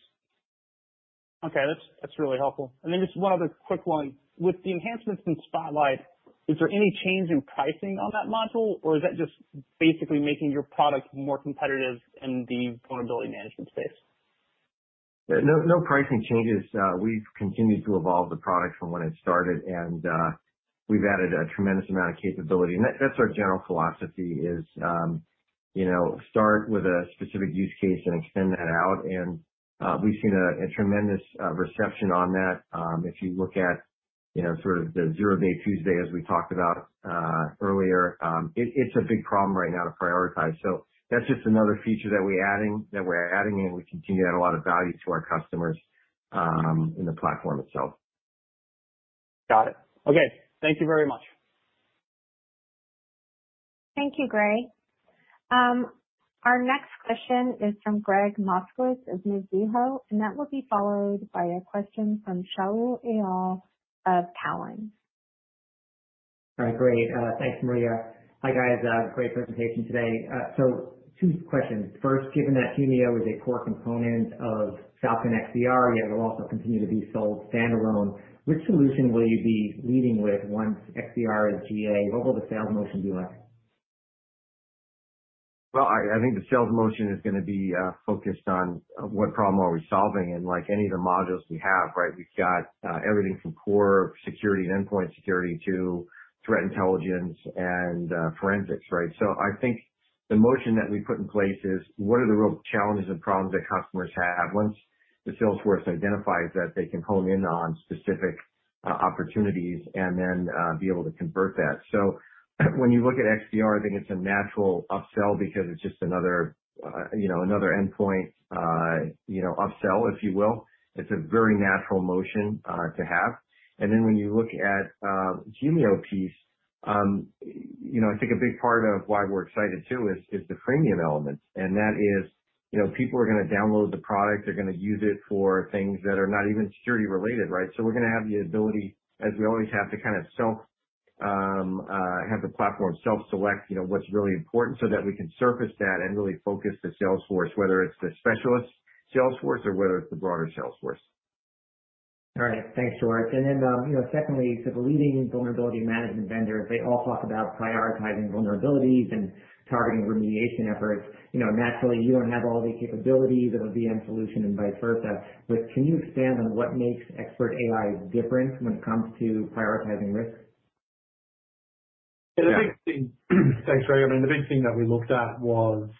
Okay, that's really helpful. Just one other quick one. With the enhancements in Spotlight, is there any change in pricing on that module, or is that just basically making your product more competitive in the vulnerability management space? No pricing changes. We've continued to evolve the product from when it started, and we've added a tremendous amount of capability. That's our general philosophy is start with a specific use case and extend that out, and we've seen a tremendous reception on that. If you look at sort of the Patch Tuesday, as we talked about earlier, it's a big problem right now to prioritize. That's just another feature that we're adding, and we continue to add a lot of value to our customers in the platform itself. Got it. Okay. Thank you very much. Thank you, Gray. Our next question is from Gregg Moskowitz of Mizuho, and that will be followed by a question from Shaul Eyal of Cowen. All right, great. Thanks, Maria. Hi, guys. Great presentation today. Two questions. First, given that Humio is a core component of Falcon XDR, yet it will also continue to be sold standalone, which solution will you be leading with once XDR is GA? What will the sales motion be like? Well, I think the sales motion is going to be focused on what problem are we solving. Like any of the modules we have, right, we've got everything from core security and endpoint security to threat intelligence and forensics, right? I think the motion that we put in place is, what are the real challenges and problems that customers have? Once the sales force identifies that, they can hone in on specific opportunities and then be able to convert that. When you look at XDR, I think it's a natural upsell because it's just another endpoint upsell, if you will. It's a very natural motion to have. When you look at Humio piece, I think a big part of why we're excited, too, is the freemium element. That is people are going to download the product, they're going to use it for things that are not even security-related, right? We're going to have the ability, as we always have, to have the platform self-select what's really important so that we can surface that and really focus the sales force, whether it's the specialist sales force or whether it's the broader sales force. All right. Thanks, George. Secondly, the leading vulnerability management vendors, they all talk about prioritizing vulnerabilities and targeting remediation efforts. Naturally, you don't have all the capabilities of a VM solution and vice versa. Can you expand on what makes ExPRT.ai different when it comes to prioritizing risk? Yeah. Thanks, Gregg. I mean, the big thing that we looked at was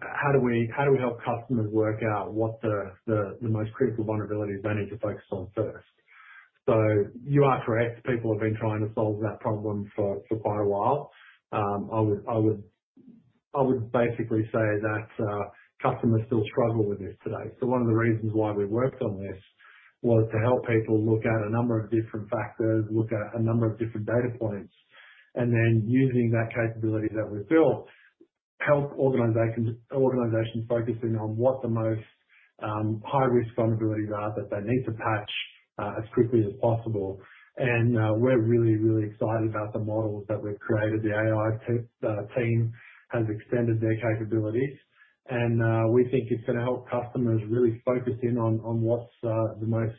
how do we help customers work out what the most critical vulnerabilities they need to focus on first. You are correct. People have been trying to solve that problem for quite a while. I would basically say that customers still struggle with this today. One of the reasons why we worked on this was to help people look at a number of different factors, look at a number of different data points, and then using that capability that we built Help organizations focusing on what the most high-risk vulnerabilities are that they need to patch as quickly as possible. We're really, really excited about the models that we've created. The AI team has extended their capabilities, we think it's going to help customers really focus in on what's the most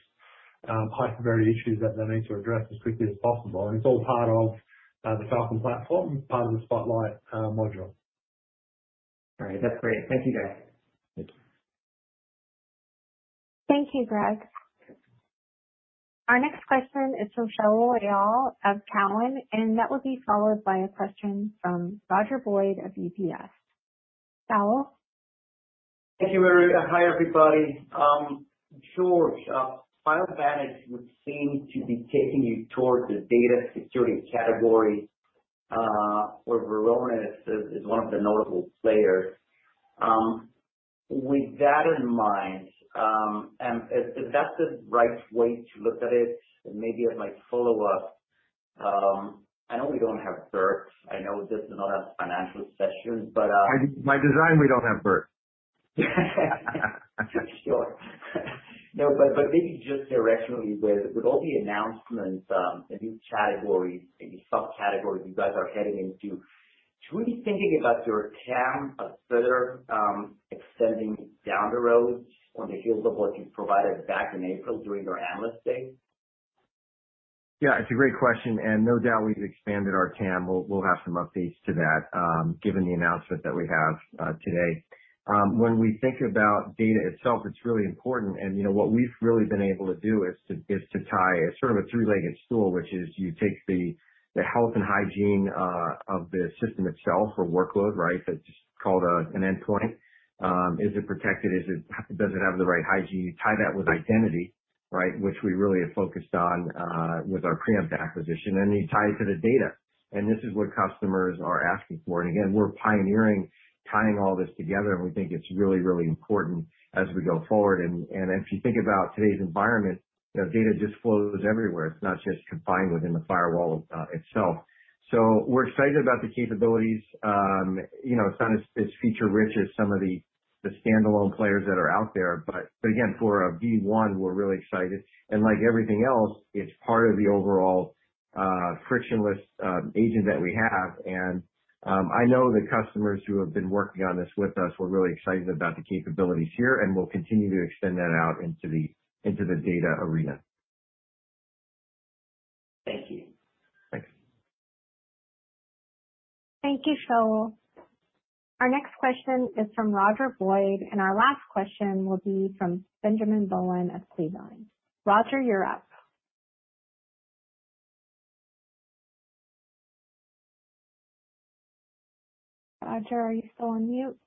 high-severity issues that they need to address as quickly as possible. It's all part of the Falcon platform, part of the Spotlight module. All right. That's great. Thank you, guys. Thank you. Thank you, Greg. Our next question is from Shaul Eyal of Cowen, and that will be followed by a question from Roger Boyd of UBS. Shaul? Thank you. Hi, everybody. George, Falcon FileVantage would seem to be taking you towards the data security category, where Varonis is one of the notable players. With that in mind, and if that's the right way to look at it, and maybe as my follow-up, I know we don't have Burt Podbere. I know this is not a financial session. By design, we don't have Burt Podbere. Sure. No, maybe just directionally, with all the announcements, the new categories, maybe sub-categories you guys are heading into, should we be thinking about your TAM a bit extending down the road from the view of what you provided back in April during your Analyst Day? Yeah, it's a great question. No doubt we've expanded our TAM. We'll have some updates to that, given the announcement that we have today. When we think about data itself, it's really important. What we've really been able to do is to tie a three-legged stool, which is you take the health and hygiene of the system itself or workload, right? That's called an endpoint. Is it protected? Does it have the right hygiene? You tie that with identity, right, which we really have focused on, with our Preempt acquisition, and you tie it to the data. This is what customers are asking for. Again, we're pioneering tying all this together, and we think it's really, really important as we go forward. If you think about today's environment, data just flows everywhere. It's not just confined within the firewall itself. We're excited about the capabilities. It's not as feature-rich as some of the standalone players that are out there. Again, for a V1, we're really excited. Like everything else, it's part of the overall frictionless agent that we have. I know the customers who have been working on this with us were really excited about the capabilities here, and we'll continue to extend that out into the data arena. Thank you. Thanks. Thank you, Shaul. Our next question is from Roger Boyd, and our last question will be from Benjamin Bollin of Cleveland Research Company. Roger, you're up. Roger, are you still on mute?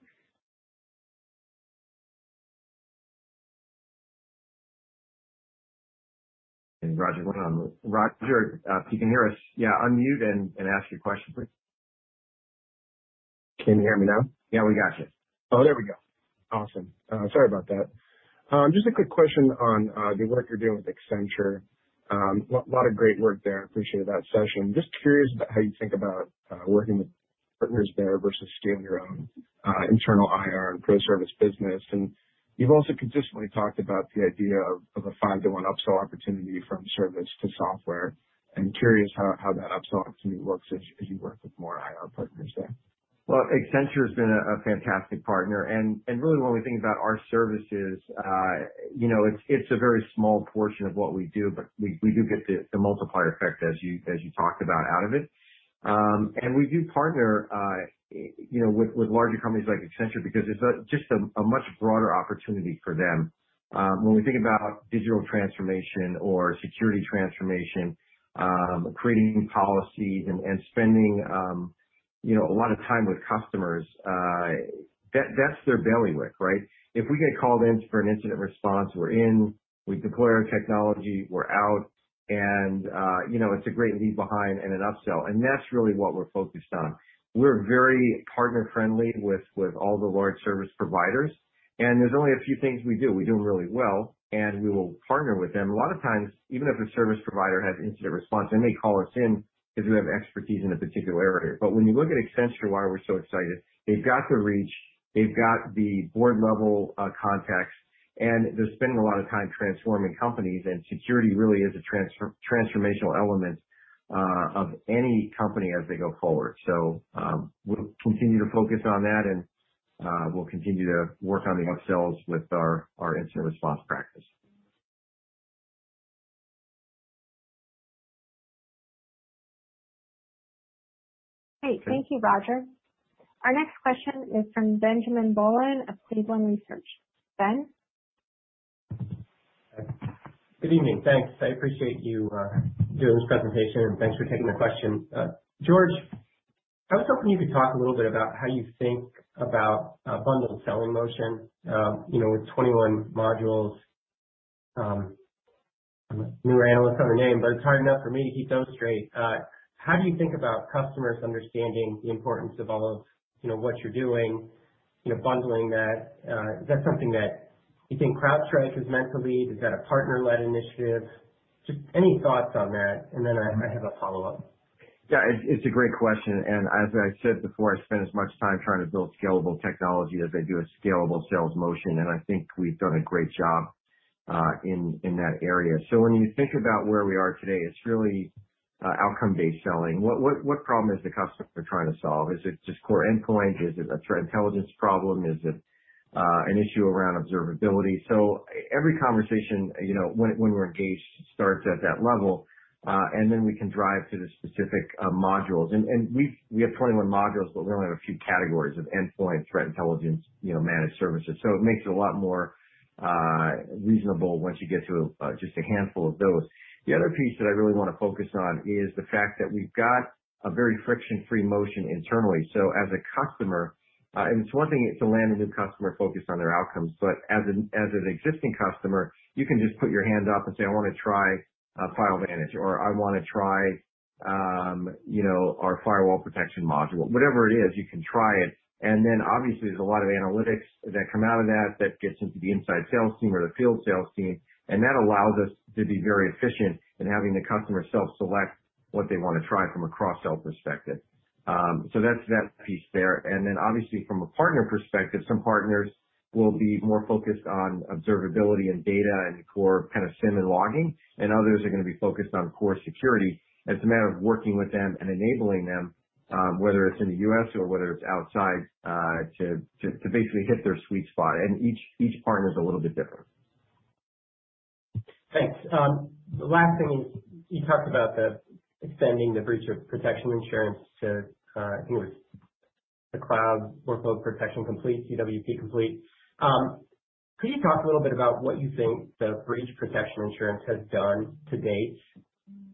Roger, if you can hear us, yeah, unmute and ask your question, please. Can you hear me now? Yeah, we got you. There we go. Awesome. Sorry about that. Just a quick question on the work you're doing with Accenture. Lot of great work there. I appreciated that session. Just curious about how you think about working with partners there versus doing your own internal IR and pro service business. You've also consistently talked about the idea of a 5-to-1 upsell opportunity from service to software. I'm curious how that upsell opportunity works as you work with more IR partners there. Well, Accenture's been a fantastic partner. Really when we think about our services, it's a very small portion of what we do, but we do get the multiplier effect as you talked about out of it. We do partner with larger companies like Accenture because it's just a much broader opportunity for them. When we think about digital transformation or security transformation, creating policies and spending a lot of time with customers, that's their bailiwick, right? If we get called in for an incident response, we're in, we deploy our technology, we're out. It's a great leave behind and an upsell. That's really what we're focused on. We're very partner-friendly with all the large service providers, and there's only a few things we do. We do them really well, and we will partner with them. A lot of times, even if a service provider has incident response, they may call us in because we have expertise in a particular area. When you look at Accenture, why we're so excited, they've got the reach, they've got the board-level contacts, and they're spending a lot of time transforming companies, and security really is a transformational element of any company as they go forward. We'll continue to focus on that, and we'll continue to work on the upsells with our incident response practice. Great. Thank you, Roger. Our next question is from Benjamin Bollin of Cleveland Research. Ben? Good evening. Thanks. I appreciate you doing this presentation, and thanks for taking the question. George, I was hoping you could talk a little bit about how you think about a bundled selling motion, with 21 modules. I'm a new analyst on the name, but it's hard enough for me to keep those straight. How do you think about customers understanding the importance of all of what you're doing, bundling that? Is that something that you think CrowdStrike has meant to lead? Is that a partner-led initiative? Just any thoughts on that, and then I have a follow-up. Yeah. It's a great question. As I said before, I spend as much time trying to build scalable technology as I do a scalable sales motion, and I think we've done a great job in that area. When you think about where we are today, it's really outcome-based selling. What problem is the customer trying to solve? Is it just core endpoint? Is it a threat intelligence problem? Is it an issue around observability? Every conversation when we're engaged starts at that level, and then we can drive to the specific modules. We have 21 modules, but we only have a few categories of endpoint, threat intelligence, managed services. It makes it a lot more reasonable once you get to just a handful of those. The other piece that I really want to focus on is the fact that we've got a very friction-free motion internally. As a customer, and it's one thing to land a new customer focused on their outcomes, but as an existing customer, you can just put your hands up and say, "I want to try Falcon FileVantage," or "I want to try our firewall protection module." Whatever it is, you can try it, and then obviously there's a lot of analytics that come out of that gets into the inside sales team or the field sales team, and that allows us to be very efficient in having the customer self-select what they want to try from a cross-sell perspective. That's that piece there. Obviously from a partner perspective, some partners will be more focused on observability and data and core kind of SIEM and logging. Others are going to be focused on core security. It's a matter of working with them and enabling them, whether it's in the U.S. or whether it's outside, to basically hit their sweet spot. Each partner is a little bit different. Thanks. The last thing is, you talked about the extending the breach of protection insurance to, I think it was the Cloud Workload Protection Complete, CWP Complete. Could you talk a little bit about what you think the breach protection insurance has done to date?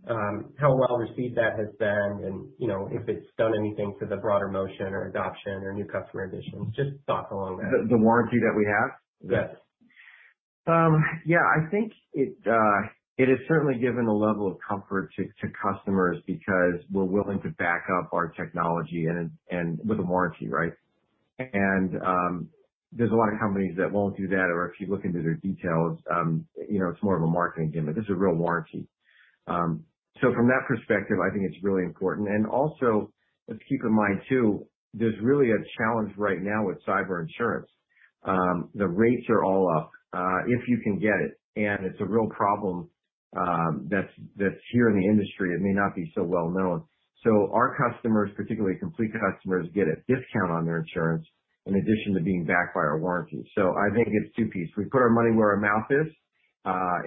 How well received that has been, and if it's done anything for the broader motion or adoption or new customer additions, just thought along that. The warranty that we have? Yes. Yeah, I think it has certainly given a level of comfort to customers because we're willing to back up our technology and with a warranty, right? There's a lot of companies that won't do that, or if you look into their details, it's more of a marketing gimmick. This is a real warranty. From that perspective, I think it's really important. Also, let's keep in mind too, there's really a challenge right now with cyber insurance. The rates are all up, if you can get it. It's a real problem that's here in the industry. It may not be so well known. Our customers, particularly Complete customers, get a discount on their insurance in addition to being backed by our warranty. I think it's two pieces. We put our money where our mouth is,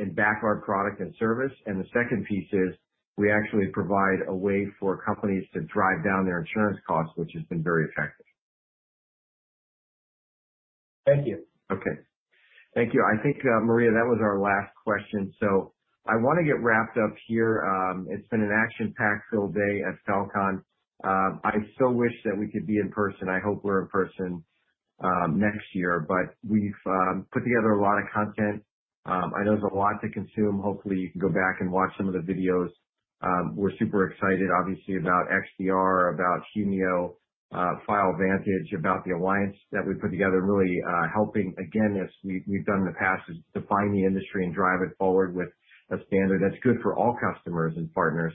and back our product and service. The second piece is we actually provide a way for companies to drive down their insurance costs, which has been very effective. Thank you. Okay. Thank you. I think, Maria, that was our last question. I want to get wrapped up here. It's been an action-packed filled day at Falcon. I so wish that we could be in person. I hope we're in person next year. We've put together a lot of content. I know there's a lot to consume. Hopefully, you can go back and watch some of the videos. We're super excited, obviously, about XDR, about Humio, FileVantage, about the alliance that we put together, and really helping, again, as we've done in the past, is define the industry and drive it forward with a standard that's good for all customers and partners,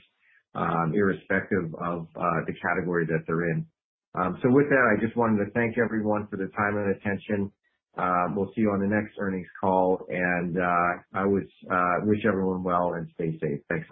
irrespective of the category that they're in. With that, I just wanted to thank everyone for their time and attention. We'll see you on the next earnings call, and I wish everyone well, and stay safe. Thanks.